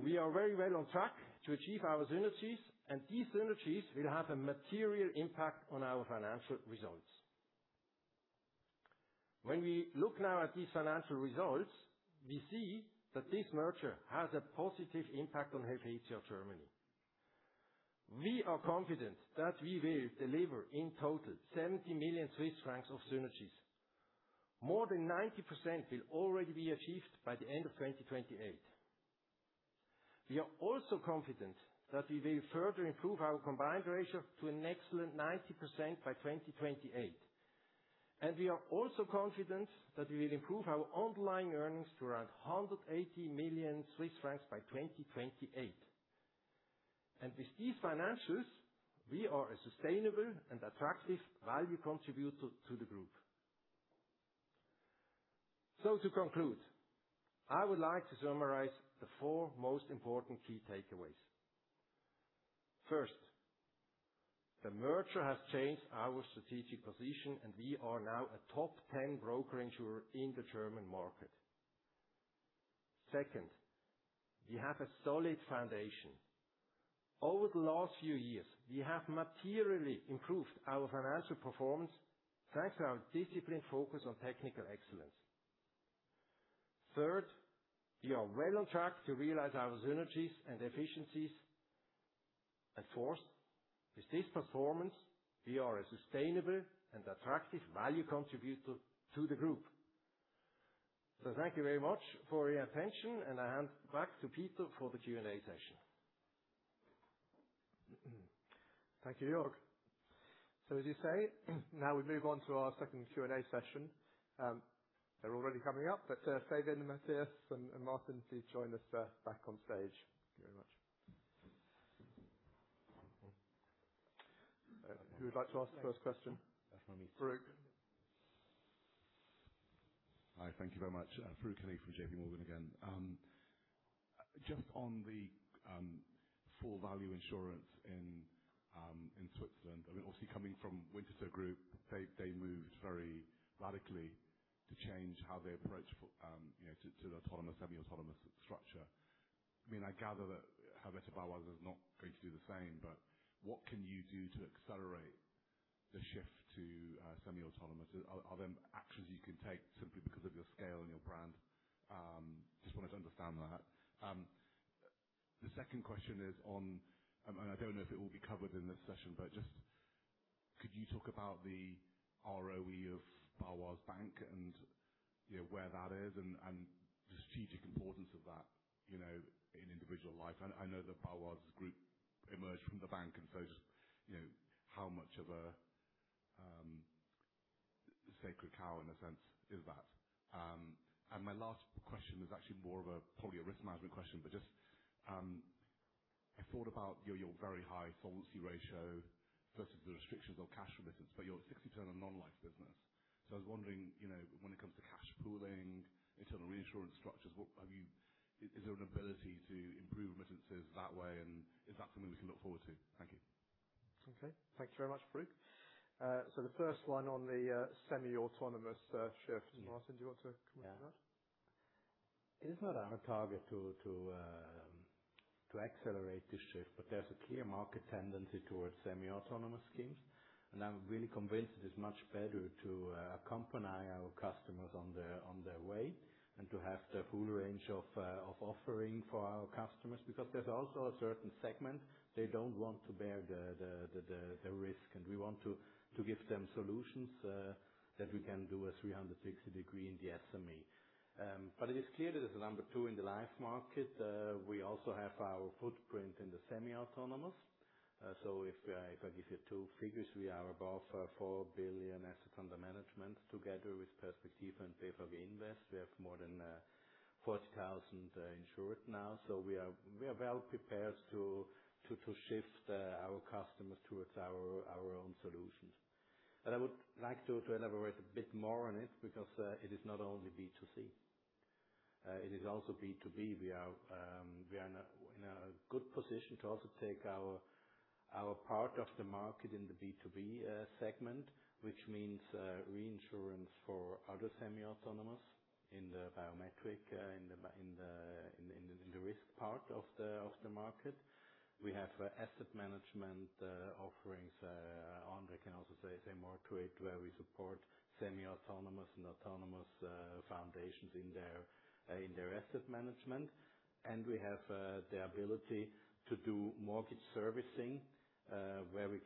We are very well on track to achieve our synergies, and these synergies will have a material impact on our financial results. When we look now at these financial results, we see that this merger has a positive impact on Helvetia Germany. We are confident that we will deliver, in total, 70 million Swiss francs of synergies. More than 90% will already be achieved by the end of 2028. We are also confident that we will further improve our combined ratio to an excellent 90% by 2028. We are also confident that we will improve our underlying earnings to around 180 million Swiss francs by 2028. With these financials, we are a sustainable and attractive value contributor to the group. To conclude, I would like to summarize the four most important key takeaways. First, the merger has changed our strategic position, and we are now a top 10 broker insurer in the German market. Second, we have a solid foundation. Over the last few years, we have materially improved our financial performance, thanks to our disciplined focus on technical excellence. Third, we are well on track to realize our synergies and efficiencies. Fourth, with this performance, we are a sustainable and attractive value contributor to the group. Thank you very much for your attention, and I hand back to Peter for the Q&A session. Thank you, Jürg. As you say, now we move on to our second Q&A session. They're already coming up, but Fabian, Matthias, and Martin, please join us back on stage. Thank you very much. Who would like to ask the first question? Farooq? Hi. Thank you very much. Farooq Hanif from JPMorgan again. Just on the full value insurance in Switzerland, obviously coming from Winterthur Group, they moved very radically to change how they approach to the autonomous, semi-autonomous structure. I gather that Helvetia Baloise is not going to do the same. What can you do to accelerate the shift to semi-autonomous? Are there actions you can take simply because of your scale and your brand? Just wanted to understand that. The second question is on, and I don't know if it will be covered in this session. Could you talk about the ROE of Baloise Bank and where that is and the strategic importance of that in individual life? I know that Baloise Group emerged from the bank. How much of a sacred cow, in a sense, is that? My last question is actually more of a probably a risk management question, but just I thought about your very high solvency ratio versus the restrictions on cash remittances for your 60% on Non-Life business. I was wondering, when it comes to cash pooling, internal reinsurance structures, is there an ability to improve remittances that way? Is that something we can look forward to? Thank you. Okay. Thank you very much, Farooq. The first one on the semi-autonomous shift, Martin, do you want to comment on that? It is not our target to accelerate this shift, but there's a clear market tendency towards semi-autonomous schemes. I'm really convinced it is much better to accompany our customers on their way and to have the full range of offering for our customers. Because there's also a certain segment, they don't want to bear the risk, and we want to give them solutions, that we can do a 360-degree in the SME. It is clear that as the number two in the life market, we also have our footprint in the semi-autonomous. If I give you two figures, we are above 4 billion assets under management together with [Perspectiva] and BVG Invest. We have more than 40,000 insured now. We are well prepared to shift our customers towards our own solutions. I would like to elaborate a bit more on it because it is not only B2C. It is also B2B. We are in a good position to also take our part of the market in the B2B segment, which means reinsurance for other semi-autonomous in the biometric, in the risk part of the market. We have asset management offerings. André can also say more to it, where we support semi-autonomous and autonomous foundations in their asset management. We have the ability to do mortgage servicing, where we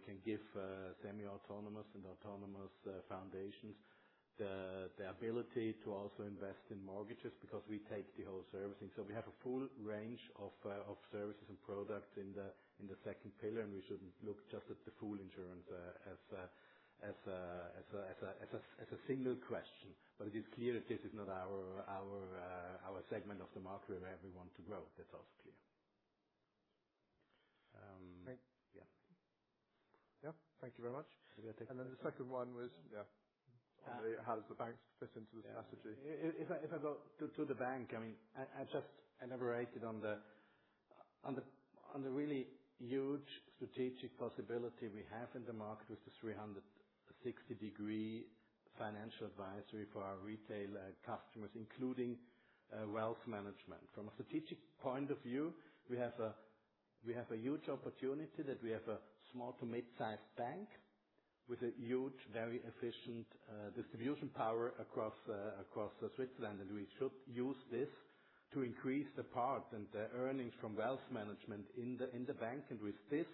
can give semi-autonomous and autonomous foundations the ability to also invest in mortgages because we take the whole servicing. We have a full range of services and products in the second pillar, and we shouldn't look just at the full insurance as a single question. It is clear that this is not our segment of the market where we want to grow. That's also clear. Yeah. Thank you very much. You're welcome. The second one was, yeah, how does the bank fit into the strategy? If I go to the bank, I mean, I just elaborated on the really huge strategic possibility we have in the market with the 360-degree financial advisory for our retail customers, including wealth management. From a strategic point of view, we have a huge opportunity that we have a small-to-mid-size bank with a huge, very efficient distribution power across the Switzerland. We should use this to increase the part and the earnings from wealth management in the bank. With this,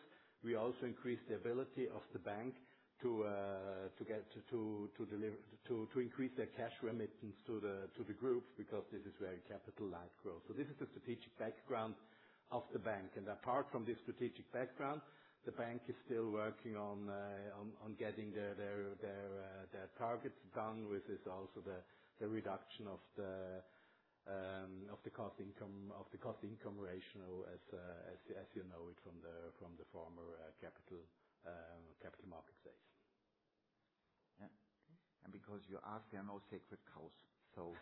we also increase the ability of the bank to increase their cash remittance to the group, because this is very capital-light growth. This is the strategic background of the bank. Apart from this strategic background, the bank is still working on getting their targets done, which is also the reduction of the cost income ratio as you know it from the former capital market side. Yeah. Because you ask, there are no sacred cows, so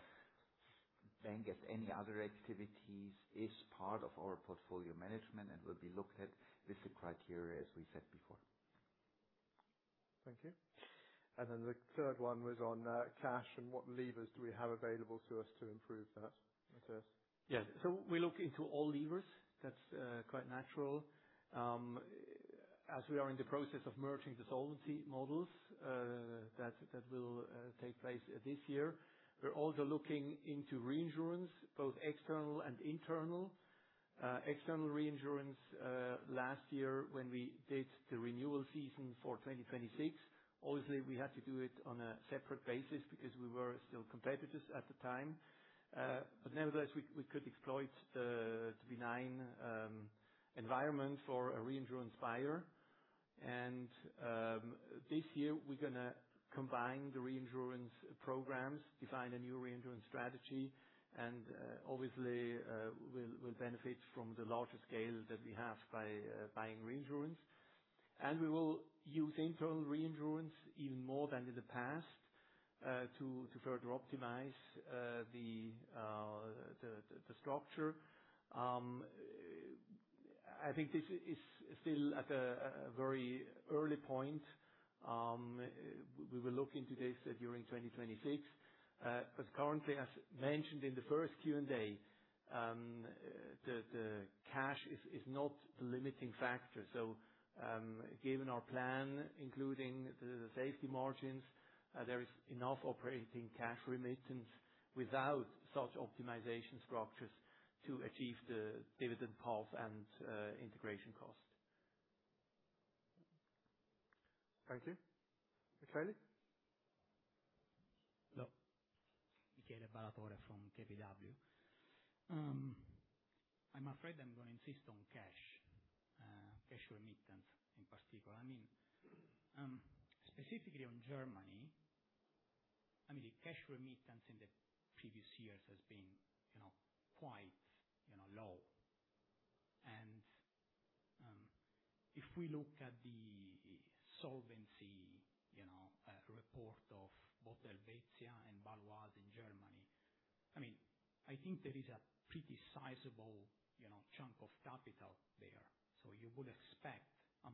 bank, as any other activities, is part of our portfolio management and will be looked at with the criteria as we said before. Thank you. The third one was on cash and what levers do we have available to us to improve that? Matthias? Yeah. We look into all levers. That's quite natural. As we are in the process of merging the solvency models, that will take place this year. We're also looking into reinsurance, both external and internal. External reinsurance, last year when we did the renewal season for 2026, obviously we had to do it on a separate basis because we were still competitors at the time. Nevertheless, we could exploit the benign environment for a reinsurance buyer. This year we're going to combine the reinsurance programs, define a new reinsurance strategy, and obviously, we'll benefit from the larger scale that we have by buying reinsurance. We will use internal reinsurance even more than in the past, to further optimize the structure. I think this is still at a very early point. We will look into this during 2026. Currently, as mentioned in the first Q&A, the cash is not the limiting factor. Given our plan, including the safety margins, there is enough operating cash remittance without such optimization structures to achieve the dividend path and integration cost. Thank you. Michele? Michele Ballatore from KBW. I'm afraid I'm going to insist on cash. Cash remittance in particular. Specifically on Germany, I mean, cash remittance in the previous years has been quite low. If we look at the solvency report of both Helvetia and Baloise in Germany, I think there is a pretty sizable chunk of capital there. You would expect a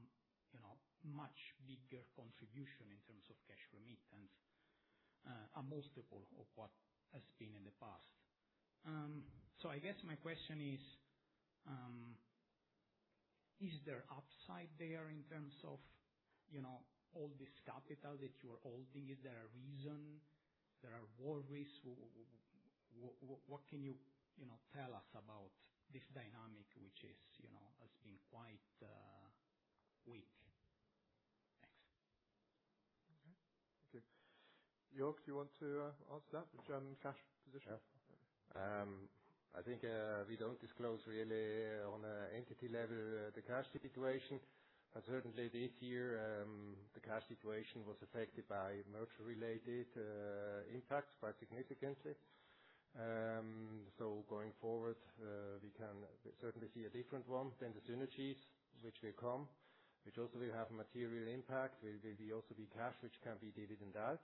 much bigger contribution in terms of cash remittance, a multiple of what has been in the past. I guess my question is there upside there in terms of all this capital that you are holding? Is there a reason? There are worries. What can you tell us about this dynamic, which has been quite weak? Thanks. Okay. Jürg, you want to answer that, the German cash position? Sure. I think we don't disclose really on an entity level, the cash situation. Certainly this year, the cash situation was affected by merger-related impacts quite significantly. Going forward, we can certainly see a different one than the synergies which will come, which also will have a material impact, will also be cash, which can be dividend out.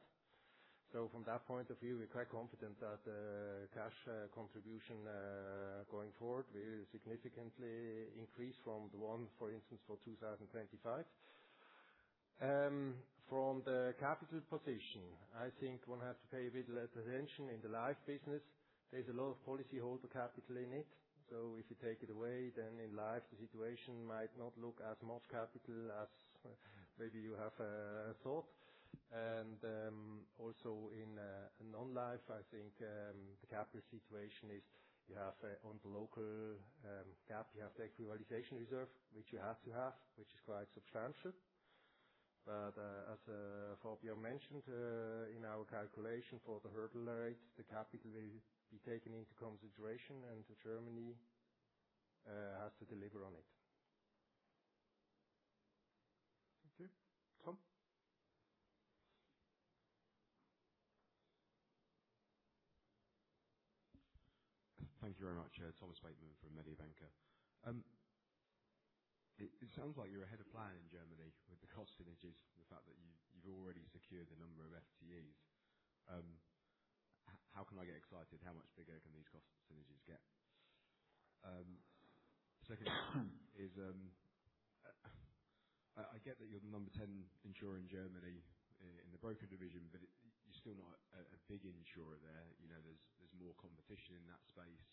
From that point of view, we're quite confident that cash contribution, going forward, will significantly increase from the one, for instance, for 2025. From the capital position, I think one has to pay a bit attention in the Life business. There's a lot of policyholder capital in it. If you take it away, then in Life the situation might not look as much capital as maybe you have thought. Also in Non-Life, I think the capital situation is you have on the local GAAP, you have the equalization reserve, which you have to have, which is quite substantial. As Fabian mentioned, in our calculation for the hurdle rate, the capital will be taken into consideration and Germany has to deliver on it. Thank you. Tom? Thank you very much. Thomas Bateman from Mediobanca. It sounds like you're ahead of plan in Germany with the cost synergies, the fact that you've already secured the number of FTEs. How can I get excited? How much bigger can these cost synergies get? Second is, I get that you're the number 10 insurer in Germany in the broker division, but you're still not a big insurer there. There's more competition in that space.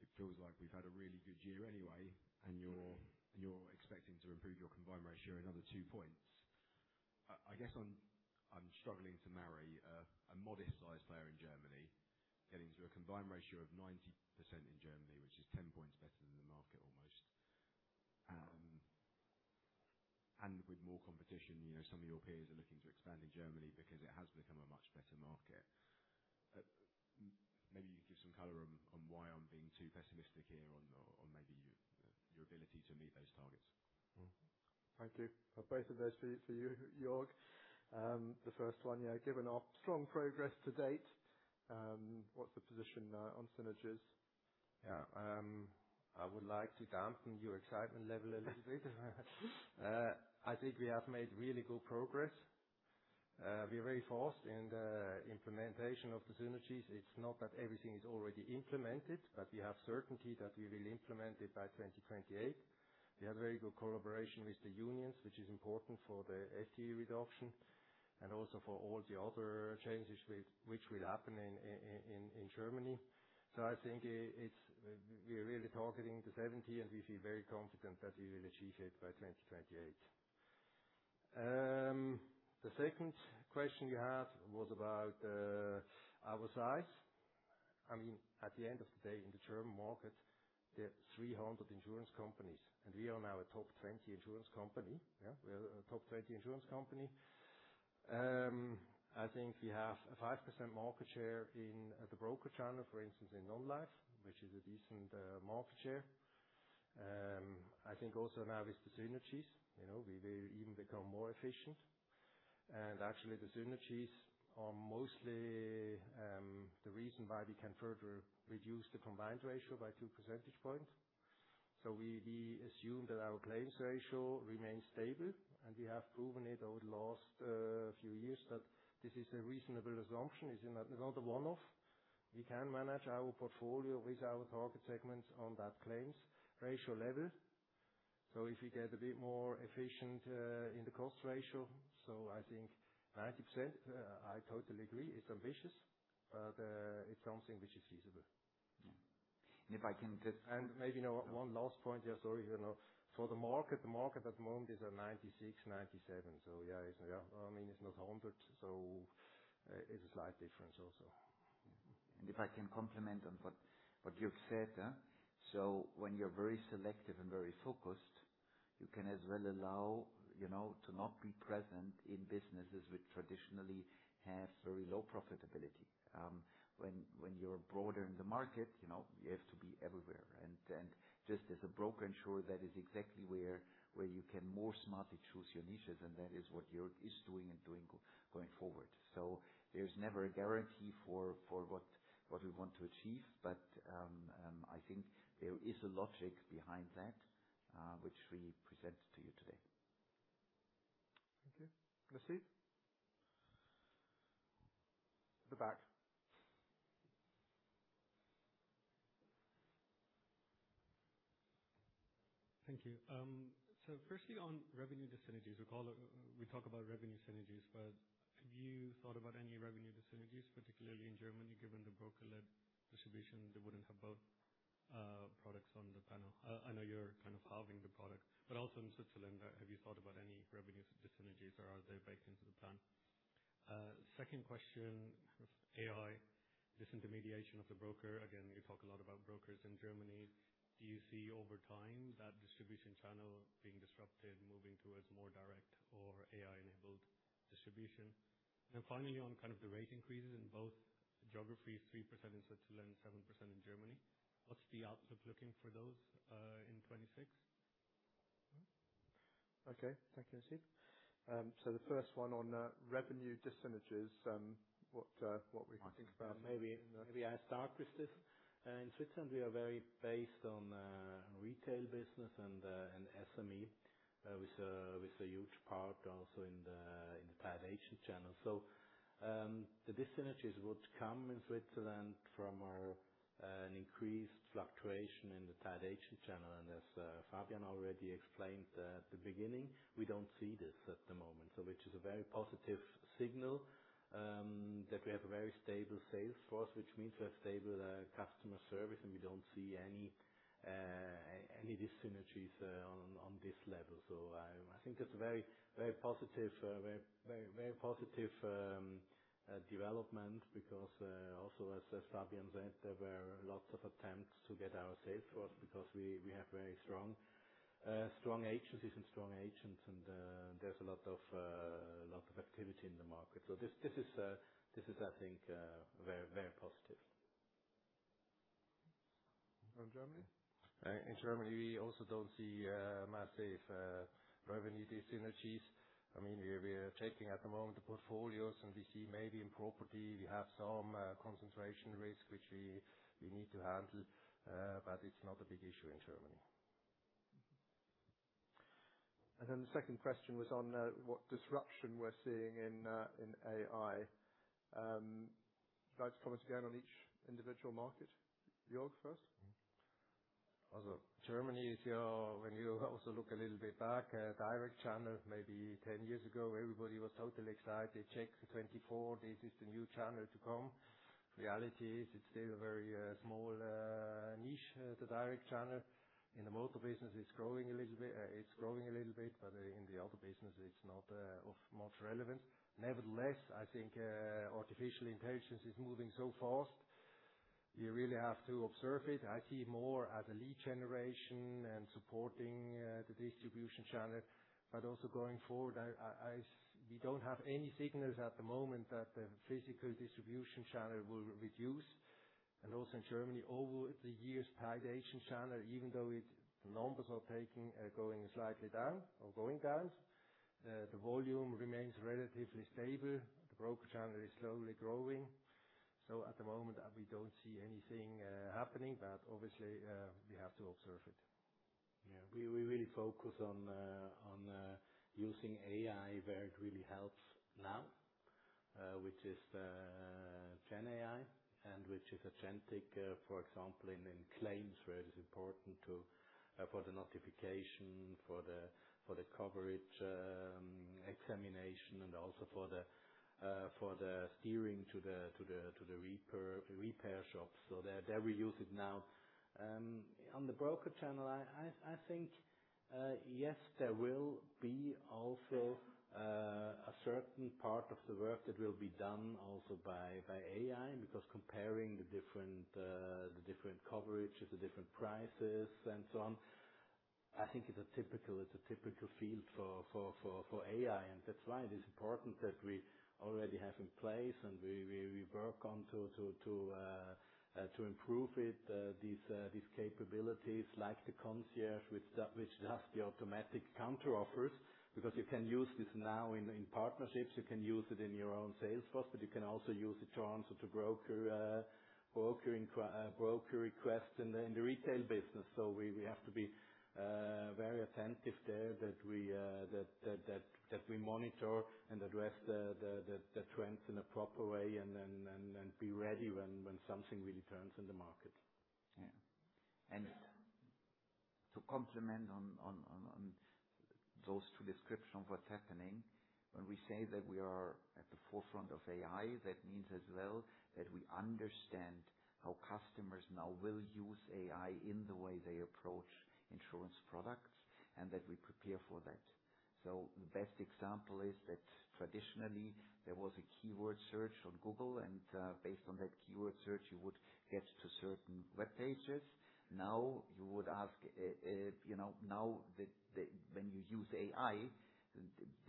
It feels like we've had a really good year anyway, and you're expecting to improve your combined ratio another 2 points. I guess I'm struggling to marry a modest-sized player in Germany getting to a combined ratio of 90% in Germany, which is 10 points better than the market almost, and with more competition. Some of your peers are looking to expand in Germany because it has become a much better market. Maybe you can give some color on why I'm being too pessimistic here on maybe your ability to meet those targets? Thank you. Both of those for you, Jürg. The first one, given our strong progress to date, what's the position on synergies? Yeah, I would like to dampen your excitement level a little bit. I think we have made really good progress. We're very focused in the implementation of the synergies. It's not that everything is already implemented, but we have certainty that we will implement it by 2028. We have very good collaboration with the unions, which is important for the FTE reduction and also for all the other changes which will happen in Germany. I think we're really targeting the 70, and we feel very confident that we will achieve it by 2028. The second question you have was about our size. At the end of the day, in the German market, there are 300 insurance companies, and we are now a top 20 insurance company. Yeah, we are a top 20 insurance company. I think we have a 5% market share at the broker channel, for instance, in Non-Life, which is a decent market share. I think also now with the synergies, we will even become more efficient. Actually, the synergies are mostly the reason why we can further reduce the combined ratio by 2 percentage points. We assume that our claims ratio remains stable, and we have proven it over the last few years that this is a reasonable assumption. It's not a one-off. We can manage our portfolio with our target segments on that claims ratio level. If we get a bit more efficient in the cost ratio, I think 90%, I totally agree. It's ambitious, but it's something which is feasible. If I can just. Maybe one last point. Yeah, sorry. For the market at the moment is at 96%-97%. Yeah, it's not 100%. It's a slight difference also. If I can complement on what you've said, when you're very selective and very focused, you can as well allow to not be present in businesses which traditionally have very low profitability. When you're broader in the market, you have to be everywhere. Just as a broker insurer, that is exactly where you can more smartly choose your niches. That is what Jürg is doing going forward. There's never a guarantee for what we want to achieve. I think there is a logic behind that, which we presented to you today. Thank you. Nasib? At the back. Thank you. Firstly, on revenue dis-synergies, we talk about revenue synergies, but have you thought about any revenue dis-synergies, particularly in Germany, given the broker-led distribution that wouldn't have both products on the panel? I know you're kind of halving the product. Also in Switzerland, have you thought about any revenue dis-synergies or are they baked into the plan? Second question, AI, disintermediation of the broker, again, you talk a lot about brokers in Germany. Do you see over time that distribution channel being disrupted, moving towards more direct or AI-enabled distribution? Finally, on the rate increases in both geographies, 3% in Switzerland, 7% in Germany, what's the outlook looking for those, in 2026? Okay. Thank you, Nasib. The first one on revenue dis-synergies, what we think about. Maybe I start with this. In Switzerland, we are very based on retail business and SME, with a huge part also in the paid agent channel. The dis-synergies would come in Switzerland from our increased fluctuation in the paid agent channel. As Fabian already explained at the beginning, we don't see this at the moment, which is a very positive signal that we have a very stable sales force, which means we have stable customer service, and we don't see any dis-synergies on this level. I think that's a very positive development because also as Fabian said, there were lots of attempts to get our sales force because we have very strong, strong agencies and strong agents, and there's a lot of activity in the market. This is, I think, very positive. Germany? In Germany, we also don't see massive revenue synergies. We are taking, at the moment, the portfolios, and we see maybe in property, we have some concentration risk, which we need to handle. It's not a big issue in Germany. The second question was on what disruption we're seeing in AI. Would you like to comment again on each individual market? Jürg, first? When you also look a little bit back at direct channel, maybe 10 years ago, everybody was totally excited. CHECK24, this is the new channel to come. Reality is, it's still a very small niche, the direct channel. In the motor business, it's growing a little bit, but in the other business, it's not of much relevance. Nevertheless, I think artificial intelligence is moving so fast, you really have to observe it. I see it more as a lead generation and supporting the distribution channel. Going forward, we don't have any signals at the moment that the physical distribution channel will reduce. In Germany, over the years, tied agency channel, even though the numbers are going slightly down or going down, the volume remains relatively stable. The broker channel is slowly growing. At the moment, we don't see anything happening, but obviously, we have to observe it. Yeah. We really focus on using AI where it really helps now, which is GenAI and which is agentic, for example, in claims, where it is important for the notification, for the coverage, examination, and also for the steering to the repair shop. There we use it now. On the broker channel, I think, yes, there will be also a certain part of the work that will be done also by AI, because comparing the different coverages, the different prices and so on, I think it's a typical field for AI. That's why it is important that we already have in place, and we work on to improve it, these capabilities like the concierge, which does the automatic counteroffers. Because you can use this now in partnerships, you can use it in your own sales force, but you can also use it to answer to broker requests in the retail business. We have to be very attentive there, that we monitor and address the trends in a proper way and then be ready when something really turns in the market. Yeah. To complement on those two descriptions of what's happening, when we say that we are at the forefront of AI, that means as well that we understand how customers now will use AI in the way they approach insurance products, and that we prepare for that. The best example is that traditionally, there was a keyword search on Google, and based on that keyword search, you would get to certain web pages. Now, you would ask, when you use AI,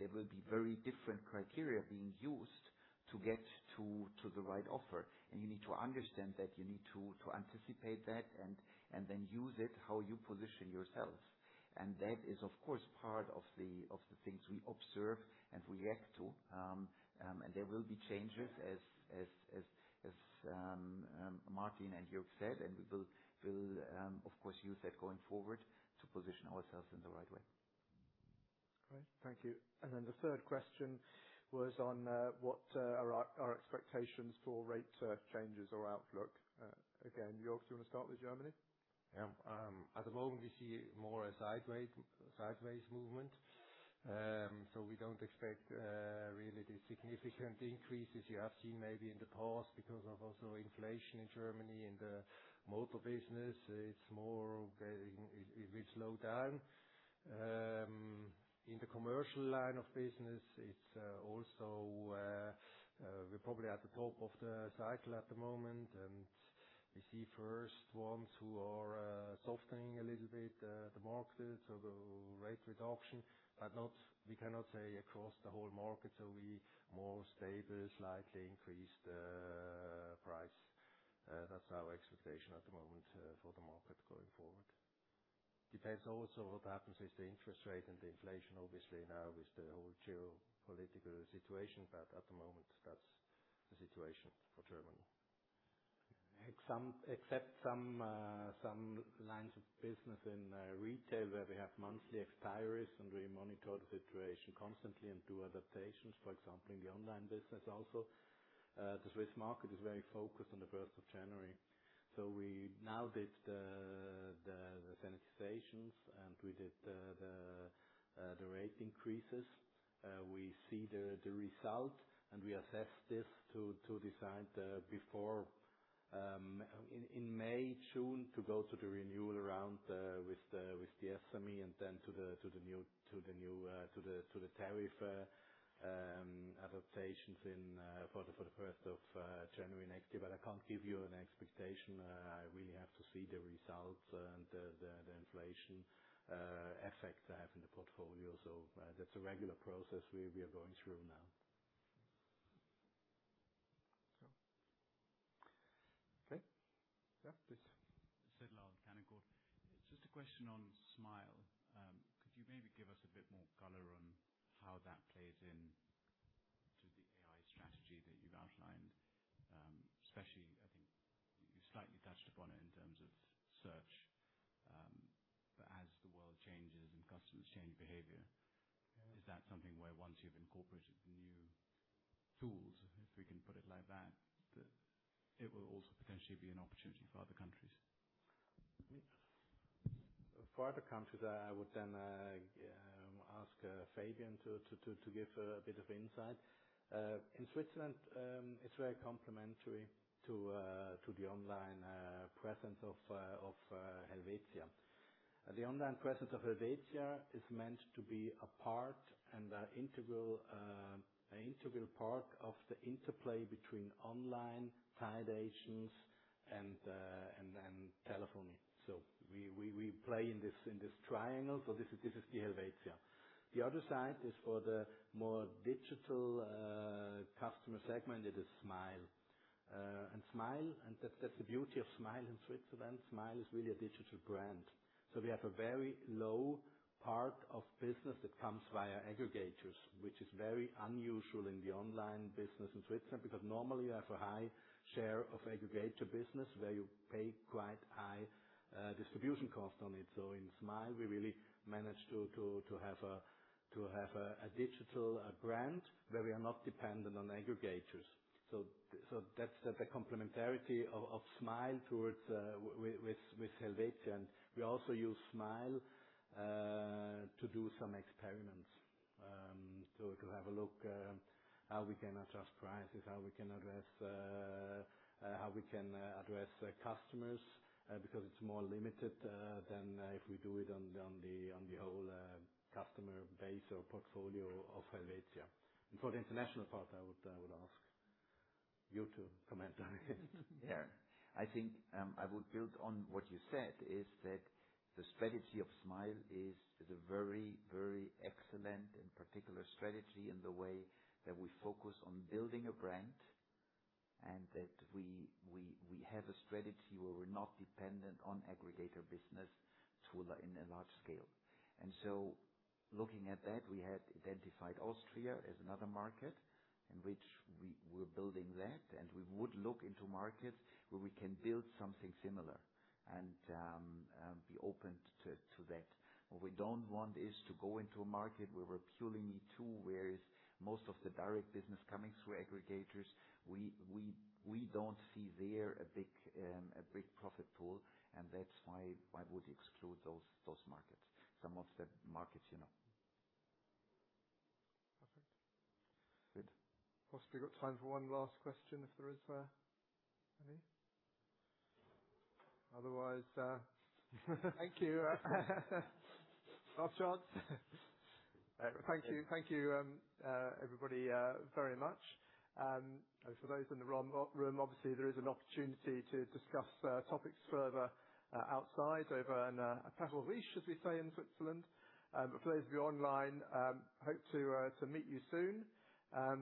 there will be very different criteria being used to get to the right offer. You need to understand that, you need to anticipate that, and then use it how you position yourself. That is, of course, part of the things we observe and react to. There will be changes as Martin and Jürg said, and we will, of course, use that going forward to position ourselves in the right way. Great. Thank you. The third question was on, what are our expectations for rate changes or outlook? Again, Jürg, do you want to start with Germany? Yeah. At the moment, we see more a sideways movement. We don't expect really the significant increases you have seen maybe in the past because of also inflation in Germany. In the motor business, it will slow down. In the commercial line of business, we're probably at the top of the cycle at the moment, and we see first ones who are softening a little bit, the markets or the rate reduction. We cannot say across the whole market, so we more stable, slightly increase the price. That's our expectation at the moment for the market going forward. Depends also what happens with the interest rate and the inflation, obviously, now with the whole geopolitical situation. At the moment, that's the situation for Germany. Except some lines of business in retail where we have monthly expiries, and we monitor the situation constantly and do adaptations. For example, in the online business also. The Swiss market is very focused on the 1st of January. We now did the sanitizations, and we did the rate increases. We see the result, and we assess this to decide before, in May, June, to go to the renewal round, with the SME and then to the tariff adaptations for the 1st of January next year. I can't give you an expectation to see the results and the inflation effect they have in the portfolio. That's a regular process we are going through now. Okay. Yeah, please. [Cedric Kaneko]. Just a question on Smile. Could you maybe give us a bit more color on how that plays into the AI strategy that you've outlined? Especially, I think you slightly touched upon it in terms of search. As the world changes and customers change behavior, is that something where once you've incorporated the new tools, if we can put it like that it will also potentially be an opportunity for other countries? For other countries, I would then ask Fabian to give a bit of insight. In Switzerland, it's very complementary to the online presence of Helvetia. The online presence of Helvetia is meant to be a part and an integral part of the interplay between online tied agents and then telephony. We play in this triangle. This is the Helvetia. The other side is for the more digital customer segment, it is Smile. That's the beauty of Smile in Switzerland. Smile is really a digital brand, so we have a very low part of business that comes via aggregators, which is very unusual in the online business in Switzerland. Because normally you have a high share of aggregator business where you pay quite high distribution cost on it. In Smile, we really managed to have a digital brand where we are not dependent on aggregators. That's the complementarity of Smile with Helvetia. We also use Smile to do some experiments. We can have a look how we can adjust prices, how we can address customers, because it's more limited than if we do it on the whole customer base or portfolio of Helvetia. For the international part, I would ask you to comment on it. Yeah, I think I would build on what you said is that the strategy of Smile is a very, very excellent and particular strategy in the way that we focus on building a brand and that we have a strategy where we're not dependent on aggregator business in a large scale. Looking at that, we had identified Austria as another market in which we're building that, and we would look into markets where we can build something similar and be open to that. What we don't want is to go into a market where we're purely me-too, where is most of the direct business coming through aggregators. We don't see there a big profit pool. That's why I would exclude those markets, some of the markets you know. Perfect. Good. We've got time for one last question if there is any. Otherwise, thank you. Last chance. Thank you, everybody, very much. For those in the room, obviously, there is an opportunity to discuss topics further outside over a Apéro Riche, as we say in Switzerland. For those of you online, hope to meet you soon.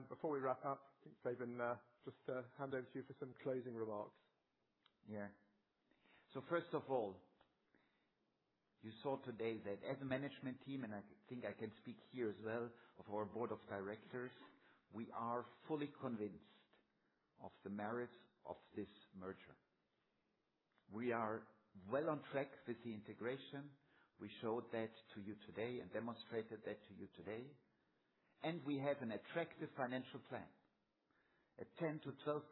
Before we wrap up, I think, Fabian, just hand over to you for some closing remarks. Yeah. First of all, you saw today that as a management team, and I think I can speak here as well of our board of directors, we are fully convinced of the merits of this merger. We are well on track with the integration. We showed that to you today and demonstrated that to you today. We have an attractive financial plan. A 10%-12%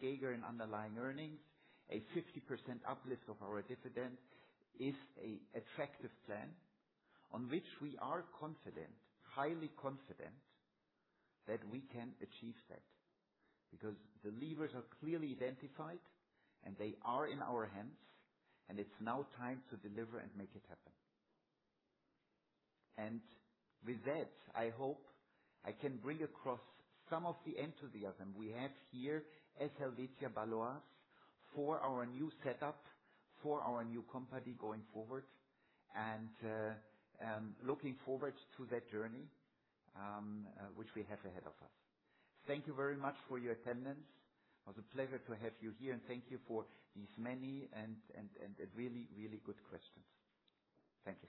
CAGR in underlying earnings. A 50% uplift of our dividend is an attractive plan on which we are confident, highly confident, that we can achieve that. Because the levers are clearly identified, and they are in our hands, and it's now time to deliver and make it happen. With that, I hope I can bring across some of the enthusiasm we have here at Helvetia Baloise for our new setup, for our new company going forward, and looking forward to that journey, which we have ahead of us. Thank you very much for your attendance. It was a pleasure to have you here. Thank you for these many and really, really good questions. Thank you.